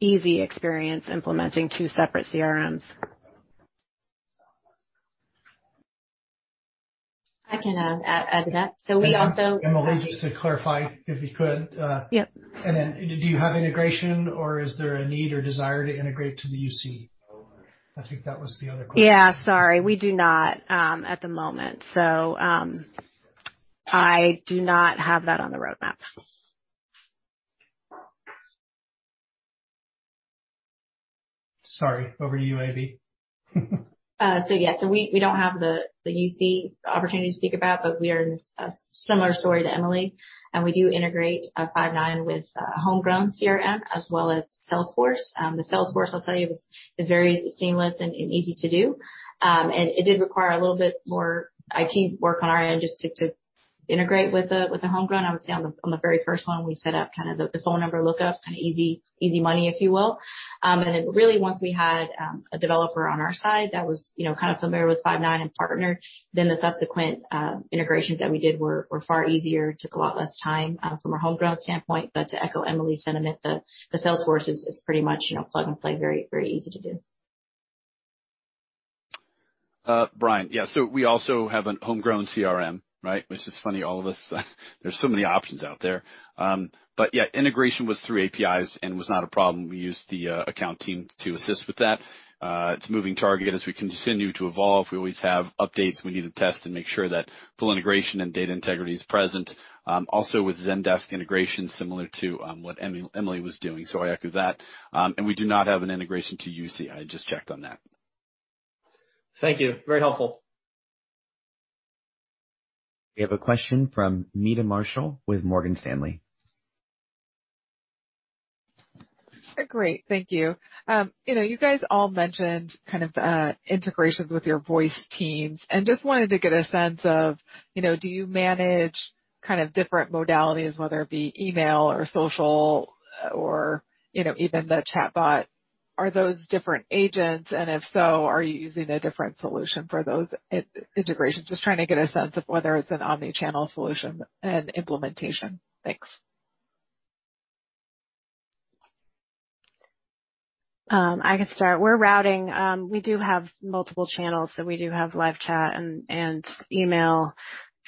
easy experience implementing two separate CRMs. I can add to that. We also Emily, just to clarify, if you could, Yep. Do you have integration or is there a need or desire to integrate to the UC? I think that was the other question. Yeah. Sorry, we do not at the moment, so I do not have that on the roadmap. Sorry. Over to you, A.B. We don't have the UC opportunity to speak about, but we are a similar story to Emily, and we do integrate Five9 with a homegrown CRM as well as Salesforce. The Salesforce, I'll tell you, is very seamless and easy to do. It did require a little bit more IT work on our end just to integrate with the homegrown. I would say on the very first one we set up kind of the phone number lookup, kind of easy money, if you will. Then really once we had a developer on our side that was, you know, kind of familiar with Five9 and partnered, the subsequent integrations that we did were far easier, took a lot less time from a homegrown standpoint. To echo Emily's sentiment, the Salesforce is pretty much, you know, plug and play, very easy to do. Brian. Yeah. We also have a homegrown CRM, right? Which is funny, all of us. There's so many options out there. Integration was through APIs and was not a problem. We used the account team to assist with that. It's a moving target as we continue to evolve. We always have updates we need to test and make sure that full integration and data integrity is present. Also with Zendesk integration, similar to what Emily was doing. I echo that. We do not have an integration to UC. I just checked on that. Thank you. Very helpful. We have a question from Meta Marshall with Morgan Stanley. Great. Thank you. You know, you guys all mentioned kind of integrations with your voice teams, and just wanted to get a sense of, you know, do you manage kind of different modalities, whether it be email or social or, you know, even the chatbot? Are those different agents? And if so, are you using a different solution for those integrations? Just trying to get a sense of whether it's an omni-channel solution and implementation. Thanks. I can start. We do have multiple channels, so we do have live chat and email,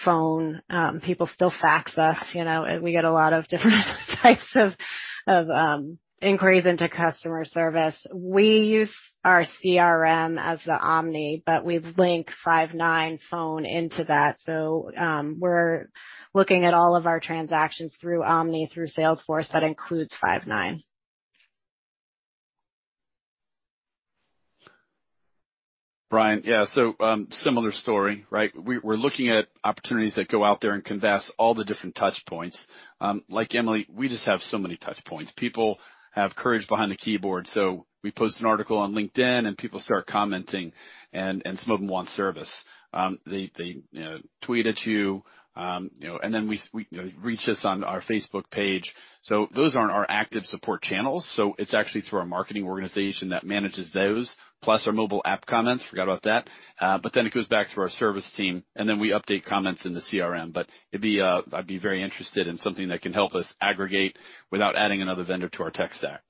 phone. People still fax us, you know, and we get a lot of different types of inquiries into customer service. We use our CRM as the omni, but we've linked Five9 phone into that. We're looking at all of our transactions through omni, through Salesforce. That includes Five9. Yeah. Similar story, right? We're looking at opportunities that go out there and canvass all the different touch points. Like Emily, we just have so many touch points. People have courage behind the keyboard. We post an article on LinkedIn and people start commenting and some of them want service. They tweet at you and then they reach us on our Facebook page. Those aren't our active support channels. It's actually through our marketing organization that manages those, plus our mobile app comments. Forgot about that. It goes back to our service team, and then we update comments in the CRM. I'd be very interested in something that can help us aggregate without adding another vendor to our tech stack.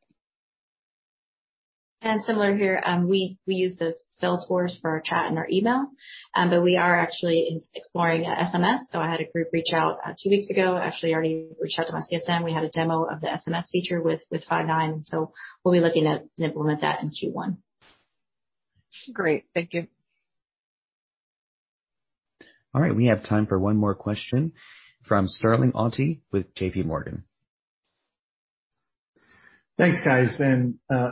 Similar here, we use Salesforce for our chat and our email, but we are actually exploring SMS, so I had a group reach out two weeks ago. Actually already reached out to my CSM. We had a demo of the SMS feature with Five9, so we'll be looking at implement that in Q1. Great. Thank you. All right. We have time for one more question from Sterling Auty with JPMorgan. Thanks, guys.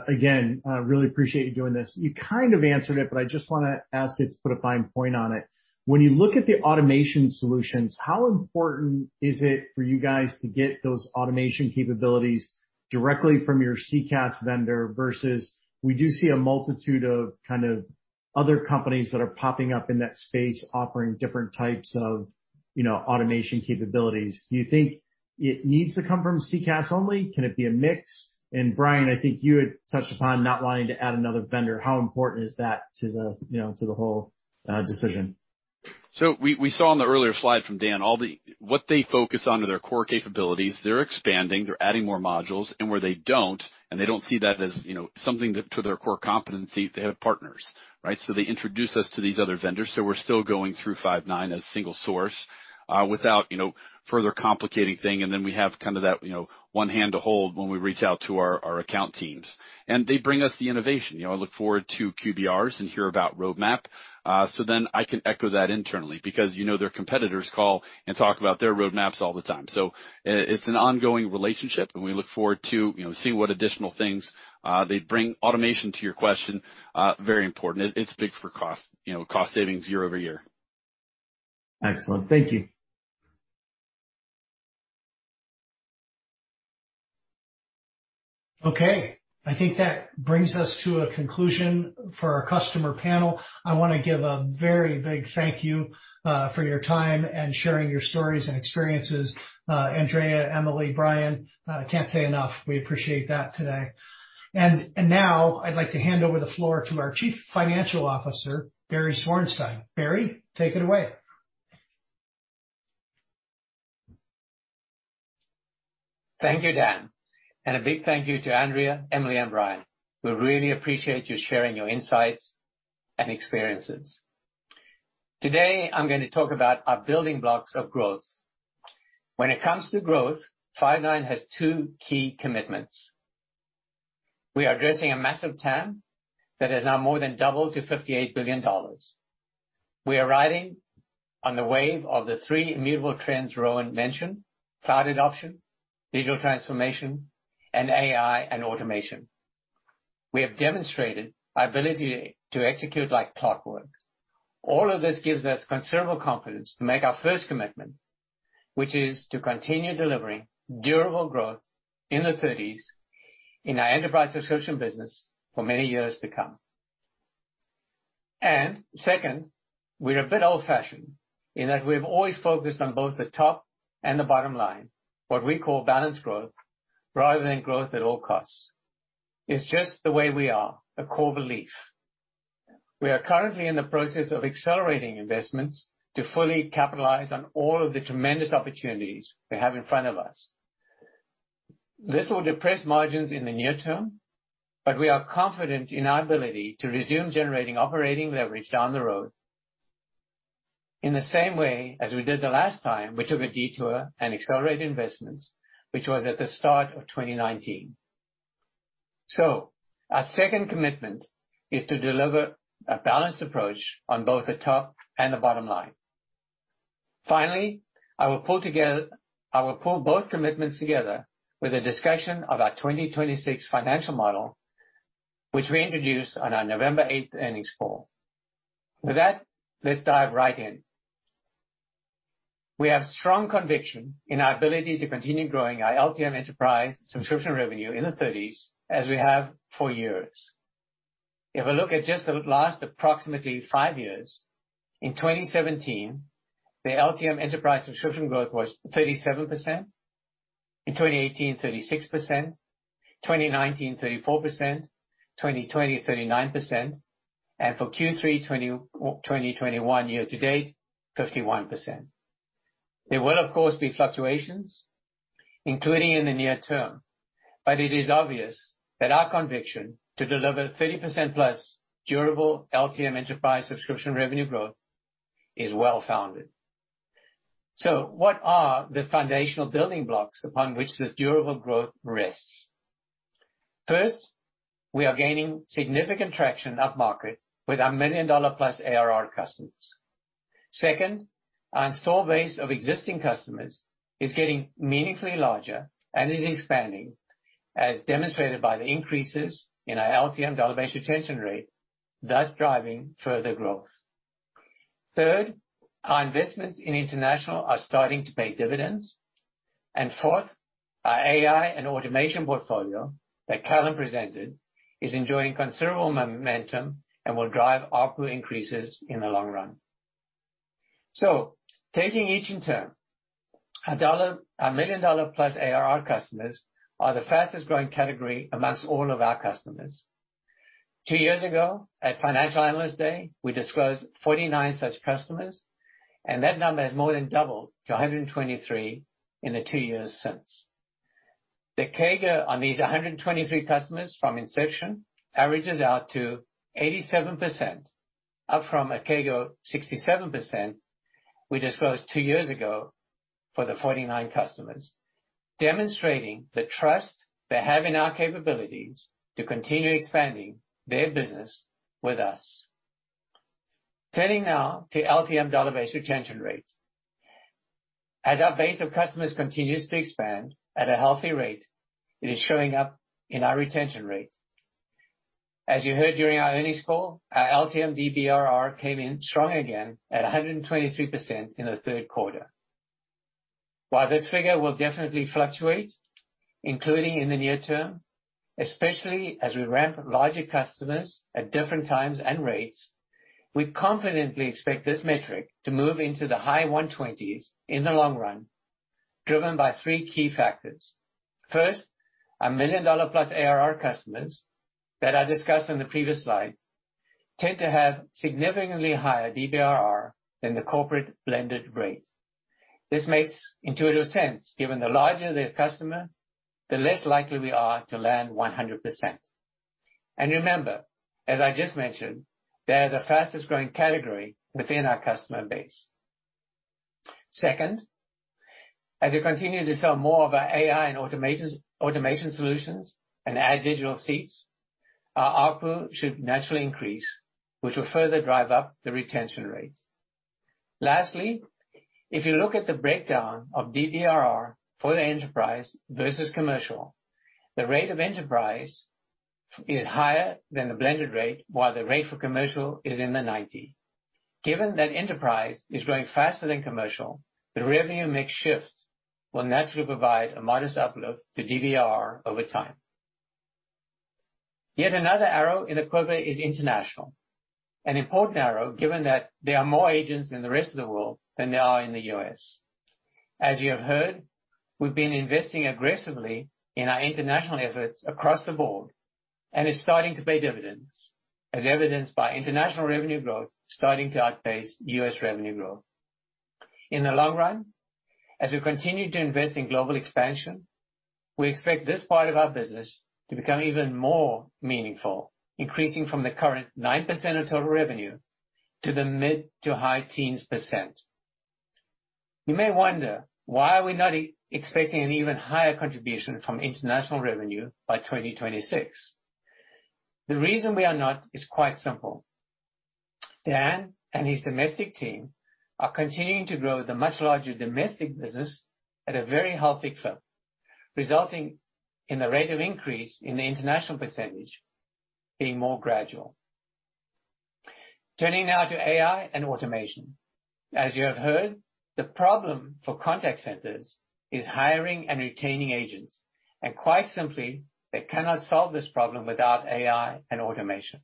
Again, I really appreciate you doing this. You kind of answered it, but I just wanna ask you to put a fine point on it. When you look at the automation solutions, how important is it for you guys to get those automation capabilities directly from your CCaaS vendor versus we do see a multitude of kind of other companies that are popping up in that space offering different types of, you know, automation capabilities. Do you think it needs to come from CCaaS only? Can it be a mix? Brian, I think you had touched upon not wanting to add another vendor. How important is that to the, you know, to the whole decision? We saw on the earlier slide from Dan all the what they focus on are their core capabilities. They're expanding, they're adding more modules. Where they don't see that as, you know, something to their core competency, they have partners, right? They introduce us to these other vendors, so we're still going through Five9 as a single source without, you know, further complicating thing. We have kind of that, you know, one hand to hold when we reach out to our account teams. They bring us the innovation. You know, I look forward to QBRs and hear about roadmap. Then I can echo that internally because, you know, their competitors call and talk about their roadmaps all the time. It's an ongoing relationship, and we look forward to, you know, seeing what additional things they bring. Automation to your question, very important. It's big for cost, you know, cost savings year-overyear. Excellent. Thank you. Okay. I think that brings us to a conclusion for our customer panel. I wanna give a very big thank you for your time and sharing your stories and experiences. Andrea, Emily, Brian, can't say enough. We appreciate that today. Now I'd like to hand over the floor to our Chief Financial Officer, Barry Zwarenstein. Barry, take it away. Thank you, Dan, and a big thank you to Andrea, Emily, and Brian. We really appreciate you sharing your insights and experiences. Today, I'm gonna talk about our building blocks of growth. When it comes to growth, Five9 has two key commitments. We are addressing a massive TAM that has now more than doubled to $58 billion. We are riding on the wave of the three immutable trends Rowan mentioned, cloud adoption, digital transformation, and AI and automation. We have demonstrated our ability to execute like clockwork. All of this gives us considerable confidence to make our first commitment, which is to continue delivering durable growth in the 30s in our enterprise subscription business for many years to come. Second, we're a bit old-fashioned in that we've always focused on both the top and the bottom line, what we call balanced growth, rather than growth at all costs. It's just the way we are, a core belief. We are currently in the process of accelerating investments to fully capitalize on all of the tremendous opportunities we have in front of us. This will depress margins in the near term, but we are confident in our ability to resume generating operating leverage down the road in the same way as we did the last time we took a detour and accelerated investments, which was at the start of 2019. Our second commitment is to deliver a balanced approach on both the top and the bottom line. Finally, I will pull both commitments together with a discussion of our 2026 financial model, which we introduced on our November 8 earnings call. With that, let's dive right in. We have strong conviction in our ability to continue growing our LTM enterprise subscription revenue in the 30s, as we have for years. If I look at just the last approximately 5 years, in 2017, the LTM enterprise subscription growth was 37%. In 2018, 36%. 2019, 34%. 2020, 39%. For Q3 2021 year-to-date, 51%. There will of course, be fluctuations, including in the near term, but it is obvious that our conviction to deliver 30%+ durable LTM enterprise subscription revenue growth is well-founded. What are the foundational building blocks upon which this durable growth rests? First, we are gaining significant traction up market with our $1 million+ ARR customers. Second, our install base of existing customers is getting meaningfully larger and is expanding, as demonstrated by the increases in our LTM dollar-based retention rate, thus driving further growth. Third, our investments in international are starting to pay dividends. Fourth, our AI and automation portfolio that Callan presented is enjoying considerable momentum and will drive ARPU increases in the long run. Taking each in turn. Our million-dollar plus ARR customers are the fastest growing category amongst all of our customers. Two years ago, at Financial Analyst Day, we disclosed 49 such customers, and that number has more than doubled to 123 in the two years since. The CAGR on these 123 customers from inception averages out to 87%, up from a CAGR 67% we disclosed two years ago for the 49 customers, demonstrating the trust they have in our capabilities to continue expanding their business with us. Turning now to LTM dollar-based retention rates. As our base of customers continues to expand at a healthy rate, it is showing up in our retention rate. As you heard during our earnings call, our LTM DBRR came in strong again at 123% in the third quarter. While this figure will definitely fluctuate, including in the near term, especially as we ramp larger customers at different times and rates, we confidently expect this metric to move into the high 120s in the long run, driven by three key factors. First, our million-dollar plus ARR customers that I discussed in the previous slide tend to have significantly higher DBRR than the corporate blended rate. This makes intuitive sense, given the larger the customer, the less likely we are to land 100%. Remember, as I just mentioned, they are the fastest-growing category within our customer base. Second, as we continue to sell more of our AI and automations, automation solutions and add digital seats, our ARPU should naturally increase, which will further drive up the retention rates. Lastly, if you look at the breakdown of DBRR for the enterprise versus commercial, the rate of enterprise is higher than the blended rate, while the rate for commercial is in the 90s. Given that enterprise is growing faster than commercial, the revenue mix shift will naturally provide a modest uplift to DBRR over time. Yet another arrow in the quiver is international. An important arrow, given that there are more agents in the rest of the world than there are in the U.S. As you have heard, we've been investing aggressively in our international efforts across the board, and it's starting to pay dividends, as evidenced by international revenue growth starting to outpace U.S. revenue growth. In the long run, as we continue to invest in global expansion, we expect this part of our business to become even more meaningful, increasing from the current 9% of total revenue to the mid- to high-teens percent. You may wonder, why are we not expecting an even higher contribution from international revenue by 2026? The reason we are not is quite simple. Dan and his domestic team are continuing to grow the much larger domestic business at a very healthy clip, resulting in the rate of increase in the international percentage being more gradual. Turning now to AI and automation. As you have heard, the problem for contact centers is hiring and retaining agents, and quite simply, they cannot solve this problem without AI and automation.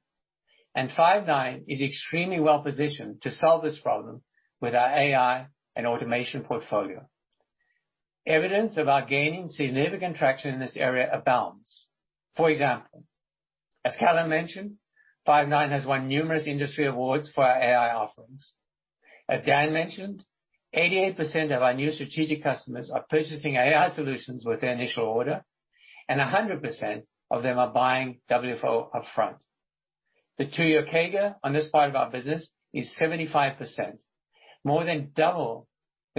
Five9 is extremely well-positioned to solve this problem with our AI and automation portfolio. Evidence of our gaining significant traction in this area abounds. For example, as Callan mentioned, Five9 has won numerous industry awards for our AI offerings. As Dan mentioned, 88% of our new strategic customers are purchasing AI solutions with their initial order, and 100% of them are buying WFO upfront. The two-year CAGR on this part of our business is 75%, more than double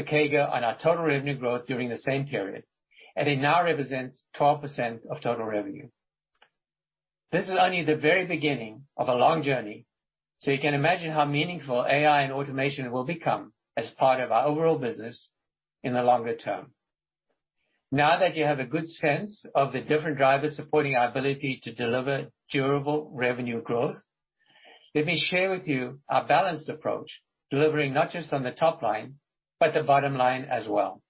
the CAGR on our total revenue growth during the same period, and it now represents 12% of total revenue. This is only the very beginning of a long journey, so you can imagine how meaningful AI and automation will become as part of our overall business in the longer term. Now that you have a good sense of the different drivers supporting our ability to deliver durable revenue growth, let me share with you our balanced approach, delivering not just on the top line, but the bottom line as well.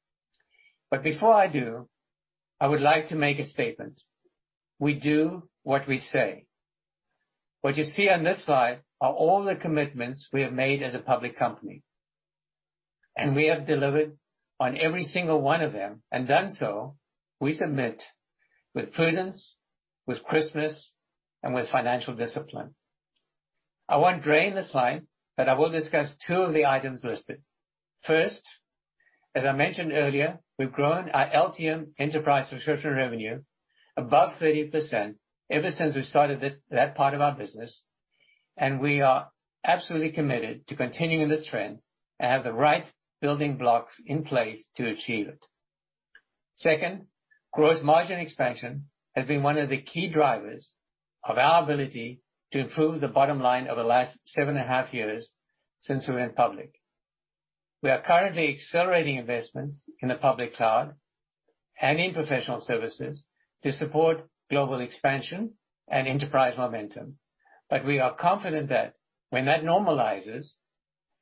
Before I do, I would like to make a statement. We do what we say. What you see on this slide are all the commitments we have made as a public company, and we have delivered on every single one of them, and done so, we submit, with prudence, with crispness, and with financial discipline. I won't drill this slide, but I will discuss two of the items listed. First, as I mentioned earlier, we've grown our LTM enterprise subscription revenue above 30% ever since we started that part of our business, and we are absolutely committed to continuing this trend and have the right building blocks in place to achieve it. Second, gross margin expansion has been one of the key drivers of our ability to improve the bottom line over the last 7.5 years since we went public. We are currently accelerating investments in the public cloud and in professional services to support global expansion and enterprise momentum. We are confident that when that normalizes,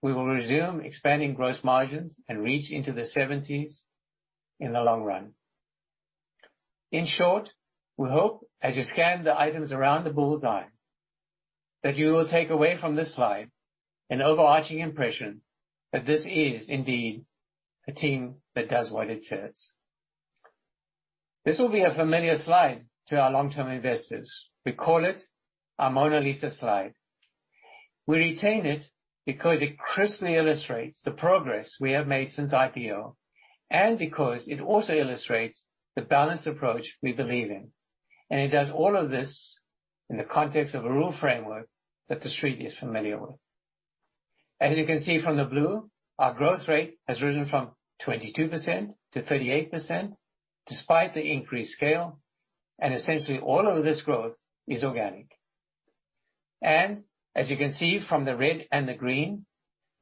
we will resume expanding gross margins and reach into the seventies in the long run. In short, we hope, as you scan the items around the bullseye, that you will take away from this slide an overarching impression that this is indeed a team that does what it says. This will be a familiar slide to our long-term investors. We call it our Mona Lisa slide. We retain it because it crisply illustrates the progress we have made since IPO and because it also illustrates the balanced approach we believe in. It does all of this in the context of a rule framework that The Street is familiar with. As you can see from the blue, our growth rate has risen from 22% to 38% despite the increased scale, and essentially all of this growth is organic. As you can see from the red and the green,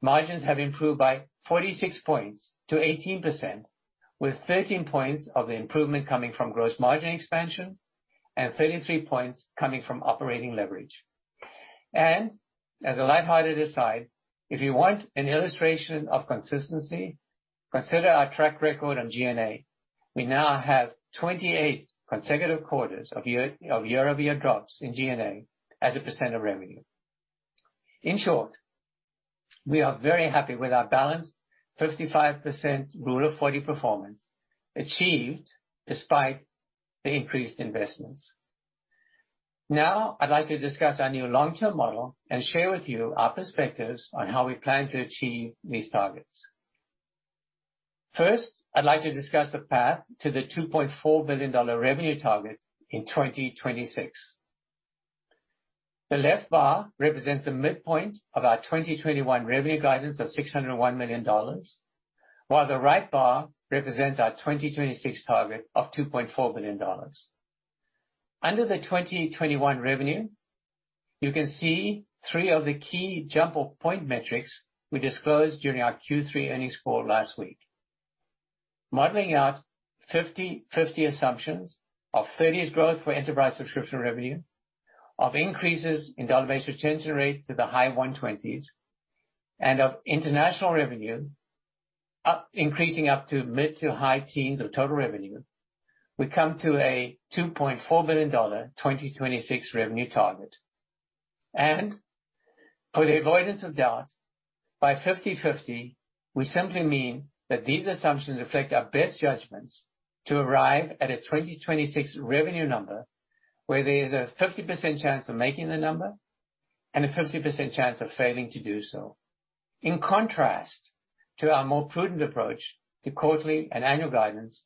margins have improved by 46 points to 18%, with 13 points of the improvement coming from gross margin expansion and 33 points coming from operating leverage. As a light-hearted aside, if you want an illustration of consistency, consider our track record on G&A. We now have 28 consecutive quarters of year-over-year drops in G&A as a % of revenue. In short, we are very happy with our balanced 55% rule of 40 performance achieved despite the increased investments. Now, I'd like to discuss our new long-term model and share with you our perspectives on how we plan to achieve these targets. First, I'd like to discuss the path to the $2.4 billion revenue target in 2026. The left bar represents the midpoint of our 2021 revenue guidance of $601 million, while the right bar represents our 2026 target of $2.4 billion. Under the 2021 revenue, you can see three of the key jump off point metrics we disclosed during our Q3 earnings call last week. Modeling out 50/50 assumptions of 30% growth for enterprise subscription revenue, of increases in dollar-based retention rate to the high 120s, and of international revenue increasing up to mid-to-high teens% of total revenue, we come to a $2.4 billion 2026 revenue target. For the avoidance of doubt, by 50/50, we simply mean that these assumptions reflect our best judgments to arrive at a 2026 revenue number, where there is a 50% chance of making the number and a 50% chance of failing to do so. In contrast to our more prudent approach to quarterly and annual guidance,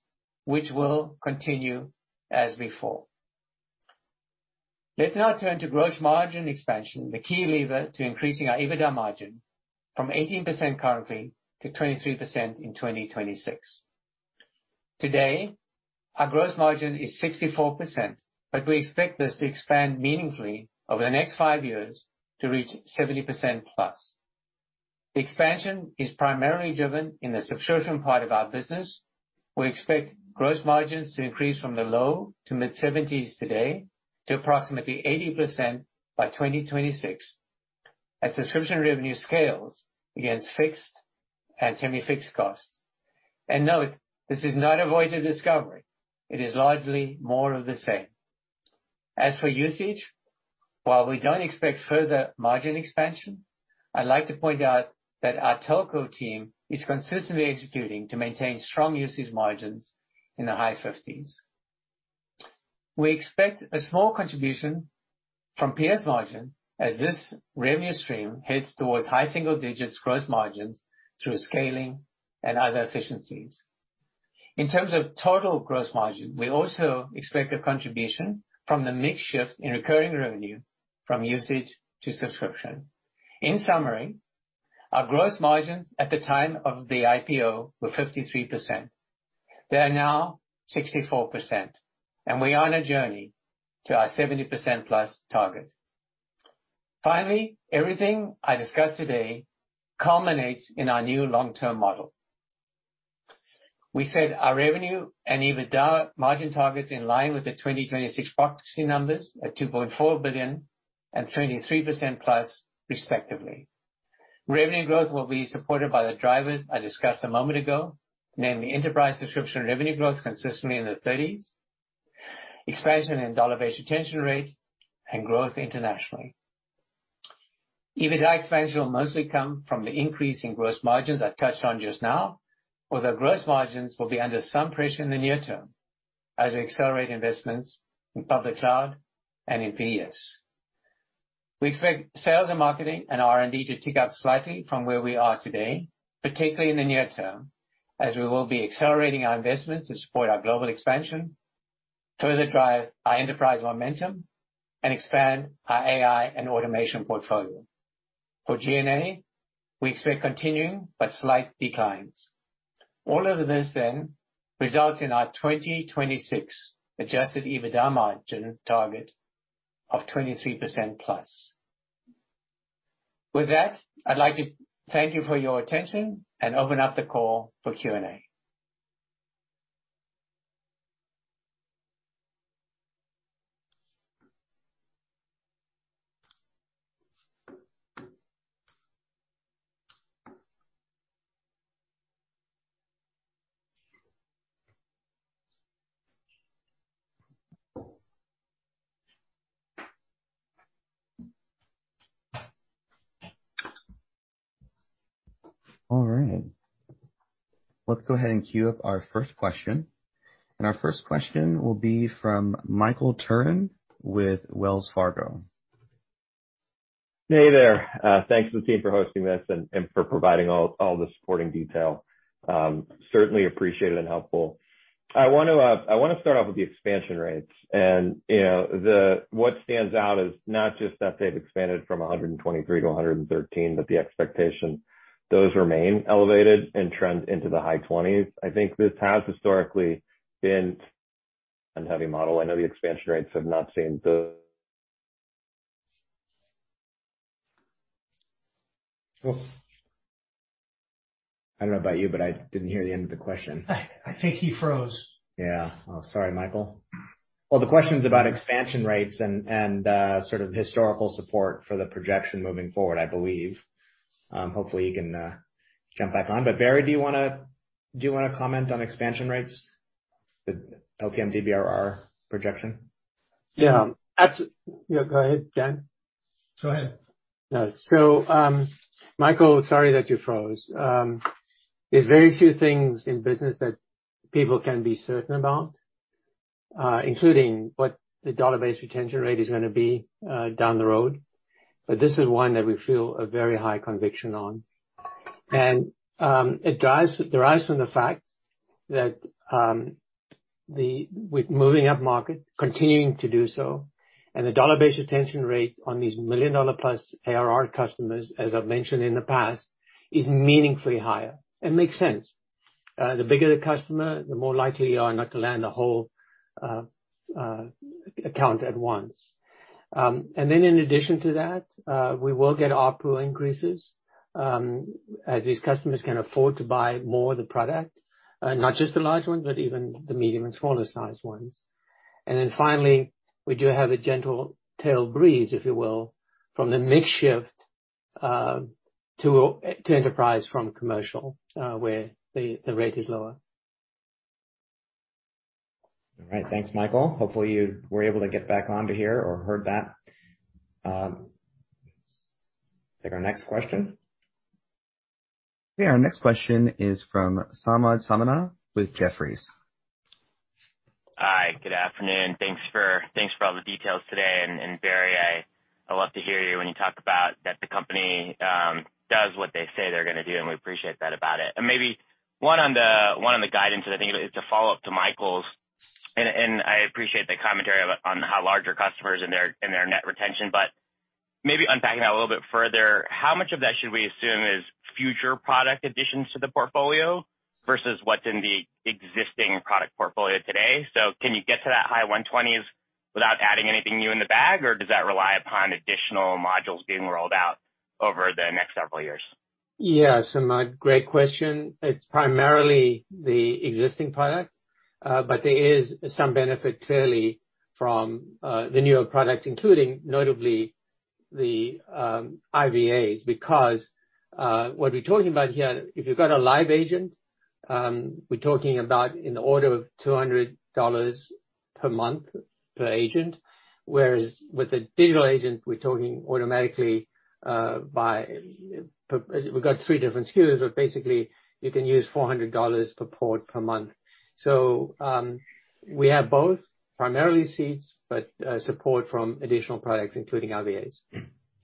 which will continue as before. Let's now turn to gross margin expansion, the key lever to increasing our EBITDA margin from 18% currently to 23% in 2026. Today, our gross margin is 64%, but we expect this to expand meaningfully over the next five years to reach 70%+. Expansion is primarily driven in the subscription part of our business. We expect gross margins to increase from the low- to mid-70s% today to approximately 80% by 2026 as subscription revenue scales against fixed and semi-fixed costs. Note, this is not a voice of discovery. It is largely more of the same. As for usage, while we don't expect further margin expansion, I'd like to point out that our telco team is consistently executing to maintain strong usage margins in the high 50s%. We expect a small contribution from PS margin as this revenue stream heads towards high-single-digits gross margins through scaling and other efficiencies. In terms of total gross margin, we also expect a contribution from the mix shift in recurring revenue from usage to subscription. In summary, our gross margins at the time of the IPO were 53%. They are now 64%, and we are on a journey to our 70%+ target. Finally, everything I discussed today culminates in our new long-term model. We set our revenue and EBITDA margin targets in line with the 2026 proxy numbers at $2.4 billion and 23%+ respectively. Revenue growth will be supported by the drivers I discussed a moment ago, namely enterprise subscription revenue growth consistently in the 30s%, expansion in dollar-based retention rate, and growth internationally. EBITDA expansion will mostly come from the increase in gross margins I touched on just now, although gross margins will be under some pressure in the near term as we accelerate investments in public cloud and in PS. We expect sales and marketing and R&D to tick up slightly from where we are today, particularly in the near term, as we will be accelerating our investments to support our global expansion, further drive our enterprise momentum, and expand our AI and automation portfolio. For G&A, we expect continuing but slight declines. All of this then results in our 2026 adjusted EBITDA margin target of 23%+. With that, I'd like to thank you for your attention and open up the call for Q&A. All right. Let's go ahead and queue up our first question. Our first question will be from Michael Turrin with Wells Fargo. Hey there. Thanks to the team for hosting this and for providing all the supporting detail. Certainly appreciate it and helpful. I wanna start off with the expansion rates. You know, what stands out is not just that they've expanded from 123 to 113, but the expectation those remain elevated and trend into the high 20s. I think this has historically been a heavy model. I know the expansion rates have not seen the- Oh. I don't know about you, but I didn't hear the end of the question. I think he froze. Yeah. Oh, sorry, Michael. Well, the question's about expansion rates and sort of historical support for the projection moving forward, I believe. Hopefully you can jump back on. Barry, do you wanna comment on expansion rates, the LTM DBRR projection? Yeah. Yeah, go ahead, Dan. Go ahead. No. Michael, sorry that you froze. There's very few things in business that people can be certain about, including what the dollar-based retention rate is gonna be down the road. This is one that we feel a very high conviction on. It derives from the fact that with moving up market, continuing to do so, and the dollar-based retention rate on these million-dollar-plus ARR customers, as I've mentioned in the past, is meaningfully higher. It makes sense. The bigger the customer, the more likely you are not to land the whole account at once. In addition to that, we will get ARPU increases as these customers can afford to buy more of the product, not just the large ones, but even the medium and smaller sized ones. Then finally, we do have a gentle tail breeze, if you will, from the mix shift to enterprise from commercial, where the rate is lower. All right. Thanks, Michael. Hopefully you were able to get back on to hear or heard that. Take our next question. Yeah, our next question is from Samad Samana with Jefferies. Hi, good afternoon. Thanks for all the details today. Barry, I love to hear you when you talk about that the company does what they say they're gonna do, and we appreciate that about it. Maybe one on the guidance, and I think it's a follow-up to Michael's, and I appreciate the commentary on how larger customers and their net retention. But maybe unpacking that a little bit further, how much of that should we assume is future product additions to the portfolio versus what's in the existing product portfolio today? So can you get to that high 120s without adding anything new in the bag, or does that rely upon additional modules being rolled out over the next several years? Yeah. Samad, great question. It's primarily the existing product, but there is some benefit clearly from the newer products, including notably the IVAs, because what we're talking about here, if you've got a live agent, we're talking about in the order of $200 per month per agent. Whereas with a digital agent, we're talking automatically. We've got 3 different SKUs, but basically you can use $400 per port per month. We have both, primarily seats, but support from additional products, including IVAs.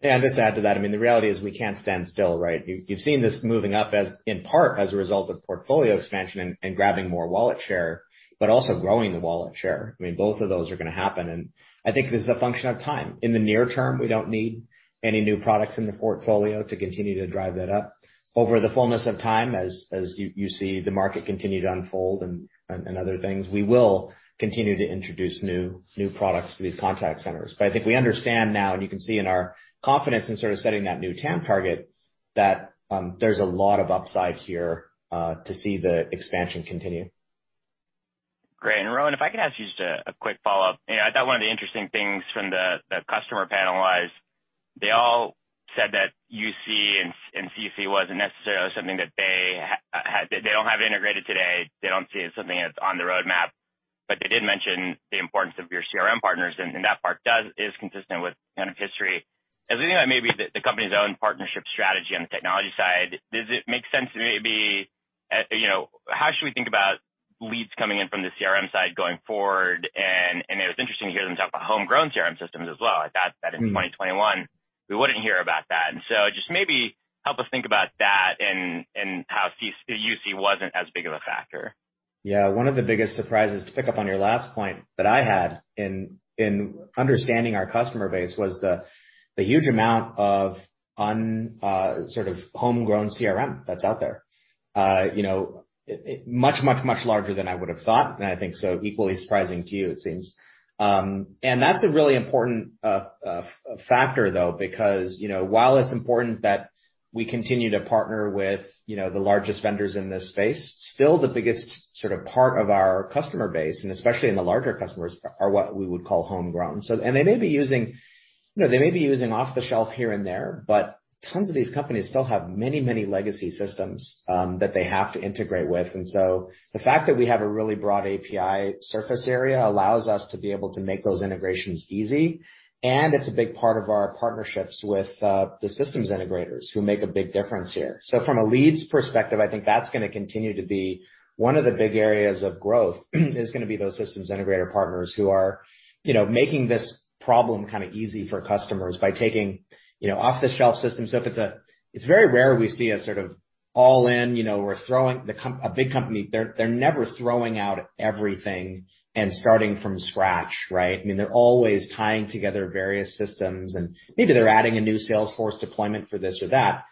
Yeah. Just to add to that, I mean, the reality is we can't stand still, right? You've seen this moving up as in part as a result of portfolio expansion and grabbing more wallet share, but also growing the wallet share. I mean, both of those are gonna happen, and I think this is a function of time. In the near term, we don't need any new products in the portfolio to continue to drive that up. Over the fullness of time, as you see the market continue to unfold and other things, we will continue to introduce new products to these contact centers. I think we understand now, and you can see in our confidence in sort of setting that new TAM target, that there's a lot of upside here to see the expansion continue. Great. Rowan, if I could ask you just a quick follow-up. You know, I thought one of the interesting things from the customer panel was they all said that UC and CC wasn't necessarily something that they don't have integrated today, they don't see as something that's on the roadmap. They did mention the importance of your CRM partners, and that part is consistent with kind of history. As we think about maybe the company's own partnership strategy on the technology side, does it make sense to maybe, you know, how should we think about leads coming in from the CRM side going forward? It was interesting to hear them talk about homegrown CRM systems as well. Like, that in 2021 we wouldn't hear about that. Just maybe help us think about that and how UC wasn't as big of a factor. One of the biggest surprises, to pick up on your last point, that I had in understanding our customer base was the huge amount of sort of homegrown CRM that's out there. You know, much larger than I would have thought, and I think so equally surprising to you, it seems. That's a really important factor though, because, you know, while it's important that we continue to partner with, you know, the largest vendors in this space, still the biggest sort of part of our customer base, and especially in the larger customers, are what we would call homegrown. They may be using, you know, off-the-shelf here and there, but tons of these companies still have many legacy systems that they have to integrate with. The fact that we have a really broad API surface area allows us to be able to make those integrations easy. It's a big part of our partnerships with the systems integrators who make a big difference here. From a leads perspective, I think that's gonna continue to be one of the big areas of growth is gonna be those systems integrator partners who are, you know, making this problem kind of easy for customers by taking, you know, off-the-shelf systems. It's very rare we see a sort of all-in, you know, a big company, they're never throwing out everything and starting from scratch, right? I mean, they're always tying together various systems, and maybe they're adding a new Salesforce deployment for this or that.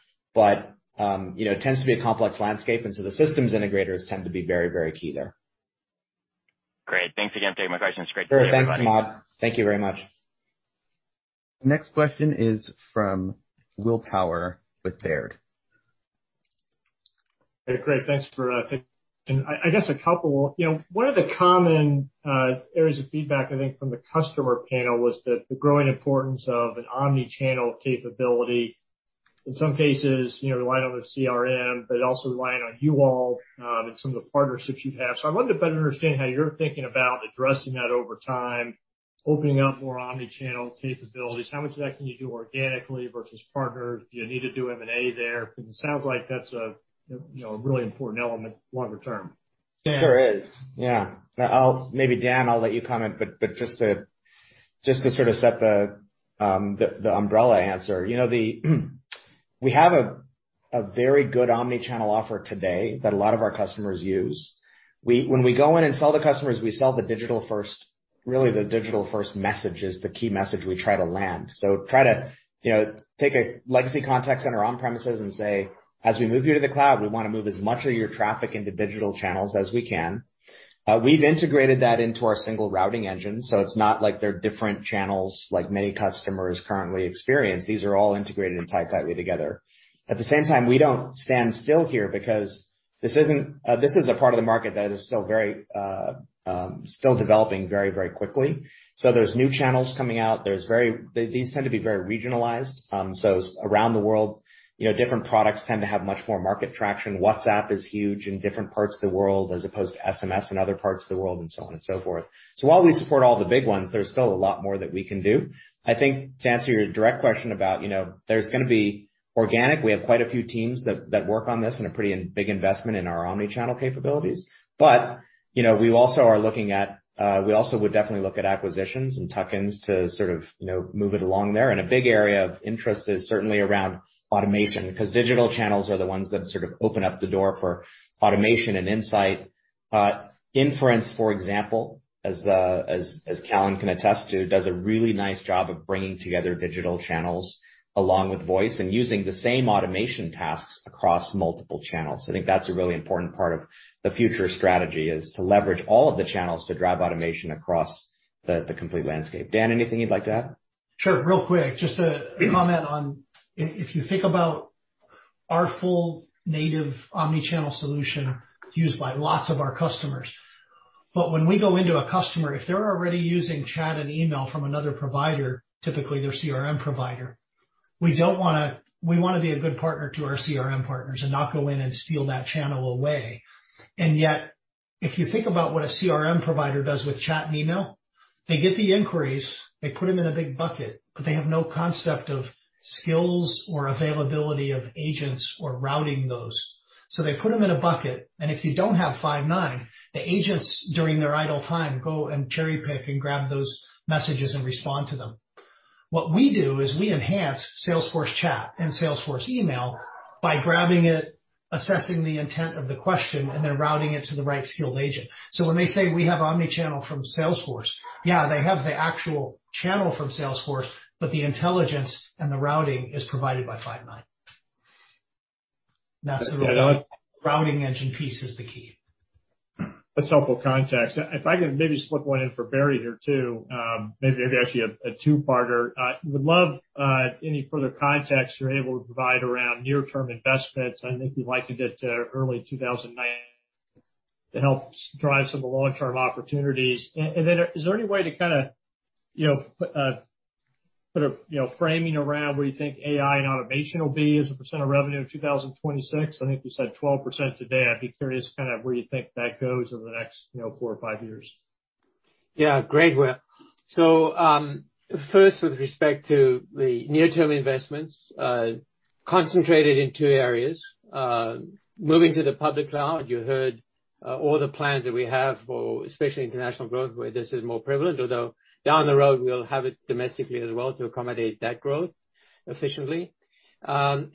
You know, it tends to be a complex landscape, and so the systems integrators tend to be very key there. Great. Thanks again for taking my questions. Great to hear everybody. Sure. Thanks, Samad. Thank you very much. Next question is from Will Power with Baird. Hey, Craig. Thanks for taking my call. I guess a couple. You know, one of the common areas of feedback, I think, from the customer panel was the growing importance of an omni-channel capability. In some cases, you know, relying on the CRM, but also relying on you all and some of the partnerships you have. I wanted to better understand how you're thinking about addressing that over time, opening up more omni-channel capabilities. How much of that can you do organically versus partners? Do you need to do M&A there? Because it sounds like that's, you know, a really important element longer term. Sure is. Yeah. Maybe, Dan, I'll let you comment, but just to sort of set the umbrella answer. You know, we have a very good omni-channel offer today that a lot of our customers use. When we go in and sell to customers, we sell the digital-first. Really, the digital-first message is the key message we try to land. Try to, you know, take a legacy contact center on-premises and say, "As we move you to the cloud, we wanna move as much of your traffic into digital channels as we can." We've integrated that into our single routing engine, so it's not like they're different channels like many customers currently experience. These are all integrated and tied tightly together. At the same time, we don't stand still here because this isn't. This is a part of the market that is still developing very quickly. There's new channels coming out. These tend to be very regionalized. Around the world, you know, different products tend to have much more market traction. WhatsApp is huge in different parts of the world as opposed to SMS in other parts of the world, and so on and so forth. While we support all the big ones, there's still a lot more that we can do. I think to answer your direct question about, you know, there's gonna be organic. We have quite a few teams that work on this and a pretty big investment in our omni-channel capabilities. You know, we also would definitely look at acquisitions and tuck-ins to sort of, you know, move it along there. A big area of interest is certainly around automation, 'cause digital channels are the ones that sort of open up the door for automation and insight. Inference, for example, as Callan can attest to, does a really nice job of bringing together digital channels along with voice and using the same automation tasks across multiple channels. I think that's a really important part of the future strategy, is to leverage all of the channels to drive automation across the complete landscape. Dan, anything you'd like to add? Sure. Real quick, just a comment on if you think about our full native omni-channel solution used by lots of our customers. When we go into a customer, if they're already using chat and email from another provider, typically their CRM provider, we don't wanna. We wanna be a good partner to our CRM partners and not go in and steal that channel away. Yet, if you think about what a CRM provider does with chat and email, they get the inquiries, they put them in a big bucket, but they have no concept of skills or availability of agents or routing those. They put them in a bucket, and if you don't have Five9, the agents, during their idle time, go and cherry-pick and grab those messages and respond to them. What we do is we enhance Salesforce chat and Salesforce email by grabbing it, assessing the intent of the question, and then routing it to the right skilled agent. When they say we have omni-channel from Salesforce, yeah, they have the actual channel from Salesforce, but the intelligence and the routing is provided by Five9. That's the routing. Routing engine piece is the key. That's helpful context. If I can maybe slip one in for Barry here too, actually a two-parter. Would love any further context you're able to provide around near-term investments. I think you'd like to get to early 2029 to help drive some of the long-term opportunities. Then is there any way to kinda put a framing around where you think AI and automation will be as a percent of revenue in 2026? I think you said 12% today. I'd be curious where you think that goes over the next four or five years. Yeah. Great, Will. First, with respect to the near-term investments, concentrated in two areas. Moving to the public cloud, you heard, all the plans that we have for especially international growth, where this is more prevalent, although down the road, we'll have it domestically as well to accommodate that growth efficiently. The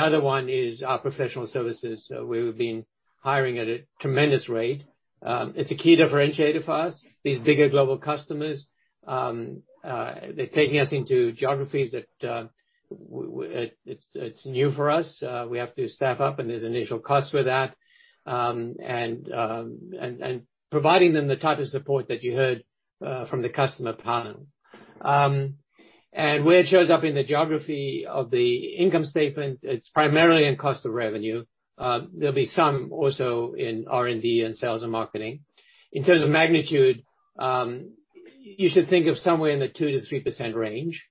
other one is our professional services. We have been hiring at a tremendous rate. It's a key differentiator for us. These bigger global customers, they're taking us into geographies that, it's new for us. We have to staff up, and there's initial costs with that. Providing them the type of support that you heard, from the customer panel. Where it shows up in the geography of the income statement, it's primarily in cost of revenue. There'll be some also in R&D and sales and marketing. In terms of magnitude, You should think of somewhere in the 2%-3% range,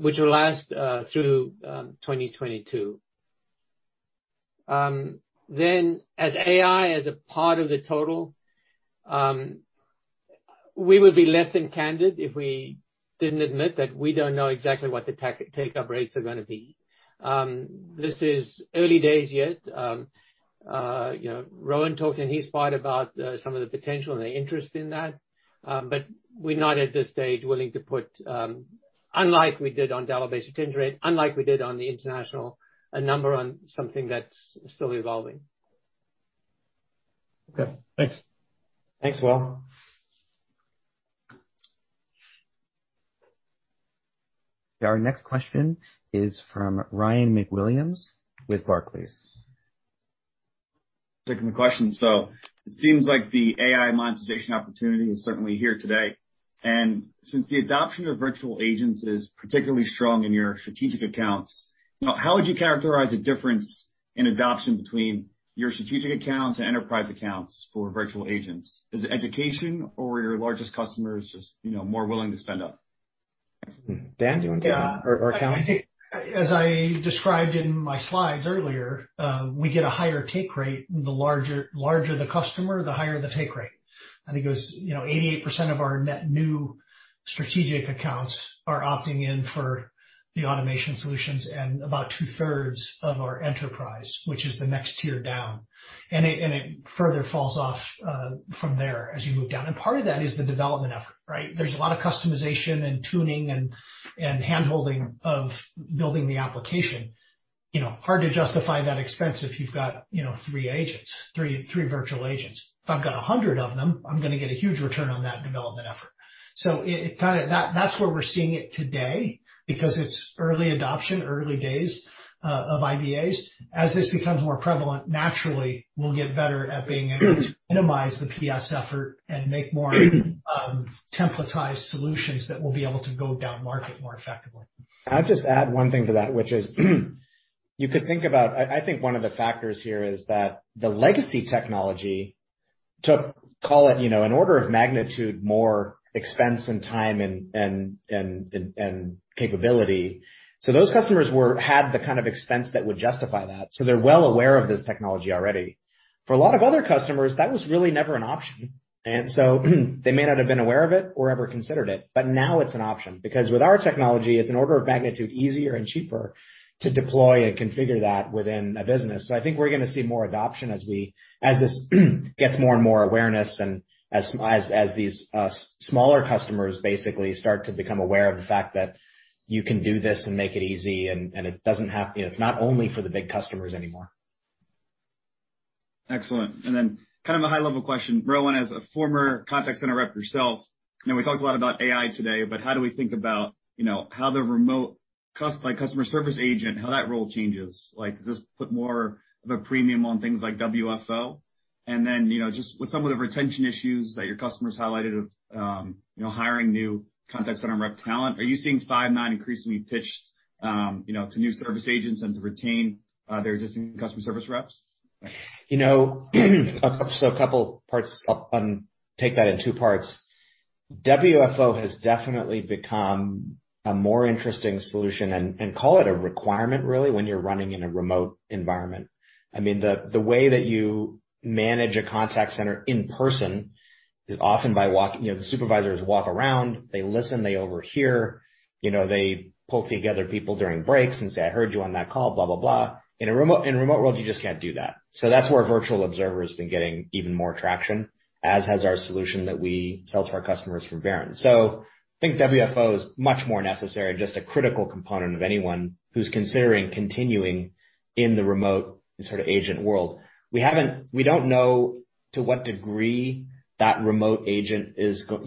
which will last through 2022. Then as AI as a part of the total, we would be less than candid if we didn't admit that we don't know exactly what the take-up rates are gonna be. This is early days yet. You know, Rowan talked in his part about some of the potential and the interest in that, but we're not at this stage willing to put, unlike we did on dollar-based retention rate, unlike we did on the international, a number on something that's still evolving. Okay, thanks. Thanks, Will. Our next question is from Ryan MacWilliams with Barclays. Taking the question. It seems like the AI monetization opportunity is certainly here today. Since the adoption of virtual agents is particularly strong in your strategic accounts, you know how would you characterize a difference in adoption between your strategic accounts and enterprise accounts for virtual agents? Is it education or your largest customers just, you know, more willing to spend up? Dan, do you wanna take that or Callan? Yeah. I think as I described in my slides earlier, we get a higher take rate. The larger the customer, the higher the take rate. I think it was, you know, 88% of our net new strategic accounts are opting in for the automation solutions and about two-thirds of our enterprise, which is the next tier down. It further falls off from there as you move down. Part of that is the development effort, right? There's a lot of customization and tuning and handholding of building the application. You know, hard to justify that expense if you've got, you know, three agents, three virtual agents. If I've got 100 of them, I'm gonna get a huge return on that development effort. It kinda. That's where we're seeing it today because it's early adoption, early days, of IVAs. As this becomes more prevalent, naturally we'll get better at being able to minimize the PS effort and make more templatized solutions that will be able to go down market more effectively. I'll just add one thing to that, which is you could think about I think one of the factors here is that the legacy technology took, call it, you know, an order of magnitude more expense and time and capability. So those customers had the kind of expense that would justify that, so they're well aware of this technology already. For a lot of other customers, that was really never an option, and so they may not have been aware of it or ever considered it. Now it's an option because with our technology it's an order of magnitude easier and cheaper to deploy and configure that within a business. I think we're gonna see more adoption as this gets more and more awareness and as these smaller customers basically start to become aware of the fact that you can do this and make it easy and it doesn't have. You know, it's not only for the big customers anymore. Excellent. Kind of a high level question. Rowan, as a former contact center rep yourself, you know, we talked a lot about AI today, but how do we think about, you know, how the remote customer service agent, how that role changes? Like, does this put more of a premium on things like WFO? You know, just with some of the retention issues that your customers highlighted of, you know, hiring new contact center rep talent, are you seeing Five9 increasingly pitched, you know, to new service agents and to retain their existing customer service reps? You know, a couple parts. I'll unpack that in two parts. WFO has definitely become a more interesting solution and call it a requirement really when you're running in a remote environment. I mean, the way that you manage a contact center in person is often. You know, the supervisors walk around, they listen, they overhear. You know, they pull together people during breaks and say, "I heard you on that call," blah, blah. In a remote world, you just can't do that. That's where Virtual Observer has been getting even more traction, as has our solution that we sell to our customers from Verint. I think WFO is much more necessary and just a critical component of anyone who's considering continuing in the remote sort of agent world. We haven't. We don't know to what degree that remote agent profile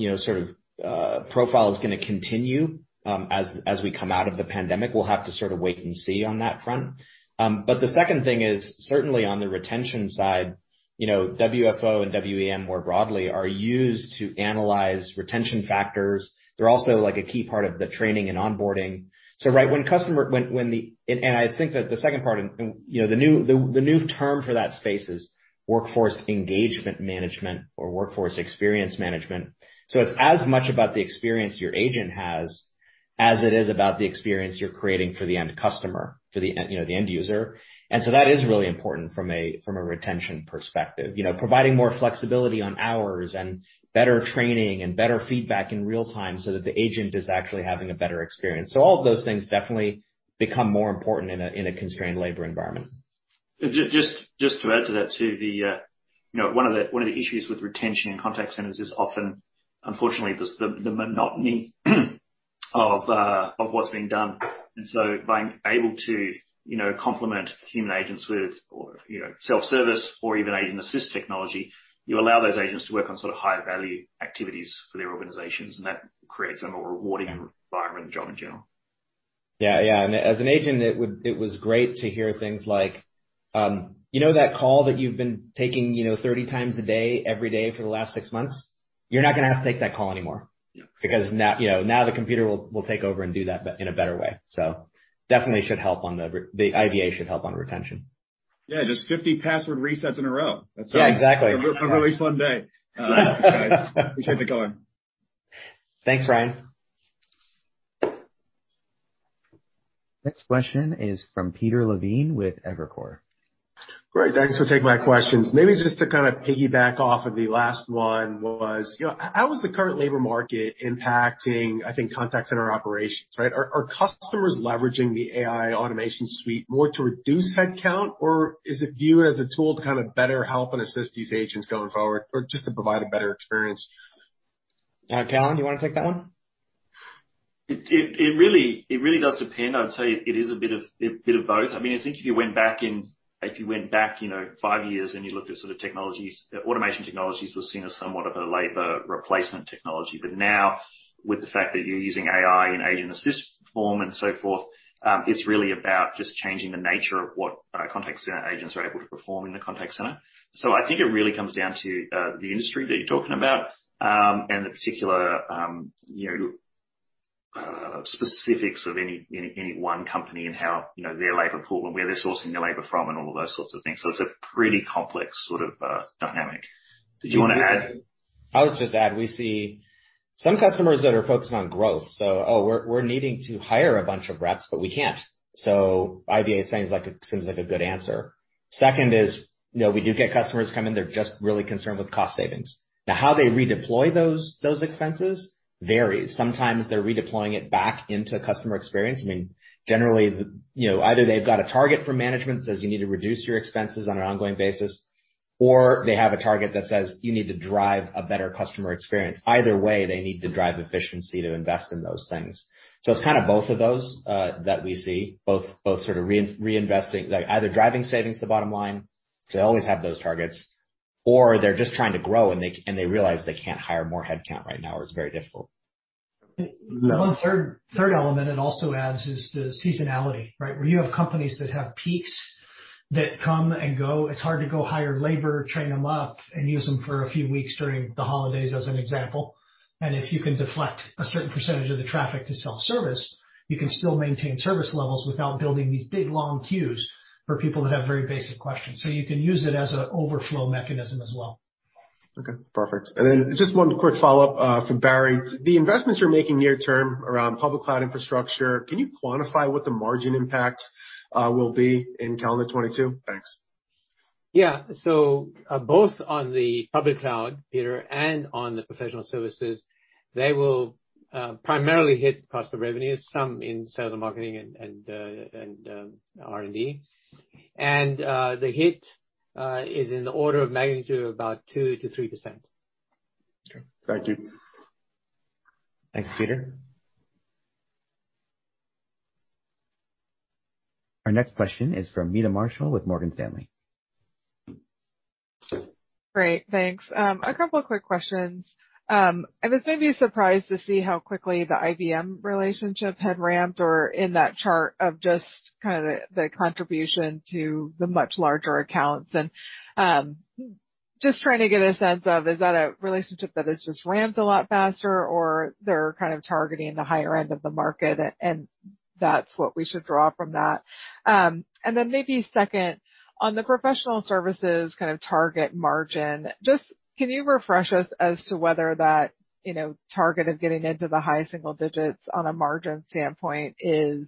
is gonna continue as we come out of the pandemic. We'll have to sort of wait and see on that front. The second thing is certainly on the retention side, you know. WFO and WEM more broadly are used to analyze retention factors. They're also, like, a key part of the training and onboarding. I think that the second part, you know, the new term for that space is Workforce Engagement Management or Workforce Experience Management. It's as much about the experience your agent has as it is about the experience you're creating for the end customer, for the end, you know, the end user. That is really important from a retention perspective. You know, providing more flexibility on hours and better training and better feedback in real time so that the agent is actually having a better experience. All of those things definitely become more important in a constrained labor environment. Just to add to that too, you know, one of the issues with retention in contact centers is often unfortunately just the monotony of what's being done. Being able to, you know, complement human agents with or, you know, self-service or even agent assist technology, you allow those agents to work on sort of higher value activities for their organizations, and that creates a more rewarding environment and job in general. Yeah. As an agent, it was great to hear things like, "You know that call that you've been taking, you know, 30 times a day, every day for the last six months? You're not gonna have to take that call anymore. Yeah. Because now, you know, now the computer will take over and do that but in a better way. Definitely the IVA should help on retention. Yeah, just 50 password resets in a row. That's- Yeah, exactly. A really fun day. Keep it going. Thanks, Ryan. Next question is from Peter Levine with Evercore. Great. Thanks for taking my questions. Maybe just to kind of piggyback off of the last one was, you know, how is the current labor market impacting, I think, contact center operations, right? Are customers leveraging the AI automation suite more to reduce head count, or is it viewed as a tool to kind of better help and assist these agents going forward or just to provide a better experience? Callan, you wanna take that one? It really does depend. I'd say it is a bit of both. I mean, I think if you went back, you know, five years and you looked at sort of technologies, automation technologies was seen as somewhat of a labor replacement technology. But now with the fact that you're using AI and Agent Assist form and so forth, it's really about just changing the nature of what contact center agents are able to perform in the contact center. So I think it really comes down to the industry that you're talking about and the particular, you know, specifics of any one company and how, you know, their labor pool and where they're sourcing their labor from and all of those sorts of things. It's a pretty complex sort of dynamic. Do you wanna add? I would just add, we see some customers that are focused on growth, so, Oh, we're needing to hire a bunch of reps, but we can't. So IVA seems like a good answer. Second is, you know, we do get customers come in, they're just really concerned with cost savings. Now, how they redeploy those expenses varies. Sometimes they're redeploying it back into customer experience. I mean, generally, you know, either they've got a target from management says you need to reduce your expenses on an ongoing basis, or they have a target that says you need to drive a better customer experience. Either way, they need to drive efficiency to invest in those things. So it's kind of both of those that we see, both sort of reinvesting. Like, either driving savings to the bottom line, so they always have those targets, or they're just trying to grow and they realize they can't hire more headcount right now or it's very difficult. The one third element it also adds is the seasonality, right? Where you have companies that have peaks that come and go. It's hard to go hire labor, train them up, and use them for a few weeks during the holidays, as an example. And if you can deflect a certain percentage of the traffic to self-service, you can still maintain service levels without building these big, long queues for people that have very basic questions. You can use it as a overflow mechanism as well. Okay. Perfect. Just one quick follow-up for Barry. The investments you're making near term around public cloud infrastructure, can you quantify what the margin impact will be in calendar 2022? Thanks. Both on the public cloud, Peter, and on the professional services, they will primarily hit cost of revenues, some in sales and marketing and R&D. The hit is in the order of magnitude of about 2%-3%. Okay. Thank you. Thanks, Peter. Our next question is from Meta Marshall with Morgan Stanley. Great. Thanks. A couple of quick questions. I was maybe surprised to see how quickly the IBM relationship had ramped or in that chart of just kinda the contribution to the much larger accounts. Just trying to get a sense of, is that a relationship that has just ramped a lot faster or they're kind of targeting the higher end of the market and that's what we should draw from that? Then maybe second, on the professional services kind of target margin, just can you refresh us as to whether that, you know, target of getting into the high single digits on a margin standpoint is.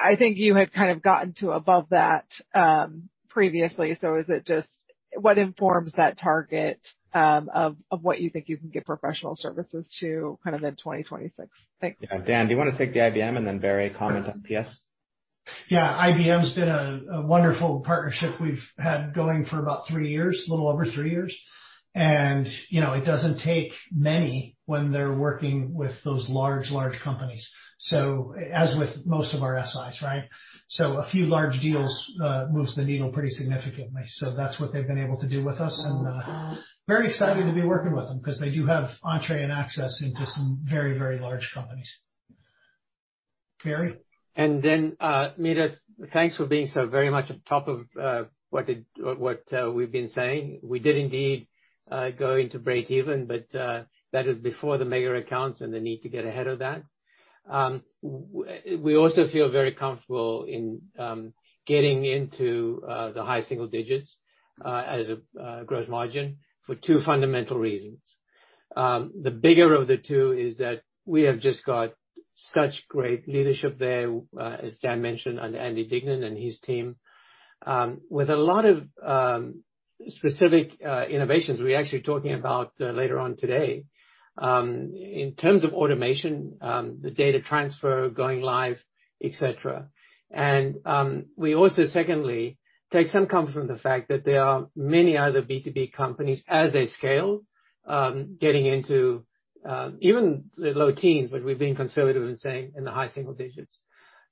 I think you had kind of gotten to above that previously, so is it just what informs that target of what you think you can get professional services to kind of in 2026? Thanks. Yeah. Dan, do you wanna take the IBM and then Barry comment on PS? IBM's been a wonderful partnership we've had going for about three years, a little over three years. You know, it doesn't take many when they're working with those large companies. As with most of our SIs, right? A few large deals moves the needle pretty significantly. That's what they've been able to do with us and very excited to be working with them 'cause they do have entree and access into some very large companies. Barry? Meta, thanks for being so very much on top of what we've been saying. We did indeed go into breakeven, but that is before the mega accounts and the need to get ahead of that. We also feel very comfortable in getting into the high single digits as a gross margin for two fundamental reasons. The bigger of the two is that we have just got such great leadership there, as Dan mentioned, under Andy Dignan and his team, with a lot of specific innovations we're actually talking about later on today, in terms of automation, the data transfer going live, et cetera. We also secondly take some comfort from the fact that there are many other B2B companies as they scale, getting into even the low teens, but we're being conservative in saying in the high single digits.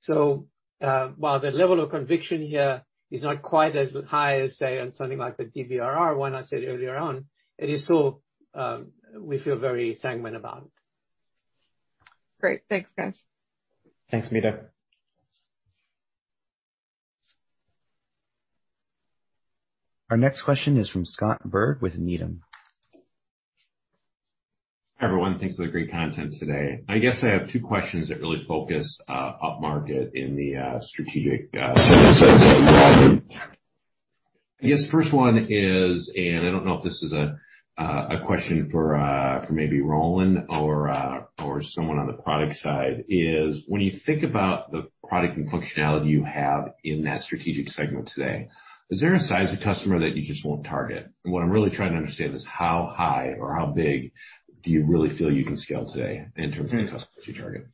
While the level of conviction here is not quite as high as, say, on something like the DBRR one I said earlier on, it is still we feel very sanguine about. Great. Thanks, guys. Thanks, Meta. Our next question is from Scott Berg with Needham. Everyone, thanks for the great content today. I guess I have two questions that really focus upmarket in the strategic. I guess first one is, and I don't know if this is a question for maybe Rowan or someone on the product side, is when you think about the product and functionality you have in that strategic segment today, is there a size of customer that you just won't target? What I'm really trying to understand is how high or how big do you really feel you can scale today in terms of the customer you target?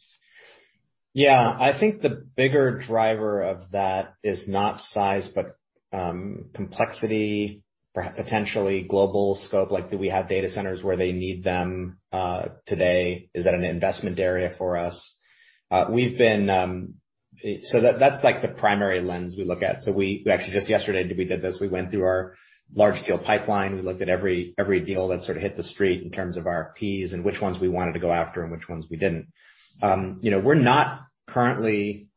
Yeah. I think the bigger driver of that is not size, but complexity, potentially global scope. Like, do we have data centers where they need them today? Is that an investment area for us? That's the primary lens we look at. We actually just yesterday did this. We went through our large deal pipeline. We looked at every deal that sort of hit the street in terms of RFPs and which ones we wanted to go after and which ones we didn't. You know, we're not currently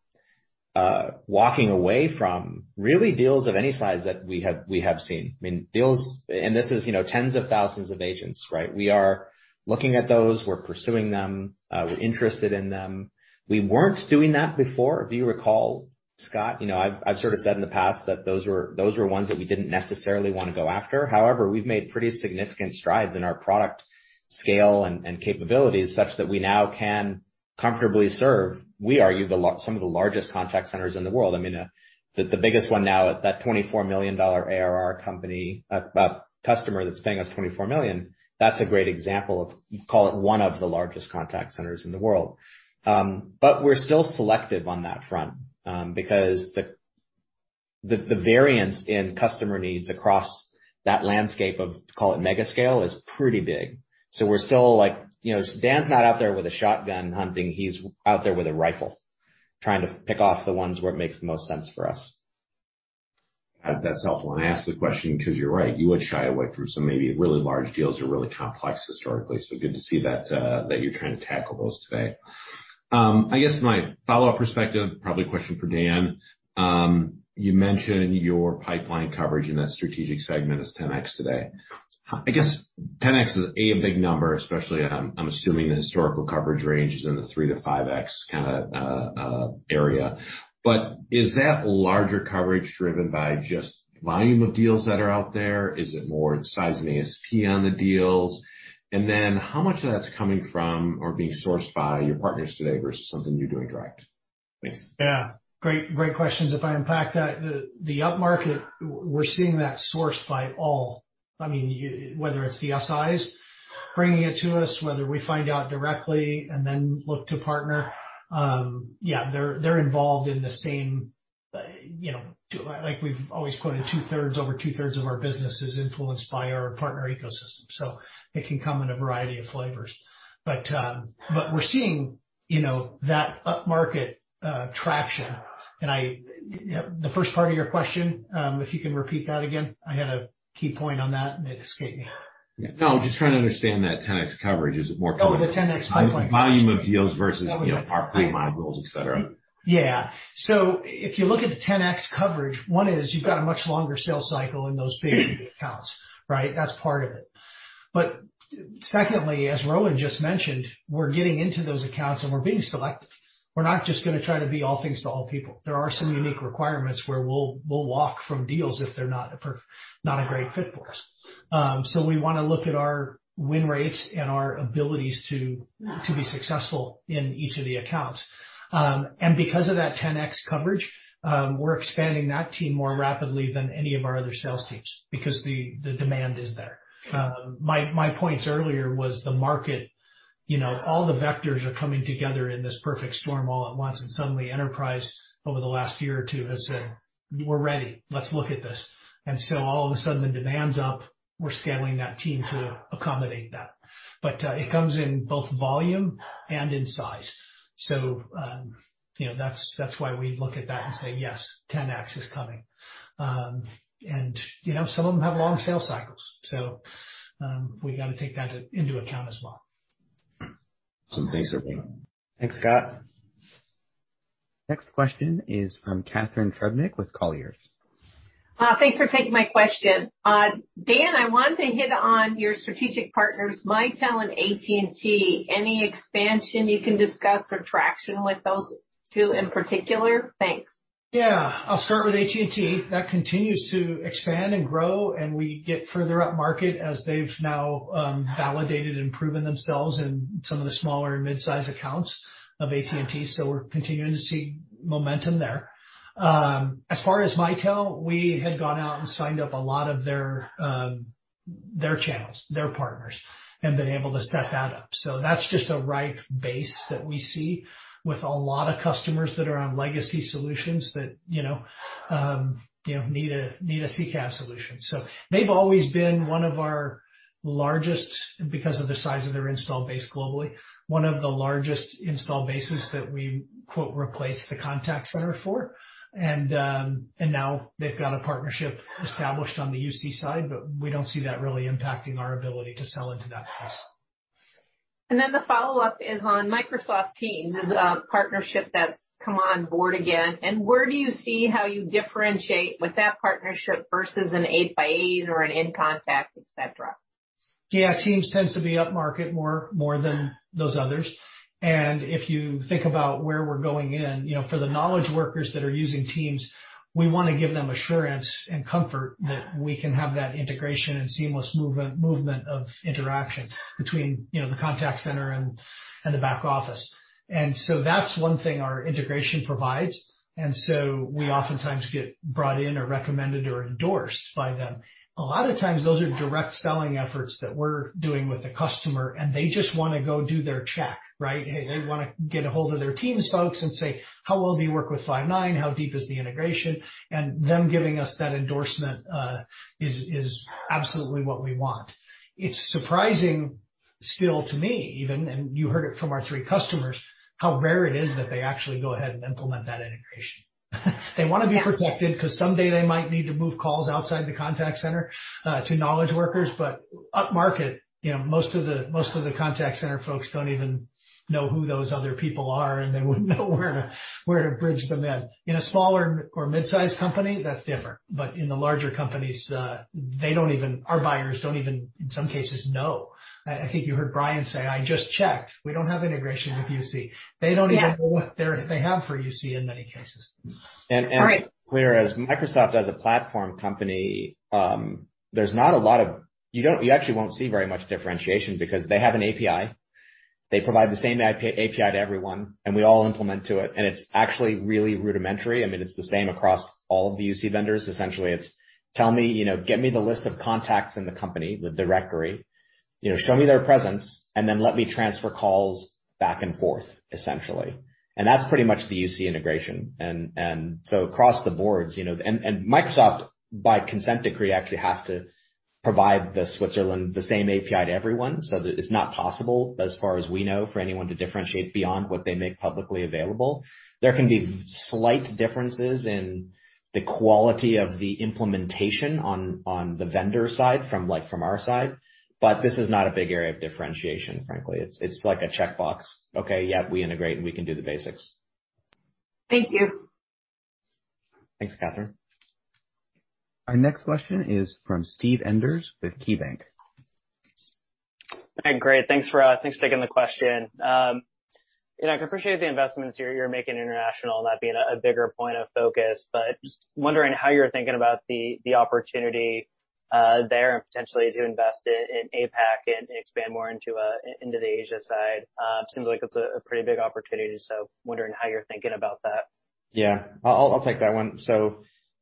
walking away from really deals of any size that we have seen. I mean, deals. This is, you know, tens of thousands of agents, right? We are looking at those. We're pursuing them. We're interested in them. We weren't doing that before. If you recall, Scott, I've sort of said in the past that those were ones that we didn't necessarily want to go after. However, we've made pretty significant strides in our product scale and capabilities such that we now can comfortably serve, we argue, some of the largest contact centers in the world. I mean, the biggest one now, that $24 million ARR company, customer that's paying us $24 million, that's a great example of call it one of the largest contact centers in the world. We're still selective on that front, because the variance in customer needs across that landscape of call it mega scale is pretty big. We're still like, you know, Dan's not out there with a shotgun hunting. He's out there with a rifle trying to pick off the ones where it makes the most sense for us. That's helpful. I ask the question because you're right, you would shy away from some maybe really large deals or really complex historically. Good to see that you're trying to tackle those today. I guess my follow-up perspective, probably a question for Dan. You mentioned your pipeline coverage in that strategic segment is 10x today. I guess 10x is, A, a big number, especially I'm assuming the historical coverage range is in the 3x-5x kinda area. Is that larger coverage driven by just volume of deals that are out there? Is it more size and ASP on the deals? And then how much of that's coming from or being sourced by your partners today versus something you're doing direct? Thanks. Yeah. Great questions. If I unpack that, the upmarket, we're seeing that sourced by all. I mean, whether it's the SIs bringing it to us, whether we find out directly and then look to partner. Yeah, they're involved in the same, you know, like we've always quoted two-thirds, over two-thirds of our business is influenced by our partner ecosystem, so it can come in a variety of flavors. But we're seeing, you know, that upmarket traction. I, the first part of your question, if you can repeat that again, I had a key point on that, and it escaped me. Yeah. No, I'm just trying to understand that 10x coverage. Is it more- Oh, the 10x pipeline. Volume of deals versus, you know, ARPU, multiples, et cetera. Yeah. If you look at the 10x coverage, one is you've got a much longer sales cycle in those bigger accounts, right? That's part of it. Secondly, as Rowan just mentioned, we're getting into those accounts, and we're being selective. We're not just gonna try to be all things to all people. There are some unique requirements where we'll walk from deals if they're not a great fit for us. We wanna look at our win rates and our abilities to be successful in each of the accounts. Because of that 10x coverage, we're expanding that team more rapidly than any of our other sales teams because the demand is there. My points earlier was the market. You know, all the vectors are coming together in this perfect storm all at once, and suddenly enterprise over the last year or 2 has said, "We're ready. Let's look at this." All of a sudden, the demand's up. We're scaling that team to accommodate that. It comes in both volume and in size. You know, that's why we look at that and say, "Yes, 10x is coming." You know, some of them have long sales cycles, so we got to take that into account as well. Awesome. Thanks, everyone. Thanks, Scott. Next question is from Catharine Trebnick with Colliers. Thanks for taking my question. Dan, I wanted to hit on your strategic partners, Mitel and AT&T. Any expansion you can discuss or traction with those two in particular? Thanks. Yeah. I'll start with AT&T. That continues to expand and grow, and we get further upmarket as they've now validated and proven themselves in some of the smaller and mid-size accounts of AT&T. So we're continuing to see momentum there. As far as Mitel, we had gone out and signed up a lot of their channels, their partners, and been able to set that up. So that's just a ripe base that we see with a lot of customers that are on legacy solutions that you know need a CCaaS solution. So they've always been one of our largest because of the size of their install base globally, one of the largest install bases that we quote replace the contact center for. Now they've got a partnership established on the UC side, but we don't see that really impacting our ability to sell into that space. The follow-up is on Microsoft Teams as a partnership that's come on board again. Where do you see how you differentiate with that partnership versus a 8x8 or an InContact, et cetera? Yeah, Teams tends to be upmarket more than those others. If you think about where we're going in, you know, for the knowledge workers that are using Teams, we wanna give them assurance and comfort that we can have that integration and seamless movement of interactions between, you know, the contact center and the back office. That's one thing our integration provides. We oftentimes get brought in or recommended or endorsed by them. A lot of times, those are direct selling efforts that we're doing with the customer, and they just wanna go do their check, right? Hey, they wanna get ahold of their Teams folks and say, "How well do you work with Five9? How deep is the integration?" Them giving us that endorsement is absolutely what we want. It's surprising still to me even, and you heard it from our three customers, how rare it is that they actually go ahead and implement that integration. They wanna be protected 'cause someday they might need to move calls outside the contact center to knowledge workers. Upmarket, you know, most of the contact center folks don't even know who those other people are, and they wouldn't know where to bridge them in. In a smaller or mid-sized company, that's different. In the larger companies, they don't even... Our buyers don't even, in some cases, know. I think you heard Brian say, "I just checked. We don't have integration with UC." They don't even know what they have for UC in many cases. And, and- All right. Clear as Microsoft as a platform company. You actually won't see very much differentiation because they have an API. They provide the same API to everyone, and we all implement to it, and it's actually really rudimentary. I mean, it's the same across all of the UC vendors. Essentially, it's tell me, you know, get me the list of contacts in the company, the directory. You know, show me their presence, and then let me transfer calls back and forth, essentially. That's pretty much the UC integration. So across the board, you know. Microsoft, by consent decree, actually has to provide the same API to everyone, so it's not possible, as far as we know, for anyone to differentiate beyond what they make publicly available. There can be slight differences in the quality of the implementation on the vendor side from like, from our side, but this is not a big area of differentiation, frankly. It's like a checkbox. Okay, yeah, we integrate, and we can do the basics. Thank you. Thanks, Catharine. Our next question is from Steve Enders with KeyBanc. Great. Thanks for taking the question. You know, I can appreciate the investments you're making international and that being a bigger point of focus, but just wondering how you're thinking about the opportunity there potentially to invest in APAC and expand more into the Asia side. Seems like it's a pretty big opportunity, so wondering how you're thinking about that. Yeah. I'll take that one.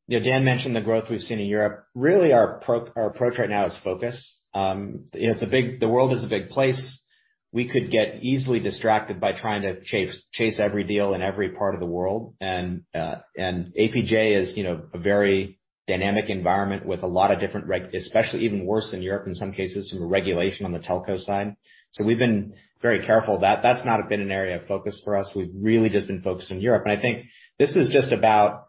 You know, Dan mentioned the growth we've seen in Europe. Really, our approach right now is focus. You know, the world is a big place. We could get easily distracted by trying to chase every deal in every part of the world. APJ is, you know, a very dynamic environment with a lot of different regs especially even worse than Europe, in some cases, some regulation on the telco side. We've been very careful. That's not been an area of focus for us. We've really just been focused on Europe. I think this is just about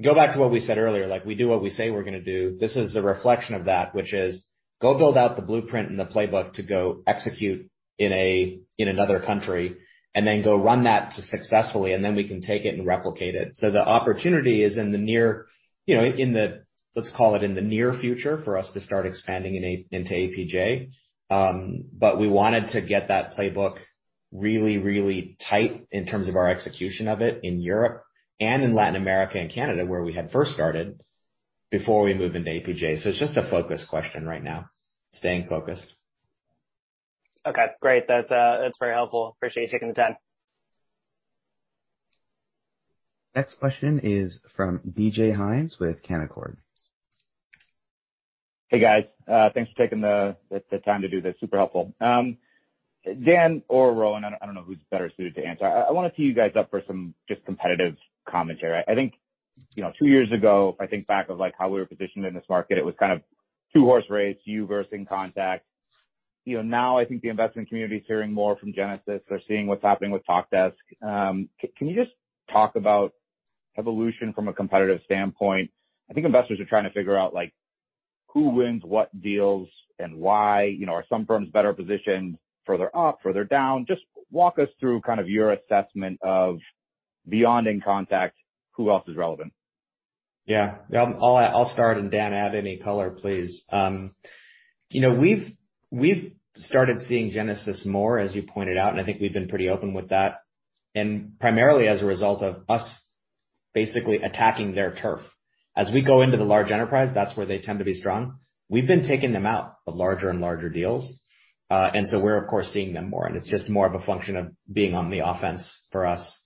go back to what we said earlier, like we do what we say we're gonna do. This is the reflection of that, which is to go build out the blueprint and the playbook to go execute in another country, and then to go run that successfully, and then we can take it and replicate it. The opportunity is in the near, you know, let's call it, the near future for us to start expanding into APJ. We wanted to get that playbook really tight in terms of our execution of it in Europe and in Latin America and Canada, where we had first started before we move into APJ. It's just a focus question right now. Staying focused. Okay, great. That's very helpful. Appreciate you taking the time. Next question is from David Hynes with Canaccord. Hey, guys. Thanks for taking the time to do this. Super helpful. Dan or Rowan, I don't know who's better suited to answer. I wanna tee you guys up for some just competitive commentary. I think, you know, two years ago, if I think back to, like, how we were positioned in this market, it was kind of two-horse race, you versus inContact. You know, now I think the investment community is hearing more from Genesys. They're seeing what's happening with Talkdesk. Can you just talk about evolution from a competitive standpoint? I think investors are trying to figure out, like, who wins what deals and why. You know, are some firms better positioned further up, further down? Just walk us through kind of your assessment of beyond inContact, who else is relevant. Yeah. I'll start, and Dan, add any color, please. You know, we've started seeing Genesys more, as you pointed out, and I think we've been pretty open with that, and primarily as a result of us basically attacking their turf. As we go into the large enterprise, that's where they tend to be strong. We've been taking them out of larger and larger deals, and so we're of course seeing them more, and it's just more of a function of being on the offense for us,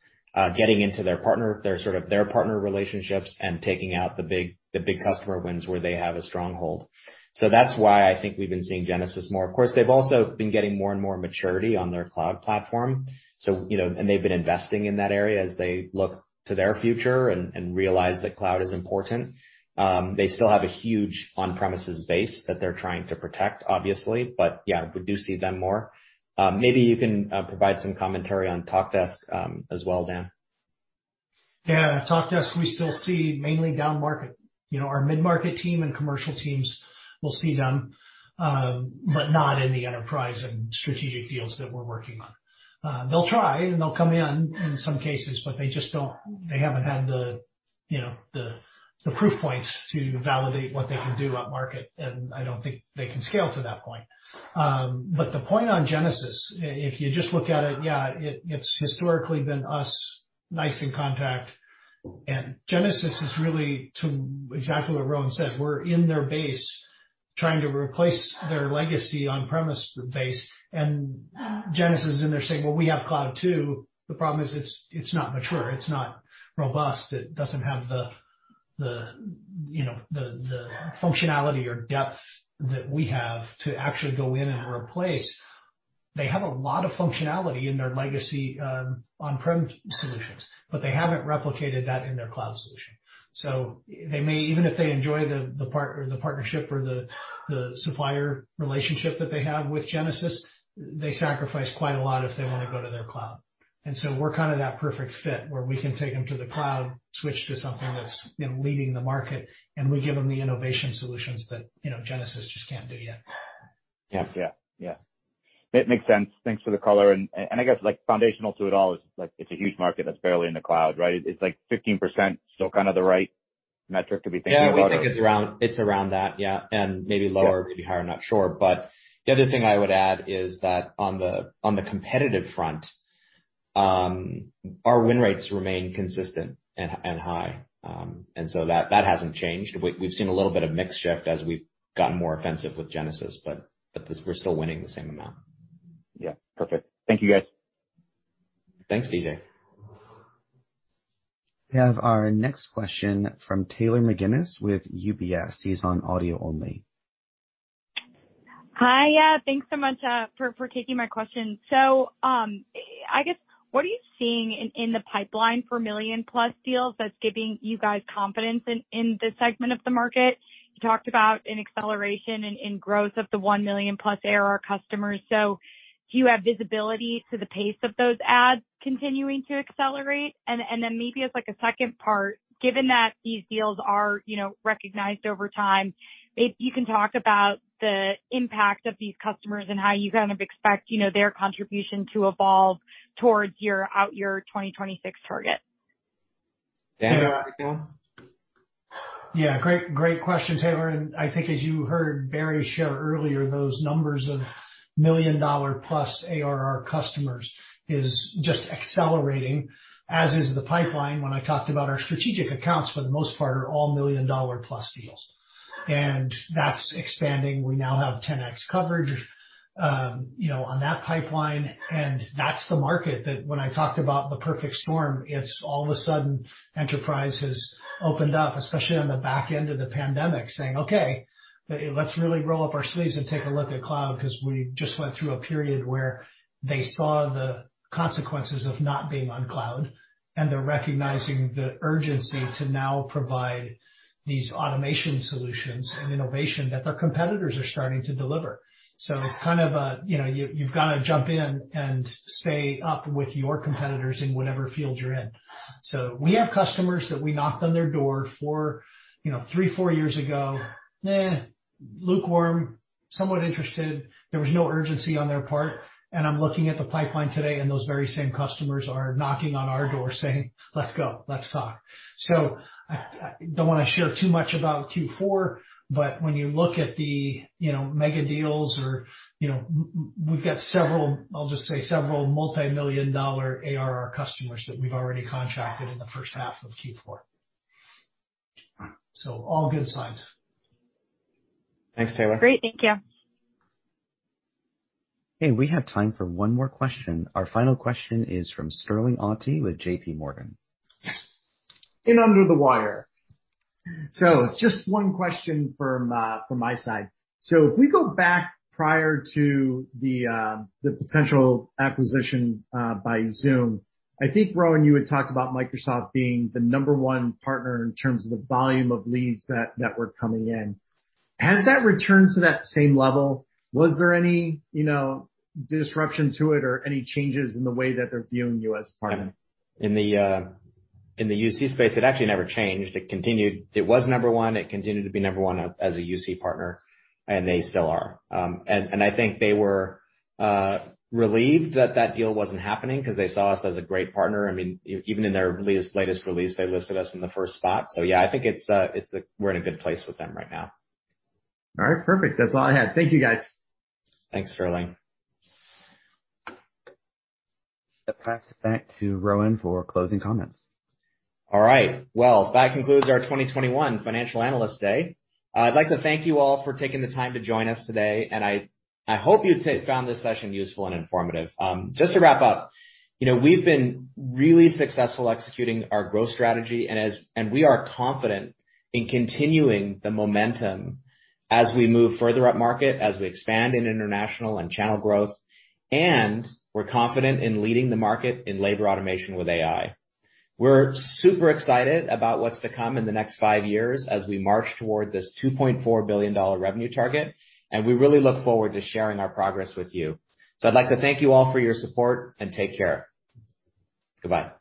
getting into their partner relationships and taking out the big customer wins where they have a stronghold. That's why I think we've been seeing Genesys more. Of course, they've also been getting more and more maturity on their cloud platform, so, you know, and they've been investing in that area as they look to their future and realize that cloud is important. They still have a huge on-premises base that they're trying to protect, obviously. Yeah, we do see them more. Maybe you can provide some commentary on Talkdesk as well, Dan. Yeah. Talkdesk we still see mainly downmarket. You know, our mid-market team and commercial teams will see them, but not in the enterprise and strategic deals that we're working on. They'll try, and they'll come in in some cases, but they just don't. They haven't had the proof points to validate what they can do at market, and I don't think they can scale to that point. But the point on Genesys, if you just look at it, yeah, it's historically been us, NICE inContact. Genesys is really doing exactly what Rowan says, we're in their base trying to replace their legacy on-premise base. Genesys in there saying, "Well, we have cloud too." The problem is it's not mature, it's not robust, it doesn't have the you know the functionality or depth that we have to actually go in and replace. They have a lot of functionality in their legacy on-prem solutions, but they haven't replicated that in their cloud solution. They may, even if they enjoy the partnership or the supplier relationship that they have with Genesys, sacrifice quite a lot if they wanna go to their cloud. We're kind of that perfect fit where we can take them to the cloud, switch to something that's, you know, leading the market, and we give them the innovation solutions that, you know, Genesys just can't do yet. Yeah. Yeah. Yeah. It makes sense. Thanks for the color. I guess, like, foundational to it all is, like, it's a huge market that's barely in the cloud, right? It's like 15% still kind of the right metric to be thinking about it? Yeah. We think it's around that, yeah, and maybe lower, maybe higher, I'm not sure. The other thing I would add is that on the competitive front, our win rates remain consistent and high. That hasn't changed. We've seen a little bit of mix shift as we've gotten more offensive with Genesys, but we're still winning the same amount. Yeah. Perfect. Thank you, guys. Thanks, DJ. We have our next question from Taylor McGinnis with UBS. He's on audio only. Hi. Yeah, thanks so much for taking my question. I guess, what are you seeing in the pipeline for million-plus deals that's giving you guys confidence in this segment of the market? You talked about an acceleration in growth of the 1 million-plus ARR customers. Do you have visibility to the pace of those adds continuing to accelerate? Then maybe as like a second part, given that these deals are, you know, recognized over time, if you can talk about the impact of these customers and how you kind of expect, you know, their contribution to evolve towards your out-year 2026 target. Dan, do you wanna take that one? Yeah. Great question, Taylor. I think as you heard Barry share earlier, those numbers of million-dollar plus ARR customers is just accelerating, as is the pipeline when I talked about our strategic accounts, for the most part, are all million-dollar plus deals. That's expanding. We now have 10x coverage, you know, on that pipeline, and that's the market that when I talked about the perfect storm, it's all of a sudden enterprise has opened up, especially on the back end of the pandemic, saying, "Okay, let's really roll up our sleeves and take a look at cloud," 'cause we just went through a period where they saw the consequences of not being on cloud, and they're recognizing the urgency to now provide these automation solutions and innovation that their competitors are starting to deliver. It's kind of a, you know, you've gotta jump in and stay up with your competitors in whatever field you're in. We have customers that we knocked on their door 3-4 years ago. Nah, lukewarm, somewhat interested. There was no urgency on their part. I'm looking at the pipeline today, and those very same customers are knocking on our door saying, "Let's go. Let's talk." I don't wanna share too much about Q4, but when you look at the, you know, mega deals or, you know, we've got several, I'll just say several multimillion-dollar ARR customers that we've already contracted in the first half of Q4. All good signs. Thanks, Taylor. Great. Thank you. Okay. We have time for one more question. Our final question is from Sterling Auty with JPMorgan. Yes. In under the wire. Just one question from my side. If we go back prior to the potential acquisition by Zoom, I think, Rowan, you had talked about Microsoft being the number one partner in terms of the volume of leads that were coming in. Has that returned to that same level? Was there any, you know, disruption to it or any changes in the way that they're viewing you as a partner? In the UC space, it actually never changed. It continued. It was number one. It continued to be number one as a UC partner, and they still are. I think they were relieved that that deal wasn't happening 'cause they saw us as a great partner. I mean, even in their latest release, they listed us in the first spot. Yeah, I think it's a good place with them right now. All right. Perfect. That's all I had. Thank you, guys. Thanks, Sterling. I'll pass it back to Rowan for closing comments. All right. Well, that concludes our 2021 Financial Analyst Day. I'd like to thank you all for taking the time to join us today, and I hope you found this session useful and informative. Just to wrap up, you know, we've been really successful executing our growth strategy, and we are confident in continuing the momentum as we move further up market, as we expand in international and channel growth, and we're confident in leading the market in labor automation with AI. We're super excited about what's to come in the next five years as we march toward this $2.4 billion revenue target, and we really look forward to sharing our progress with you. I'd like to thank you all for your support, and take care. Goodbye.